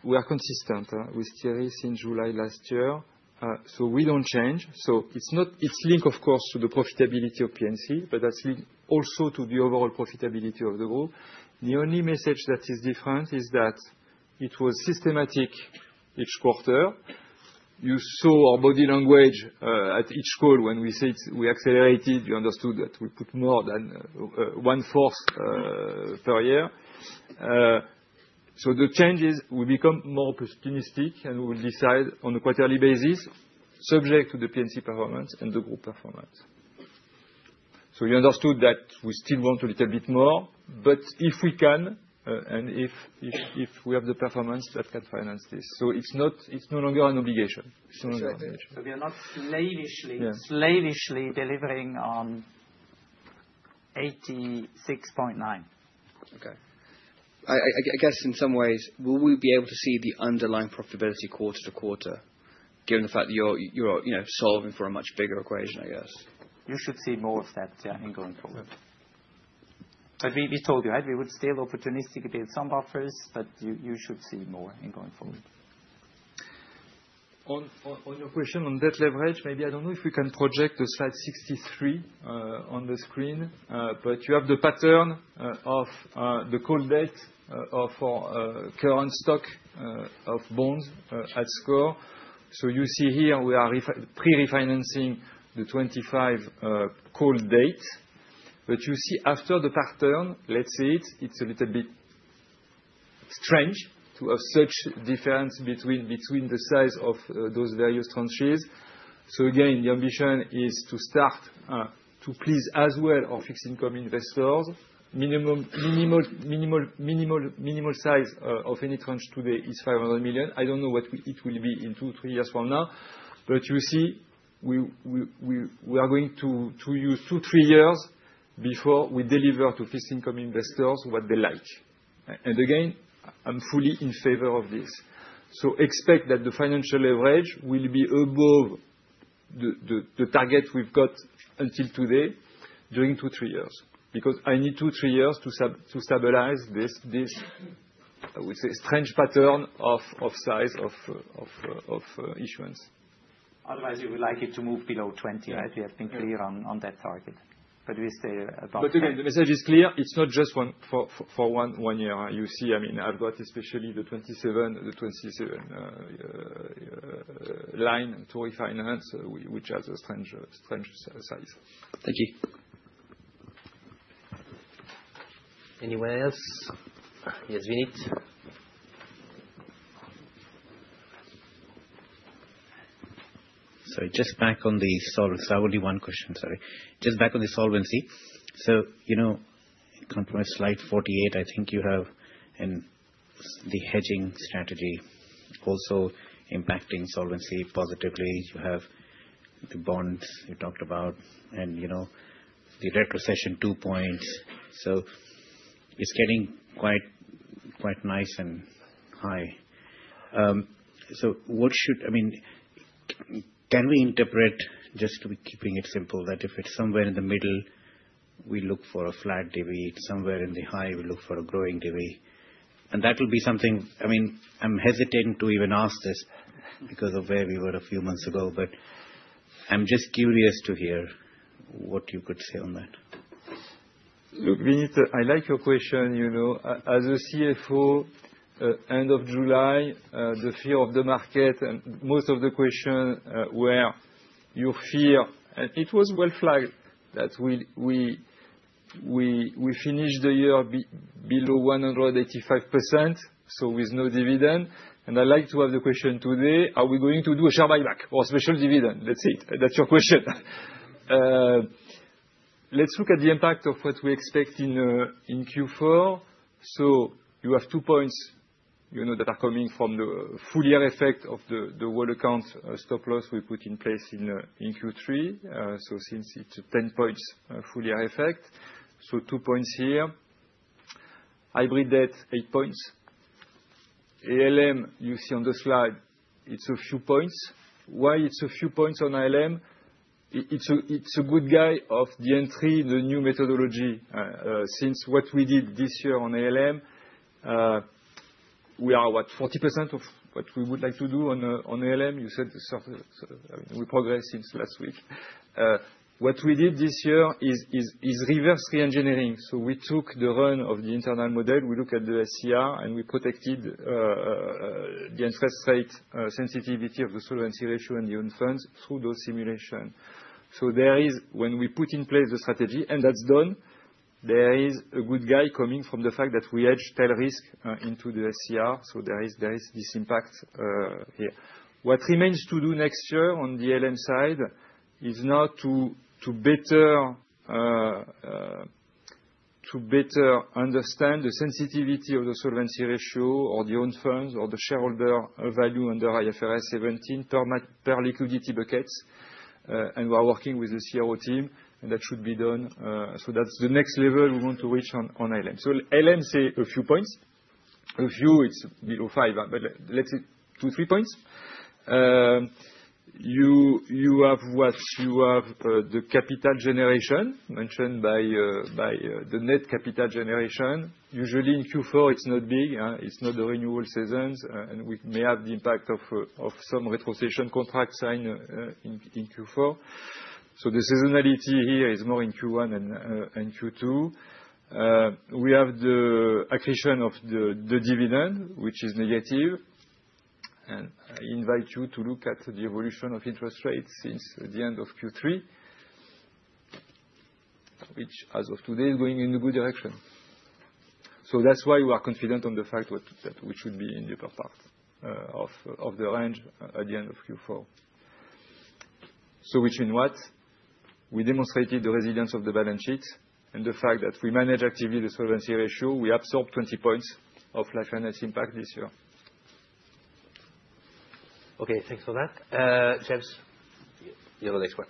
we are consistent with Thierry since July last year. So we don't change. So it's not. It's linked, of course, to the profitability of P&C, but that's linked also to the overall profitability of the group. The only message that is different is that it was systematic each quarter. You saw our body language at each call when we said we accelerated. You understood that we put more than one fourth per year. So the change is we become more opportunistic and we will decide on a quarterly basis subject to the P&C performance and the group performance. So you understood that we still want a little bit more, but if we can, and if we have the performance that can finance this. So it's not, it's no longer an obligation. It's no longer an obligation. We are not slavishly delivering on 86.9%. Okay. I guess in some ways, will we be able to see the underlying profitability quarter to quarter given the fact that you're, you know, solving for a much bigger equation, I guess? You should see more of that, yeah, in going forward. So we told you, right? We would still opportunistically build some buffers, but you should see more in going forward. On your question on debt leverage, maybe I don't know if we can project the slide 63 on the screen. But you have the pattern of the call dates of our current stock of bonds at SCOR. So you see here we are refinancing the '25 call dates. But you see after the pattern, let's say it, it's a little bit strange to have such difference between the size of those various tranches. So again, the ambition is to start to please as well our fixed income investors. Minimum size of any tranche today is 500 million. I don't know what it will be in two, three years from now. But you see, we are going to use two, three years before we deliver to fixed income investors what they like. Again, I'm fully in favor of this. Expect that the financial leverage will be above the target we've got until today during two, three years. Because I need two, three years to stabilize this, I would say, strange pattern of issuance. Otherwise, you would like it to move below 20, right? We have been clear on that target. But we stay above. But again, the message is clear. It's not just one for one year. You see, I mean, I've got especially the 27 line to refinance, which has a strange size. Thank you. Anyone else? Yes, Vinit. Sorry. Just back on the solvency. I have only one question, sorry. Just back on the solvency. So, you know, come from a slide 48, I think you have and the hedging strategy also impacting solvency positively. You have the bonds you talked about and, you know, the retrocession two points. So it's getting quite, quite nice and high. So what should, I mean, can we interpret just to be keeping it simple that if it's somewhere in the middle, we look for a flat DV, somewhere in the high, we look for a growing DV? And that'll be something, I mean, I'm hesitant to even ask this because of where we were a few months ago, but I'm just curious to hear what you could say on that. Look, Vinit, I like your question. You know, as a CFO, end of July, the fear of the market and most of the question were your fear. And it was well flagged that we finish the year below 185%, so with no dividend. And I like to have the question today, are we going to do a share buyback or special dividend? That's it. That's your question. Let's look at the impact of what we expect in Q4. So you have two points, you know, that are coming from the full year effect of the whole account stop loss we put in place in Q3. So since it's a 10 points full year effect. So two points here. Hybrid debt, eight points. ALM, you see on the slide, it's a few points. Why it's a few points on ALM? It's a good gain of the entry, the new methodology, since what we did this year on ALM. We are 40% of what we would like to do on ALM. You said sort of, I mean, we progressed since last week. What we did this year is reverse engineering. So we took the run of the internal model. We look at the SCR and we protected the interest rate sensitivity of the solvency ratio and the own funds through those simulations. So there is, when we put in place the strategy, and that's done, there is a good gain coming from the fact that we hedge tail risk into the SCR. So there is this impact here. What remains to do next year on the ALM side is now to better understand the sensitivity of the solvency ratio or the own funds or the shareholder value under IFRS 17 per maturity per liquidity buckets. We are working with the CRO team, and that should be done, so that's the next level we want to reach on ALM. So ALM, say, a few points. A few, it's below five, but let's say two, three points. You have what you have, the capital generation mentioned by the net capital generation. Usually in Q4, it's not big, it's not the renewal seasons, and we may have the impact of some retrocession contract signed in Q4. So the seasonality here is more in Q1 and Q2. We have the accretion of the dividend, which is negative. I invite you to look at the evolution of interest rates since the end of Q3, which as of today is going in a good direction. That's why we are confident on the fact that we should be in the upper part of the range at the end of Q4. Which mean what? We demonstrated the resilience of the balance sheet and the fact that we manage actively the solvency ratio. We absorbed 20 points of life finance impact this year. Okay. Thanks for that. James, you're the next one.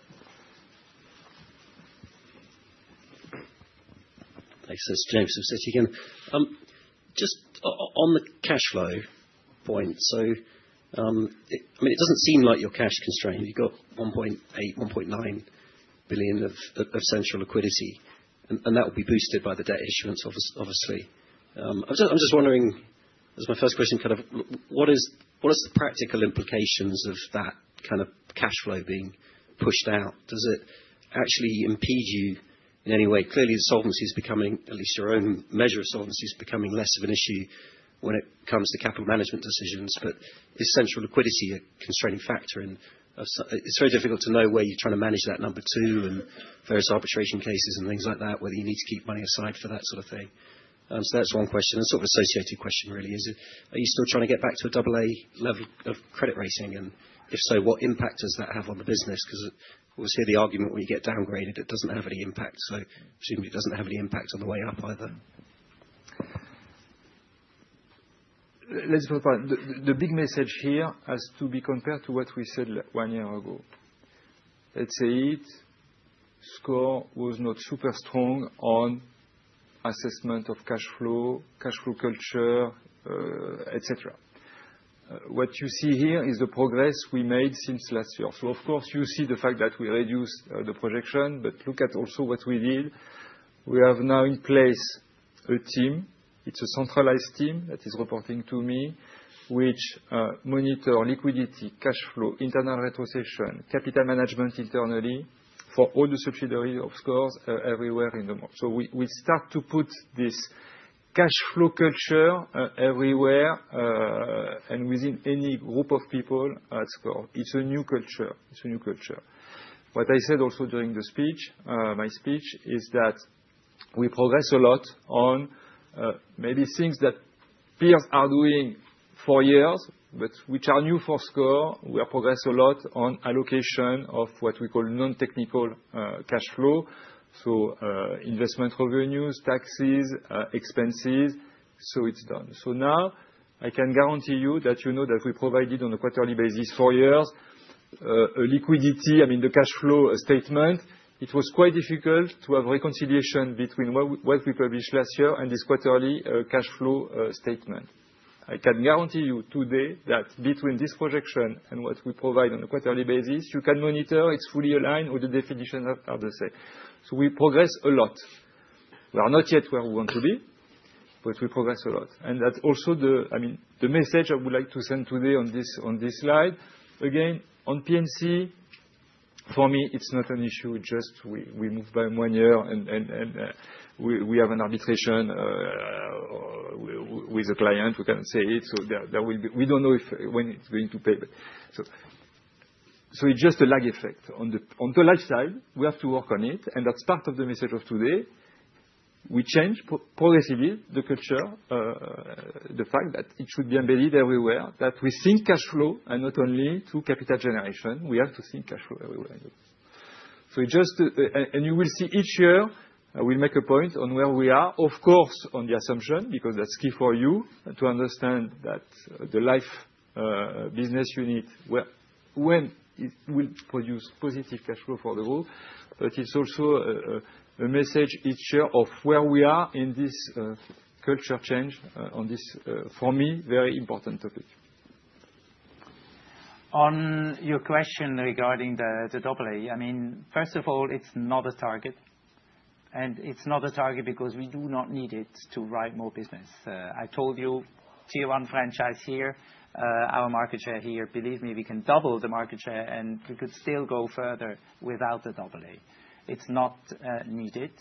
Thanks, James of Citi again. Just on the cash flow point, so, I mean, it doesn't seem like you're cash constrained. You've got 1.8-1.9 billion of central liquidity, and that will be boosted by the debt issuance, obviously. I'm just wondering, as my first question kind of, what is the practical implications of that kind of cash flow being pushed out? Does it actually impede you in any way? Clearly, the solvency is becoming, at least your own measure of solvency is becoming less of an issue when it comes to capital management decisions, but is central liquidity a constraining factor? And it's very difficult to know where you're trying to manage that number two and various arbitration cases and things like that, whether you need to keep money aside for that sort of thing. So that's one question. A sort of associated question really is, are you still trying to get back to a AA level of credit rating? And if so, what impact does that have on the business? Because we'll see the argument where you get downgraded, it doesn't have any impact. So presumably it doesn't have any impact on the way up either. Let's put it like this. The big message here has to be compared to what we said one year ago. Let's say it, SCOR was not super strong on assessment of cash flow, cash flow culture, etc. What you see here is the progress we made since last year. So of course, you see the fact that we reduced the projection, but look at also what we did. We have now in place a team. It's a centralized team that is reporting to me, which monitor liquidity, cash flow, internal retrocession, capital management internally for all the subsidiaries of SCOR's everywhere in the world. So we start to put this cash flow culture everywhere, and within any group of people at SCOR. It's a new culture. It's a new culture. What I said also during the speech, my speech is that we progress a lot on, maybe things that peers are doing for years, but which are new for SCOR. We have progressed a lot on allocation of what we call non-technical cash flow. So, investment revenues, taxes, expenses. So it's done. So now I can guarantee you that you know that we provided on a quarterly basis for years, a liquidity. I mean, the cash flow statement. It was quite difficult to have reconciliation between what we published last year and this quarterly cash flow statement. I can guarantee you today that between this projection and what we provide on a quarterly basis, you can monitor. It's fully aligned with the definition of the same. So we progress a lot. We are not yet where we want to be, but we progress a lot. And that's also the, I mean, the message I would like to send today on this, on this slide. Again, on P&C, for me, it's not an issue. It just, we moved by one year and we have an arbitration with a client. We can say it. So there will be, we don't know when it's going to pay. So it's just a lag effect on the, on the life side. We have to work on it. And that's part of the message of today. We change progressively the culture, the fact that it should be embedded everywhere, that we think cash flow and not only to capital generation. We have to think cash flow everywhere. You will see each year. I will make a point on where we are, of course, on the assumption, because that's key for you to understand that the Life business unit when it will produce positive cash flow going forward. But it's also a message each year of where we are in this culture change on this, for me, very important topic. On your question regarding the AA, I mean, first of all, it's not a target. And it's not a target because we do not need it to write more business. I told you tier one franchise here, our market share here, believe me, we can double the market share and we could still go further without the AA. It's not needed.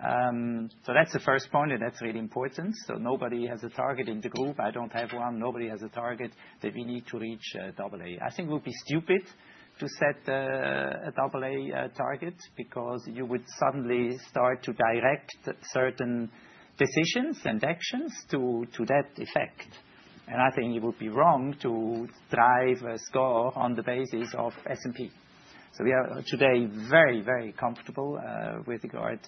So that's the first point, and that's really important. So nobody has a target in the group. I don't have one. Nobody has a target that we need to reach a AA. I think it would be stupid to set a AA target because you would suddenly start to direct certain decisions and actions to that effect. And I think it would be wrong to drive SCOR on the basis of S&P. So we are today very, very comfortable with regard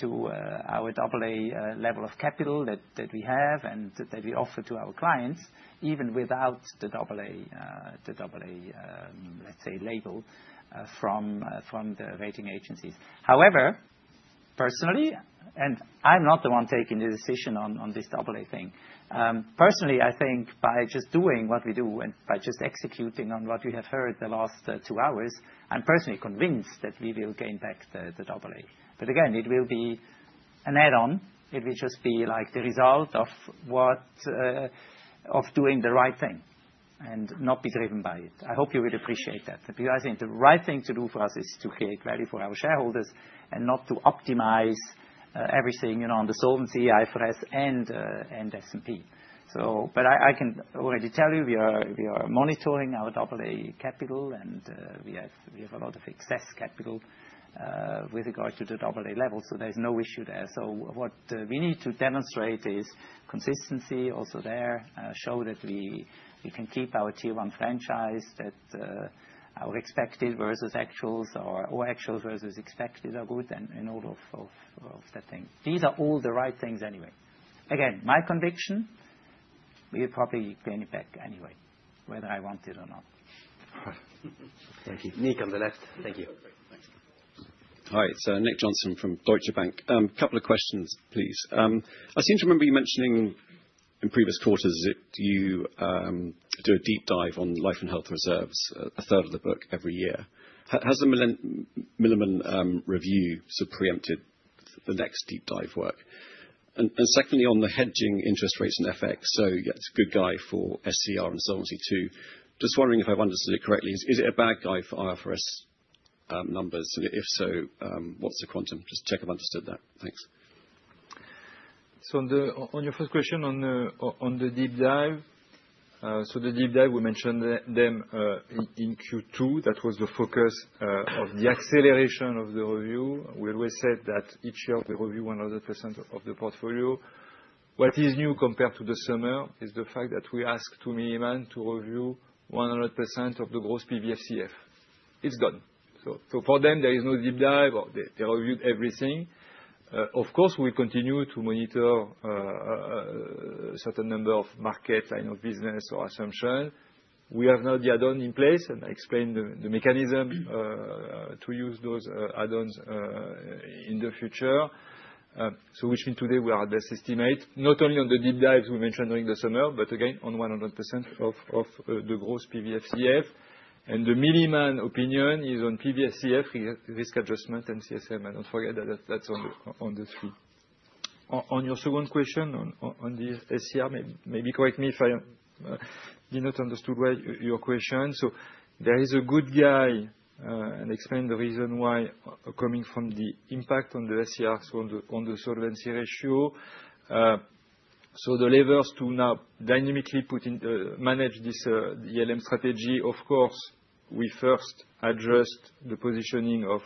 to our AA level of capital that, that we have and that we offer to our clients even without the AA, the AA, let's say, label from, from the rating agencies. However, personally, and I'm not the one taking the decision on, on this AA thing. Personally, I think by just doing what we do and by just executing on what we have heard the last two hours, I'm personally convinced that we will gain back the, the AA. But again, it will be an add-on. It will just be like the result of what, of doing the right thing and not be driven by it. I hope you would appreciate that. Because I think the right thing to do for us is to create value for our shareholders and not to optimize everything, you know, on the solvency, IFRS, and S&P. But I can already tell you we are monitoring our AA capital and we have a lot of excess capital with regard to the AA level. So there's no issue there. So what we need to demonstrate is consistency also there, show that we can keep our tier one franchise, that our expected versus actuals or actuals versus expected are good and in order of that thing. These are all the right things anyway. Again, my conviction, we'll probably gain it back anyway, whether I want it or not. Thank you. Nick on the left. Thank you. All right. So, Nick Johnson from Deutsche Bank. Couple of questions, please. I seem to remember you mentioning in previous quarters that you do a deep dive on Life & Health reserves, a third of the book every year. Has the Milliman review sort of preempted the next deep dive work? And secondly, on the hedging interest rates and FX, so yeah, it's a good guy for SCR and solvency too. Just wondering if I've understood it correctly. Is it a bad guy for IFRS numbers? And if so, what's the quantum? Just check I've understood that. Thanks. So on your first question on the deep dive, the deep dive we mentioned them in Q2. That was the focus of the acceleration of the review. We always said that each year we review 100% of the portfolio. What is new compared to the summer is the fact that we asked Milliman to review 100% of the gross PVFCF. It's done. So for them, there is no deep dive. They reviewed everything. Of course, we continue to monitor certain number of market line of business or assumption. We have now the add-on in place, and I explained the mechanism to use those add-ons in the future. So which means today we are at best estimate. Not only on the deep dives we mentioned during the summer, but again, on 100% of the gross PVFCF. And the Milliman opinion is on PVFCF, risk adjustment, and CSM. I don't forget that that's on the three. On your second question on the SCR, maybe correct me if I did not understood well your question. So there is a good guy, and explain the reason why coming from the impact on the SCR, so on the solvency ratio. So the levers to now dynamically put in manage this ALM strategy. Of course, we first adjust the positioning of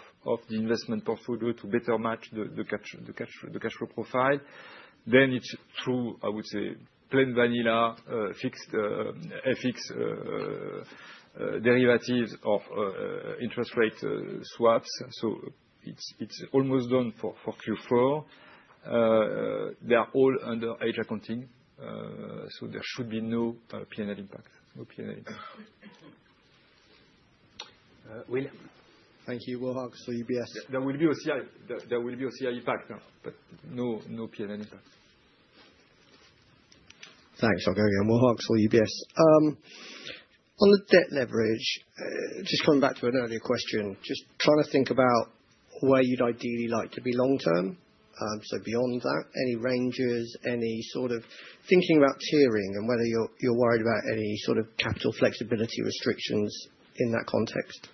the investment portfolio to better match the cash flow profile. Then it's through, I would say, plain vanilla fixed FX derivatives or interest rate swaps. So it's almost done for Q4. They are all under IFRS accounting. So there should be no P&L impact. Will? Thank you. Will Hardcastle, so UBS. There will be a CI impact, but no, no P&L impact. Thanks. I'll go again. Will Hardcastle, so UBS. On the debt leverage, just coming back to an earlier question, just trying to think about where you'd ideally like to be long term, so beyond that, any ranges, any sort of thinking about tiering and whether you're worried about any sort of capital flexibility restrictions in that context.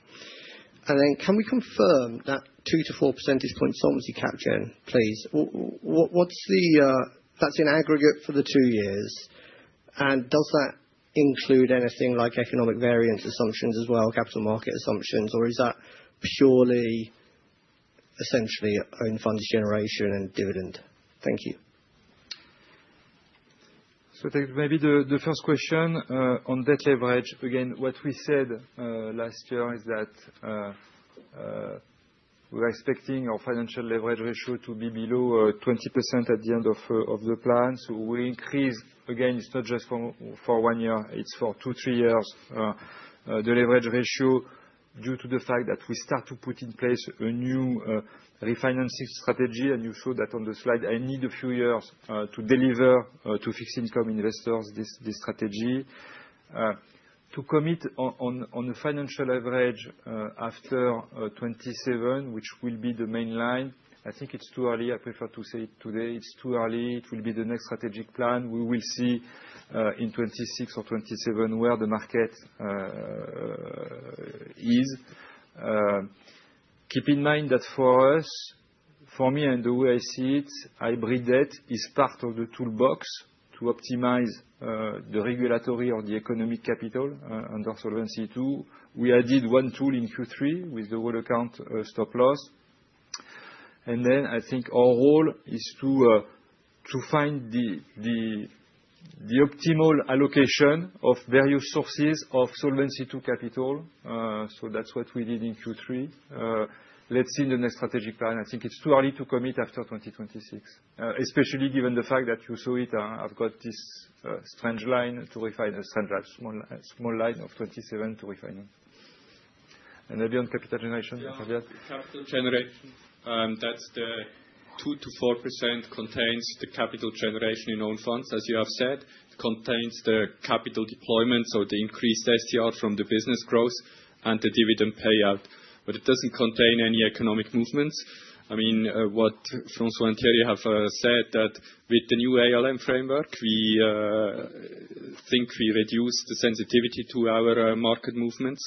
And then can we confirm that 2-4 percentage points solvency coverage, Jean, please? What's that, that's in aggregate for the two years. And does that include anything like economic variance assumptions as well, capital market assumptions, or is that purely essentially own funds generation and dividend? Thank you. So thank you. Maybe the first question on debt leverage. Again, what we said last year is that we're expecting our financial leverage ratio to be below 20% at the end of the plan. So we increase again. It's not just for one year. It's for two, three years, the leverage ratio due to the fact that we start to put in place a new refinancing strategy. And you showed that on the slide. I need a few years to deliver to fixed income investors this strategy to commit on the financial leverage after 2027, which will be the main line. I think it's too early. I prefer to say it today. It's too early. It will be the next strategic plan. We will see in 2026 or 2027 where the market is. Keep in mind that for us, for me and the way I see it, hybrid debt is part of the toolbox to optimize the regulatory or the economic capital under Solvency II. We added one tool in Q3 with the Whole Account Stop Loss. And then I think our role is to find the optimal allocation of various sources of solvency to capital. So that's what we did in Q3. Let's see the next strategic plan. I think it's too early to commit after 2026, especially given the fact that you saw it. I've got this strange line to refine, a strange line, small line of 2027 to refine it. And then beyond capital generation, you forget. Capital generation, that's the 2-4% [that] contains the capital generation in own funds, as you have said. It contains the capital deployment or the increased SCR from the business growth and the dividend payout. But it doesn't contain any economic movements. I mean, what François and Thierry have said that with the new ALM framework, we think we reduce the sensitivity to our market movements.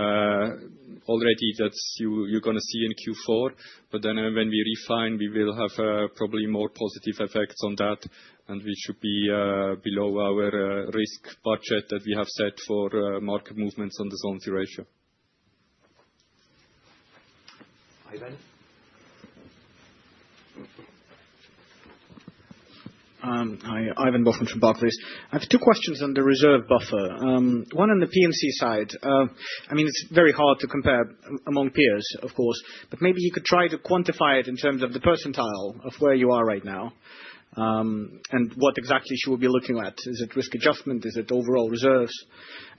Already, that's what you're gonna see in Q4. But then when we refine, we will have probably more positive effects on that. And we should be below our risk budget that we have set for market movements on the solvency ratio. Ivan. Hi, Ivan Bokhmat from Barclays. I have two questions on the reserve buffer. One on the P&C side. I mean, it's very hard to compare among peers, of course, but maybe you could try to quantify it in terms of the percentile of where you are right now, and what exactly should we be looking at? Is it risk adjustment? Is it overall reserves?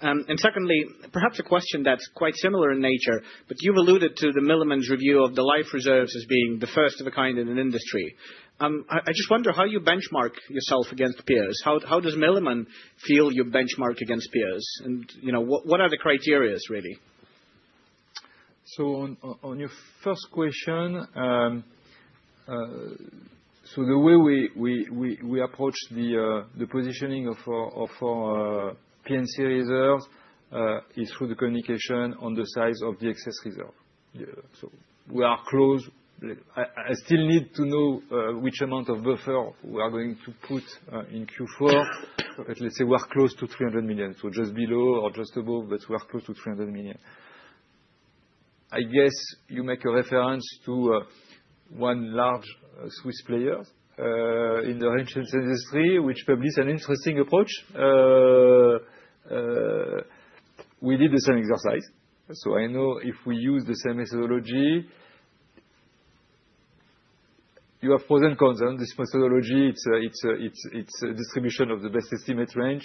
And secondly, perhaps a question that's quite similar in nature, but you've alluded to the Milliman's review of the life reserves as being the first of a kind in an industry. I just wonder how you benchmark yourself against peers. How does Milliman feel you benchmark against peers? And, you know, what are the criteria really? So on your first question, so the way we approach the positioning of our P&C reserves is through the communication on the size of the excess reserve. So we are close. I still need to know which amount of buffer we are going to put in Q4. Let's say we are close to 300 million. So just below or just above, but we are close to 300 million. I guess you make a reference to one large Swiss player in the insurance industry, which published an interesting approach. We did the same exercise. So I know if we use the same methodology, you have pros and cons on this methodology. It's a distribution of the best estimate range.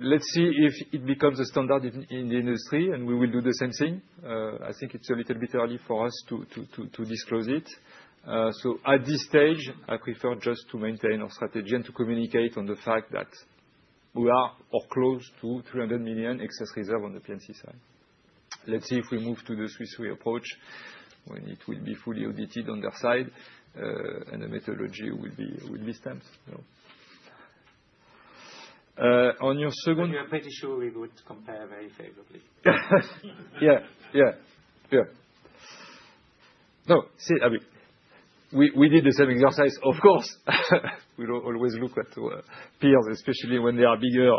Let's see if it becomes a standard in the industry, and we will do the same thing. I think it's a little bit early for us to disclose it. So at this stage, I prefer just to maintain our strategy and to communicate on the fact that we are, or close to 300 million excess reserve on the P&C side. Let's see if we move to the Swiss approach when it will be fully audited on their side, and the methodology will be stamped. On your second. You're pretty sure we would compare very favorably. Yeah. Yeah. Yeah. No, see, I mean, we did the same exercise, of course. We always look at peers, especially when they are bigger,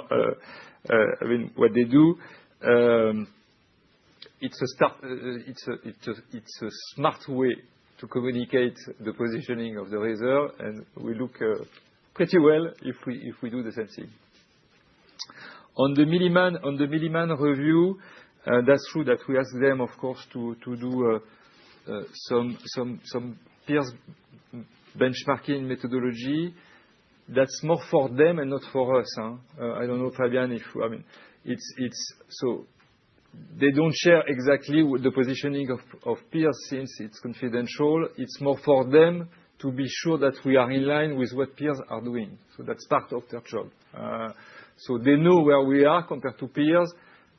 I mean, what they do. It's a start. It's a smart way to communicate the positioning of the reserve. And we look pretty well if we do the same thing. On the Milliman review, that's true that we asked them, of course, to do some peer benchmarking methodology. That's more for them and not for us, huh? I don't know, Fabian, if, I mean, it's so they don't share exactly what the positioning of peers since it's confidential. It's more for them to be sure that we are in line with what peers are doing. So that's part of their job. So they know where we are compared to peers,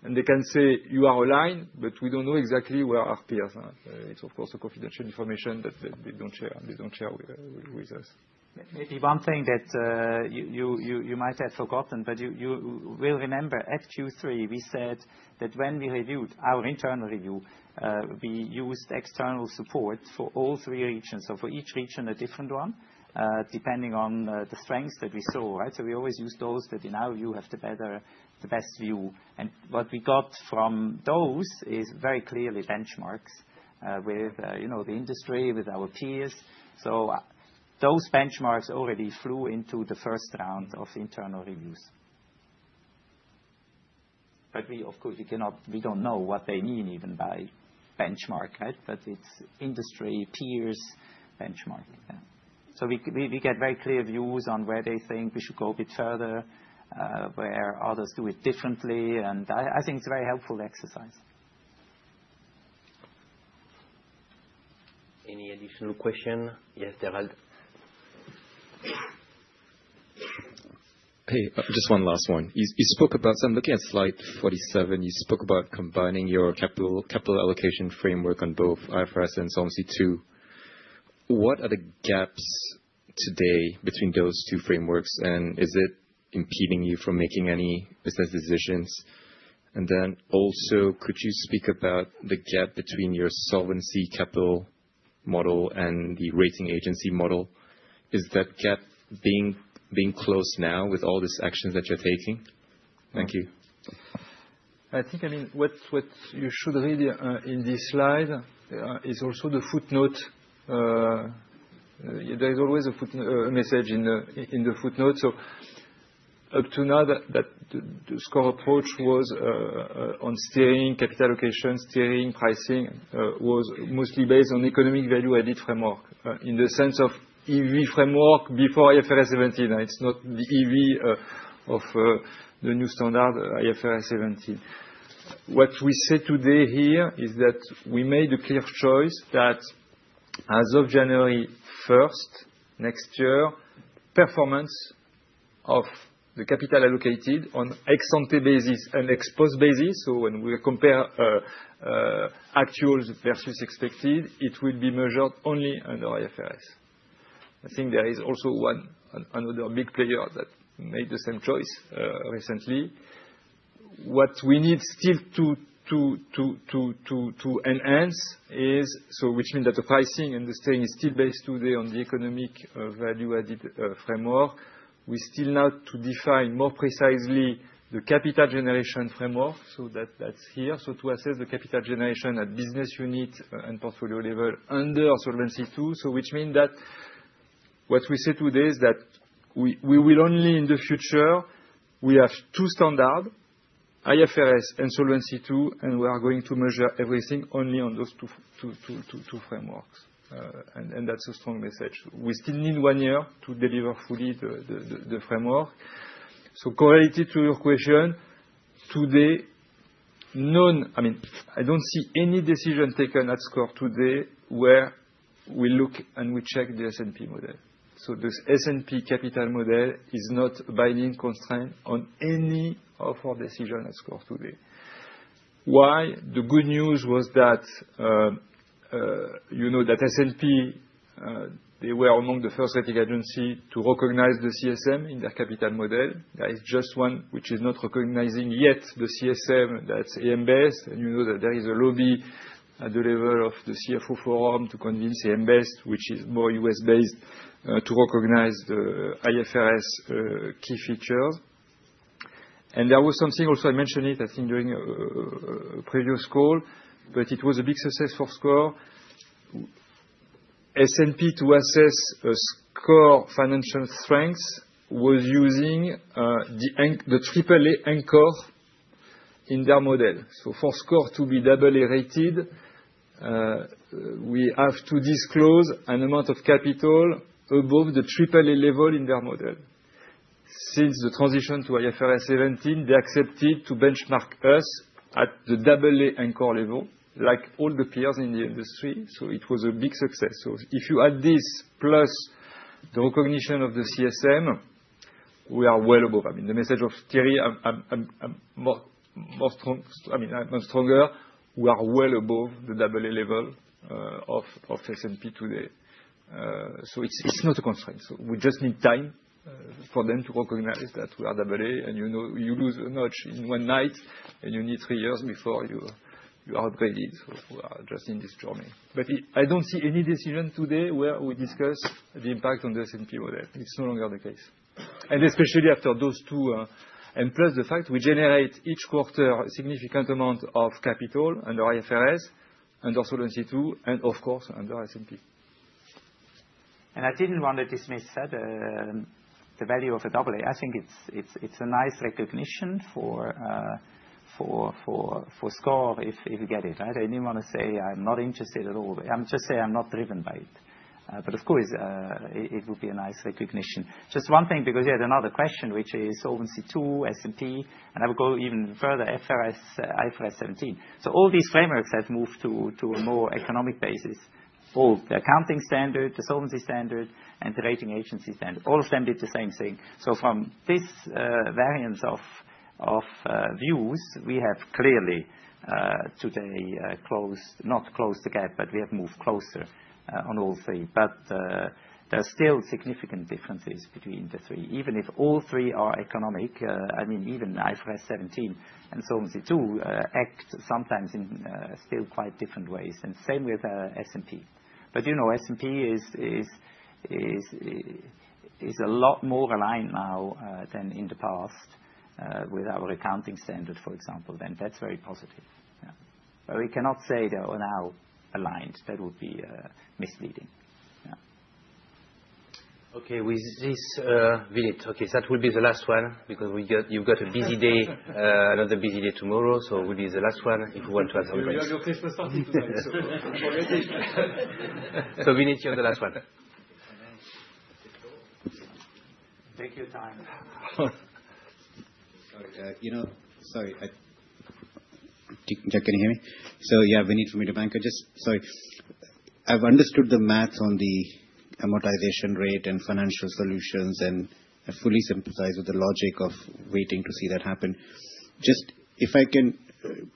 and they can say, "You are aligned, but we don't know exactly where our peers are." It's, of course, a confidential information that they don't share with us. Maybe one thing that you might have forgotten, but you will remember at Q3 we said that when we reviewed our internal review, we used external support for all three regions. So for each region, a different one, depending on the strengths that we saw, right? So we always use those that, in our view, have the best view. And what we got from those is very clearly benchmarks, with, you know, the industry, with our peers. So those benchmarks already flew into the first round of internal reviews. But we, of course, don't know what they mean even by benchmark, right? But it's industry peers benchmark. Yeah. So we get very clear views on where they think we should go a bit further, where others do it differently. And I think it's a very helpful exercise. Any additional question? Yes, Derald. Hey, just one last one. You spoke about, so I'm looking at Slide 47. You spoke about combining your capital allocation framework on both IFRS and Solvency II. What are the gaps today between those two frameworks, and is it impeding you from making any business decisions? And then also, could you speak about the gap between your Solvency capital model and the rating agency model? Is that gap being closed now with all these actions that you're taking? Thank you. I think, I mean, what you should read, in this slide, is also the footnote. There is always a footnote message in the footnote. So up to now, that the SCOR approach was, on steering capital allocation, steering pricing, was mostly based on economic value added framework, in the sense of EV framework before IFRS 17. It's not the EV of the new standard IFRS 17. What we said today here is that we made a clear choice that as of January 1st next year, performance of the capital allocated on ex-ante basis and ex-post basis, so when we compare actuals versus expected, it will be measured only under IFRS. I think there is also one another big player that made the same choice, recently. What we need still to enhance is, so which means that the pricing and the steering is still based today on the economic value added framework. We still need to define more precisely the capital generation framework. So that, that's here. So to assess the capital generation at business unit and portfolio level under Solvency II. So which means that what we said today is that we will only in the future, we have two standards, IFRS and Solvency II, and we are going to measure everything only on those two frameworks. And that's a strong message. We still need one year to deliver fully the framework. So correlated to your question, today, none, I mean, I don't see any decision taken at SCOR today where we look and we check the S&P model. So the S&P capital model is not binding constraint on any of our decisions at SCOR today. Why? The good news was that, you know, that S&P, they were among the first rating agencies to recognize the CSM in their capital model. There is just one which is not recognizing yet the CSM that's AM Best. And you know that there is a lobby at the level of the CFO forum to convince AM Best, which is more U.S.-based, to recognize the IFRS key features. And there was something also I mentioned it, I think, during previous call, but it was a big success for SCOR. S&P to assess a SCOR financial strength was using the AAA anchor in their model. So for SCOR to be doubly rated, we have to disclose an amount of capital above the AAA level in their model. Since the transition to IFRS 17, they accepted to benchmark us at the AA anchor level like all the peers in the industry, so it was a big success, so if you add this plus the recognition of the CSM, we are well above. I mean, the message of Thierry, I'm more strong, I mean, I'm stronger. We are well above the AA level of S&P today, so it's not a constraint, so we just need time for them to recognize that we are AA, and you know, you lose a notch in one night, and you need three years before you are upgraded, so we are just in this journey, but I don't see any decision today where we discuss the impact on the S&P model. It's no longer the case. Especially after those two, and plus the fact we generate each quarter a significant amount of capital under IFRS, under Solvency II, and of course, under S&P. And I didn't want to dismiss that, the value of a AA. I think it's a nice recognition for SCOR if you get it, right? I didn't wanna say I'm not interested at all. I'm just saying I'm not driven by it. But of course, it would be a nice recognition. Just one thing because you had another question, which is Solvency II, S&P, and I will go even further, IFRS 17. So all these frameworks have moved to a more economic basis. Both the accounting standard, the solvency standard, and the rating agency standard. All of them did the same thing. So from this variance of views, we have clearly today closed, not closed the gap, but we have moved closer on all three. But there's still significant differences between the three. Even if all three are economic, I mean, even IFRS 17 and solvency too, act sometimes in still quite different ways. And same with S&P. But you know, S&P is a lot more aligned now than in the past with our accounting standard, for example. And that's very positive. Yeah. But we cannot say they are now aligned. That would be misleading. Yeah. Okay. With this, Vinit, okay, that will be the last one because we got you've got a busy day, another busy day tomorrow. So it will be the last one if you want to answer the question. Your case was starting tonight, so we're ready. Vinit, you're the last one. Thank you for your time. Sorry. You know, sorry. Do you... can you hear me? So yeah, Vinit from Mediobanca. I just, sorry. I've understood the math on the amortization rate and financial solutions, and I fully sympathize with the logic of waiting to see that happen. Just if I can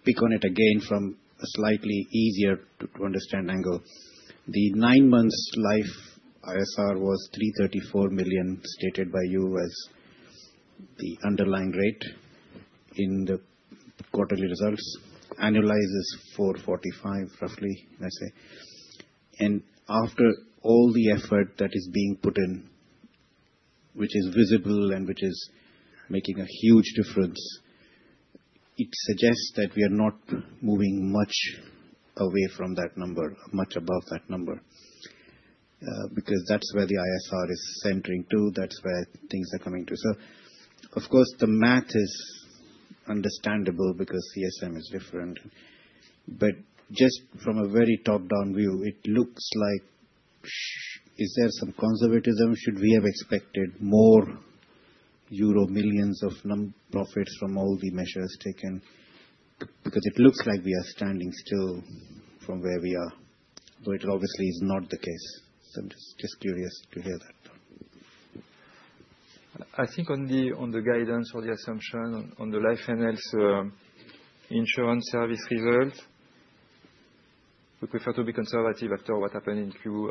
pick on it again from a slightly easier to understand angle. The nine-month life ISR was 334 million stated by you as the underlying rate in the quarterly results. Annualized is 445 million roughly, let's say. And after all the effort that is being put in, which is visible and which is making a huge difference, it suggests that we are not moving much away from that number, much above that number, because that's where the ISR is centering too. That's where things are coming to. So of course, the math is understandable because CSM is different. But just from a very top-down view, it looks like is there some conservatism? Should we have expected more euro millions of net profits from all the measures taken? Because it looks like we are standing still from where we are, though it obviously is not the case. So I'm just curious to hear that. I think on the guidance or the assumption on the Life & Health insurance service result, we prefer to be conservative after what happened in Q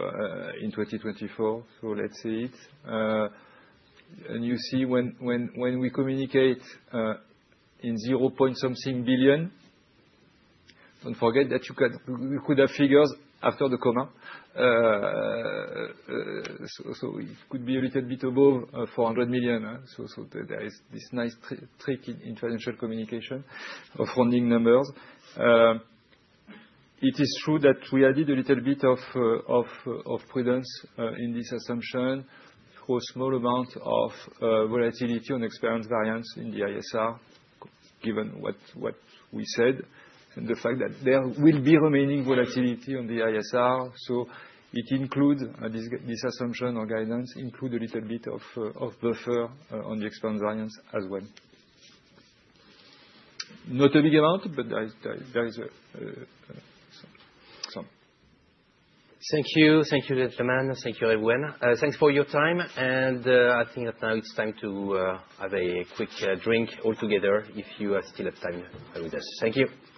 in 2024. So let's see it. And you see when we communicate in zero point something billion, don't forget that you could have figures after the comma. So there is this nice trick in financial communication of funding numbers. It is true that we added a little bit of prudence in this assumption for a small amount of volatility on experience variance in the ISR, given what we said and the fact that there will be remaining volatility on the ISR. It includes this. This assumption or guidance includes a little bit of buffer on the expense variance as well. Not a big amount, but there is a something, some. Thank you. Thank you, gentlemen. Thank you, everyone. Thanks for your time. And, I think that now it's time to have a quick drink all together if you are still have time with us. Thank you.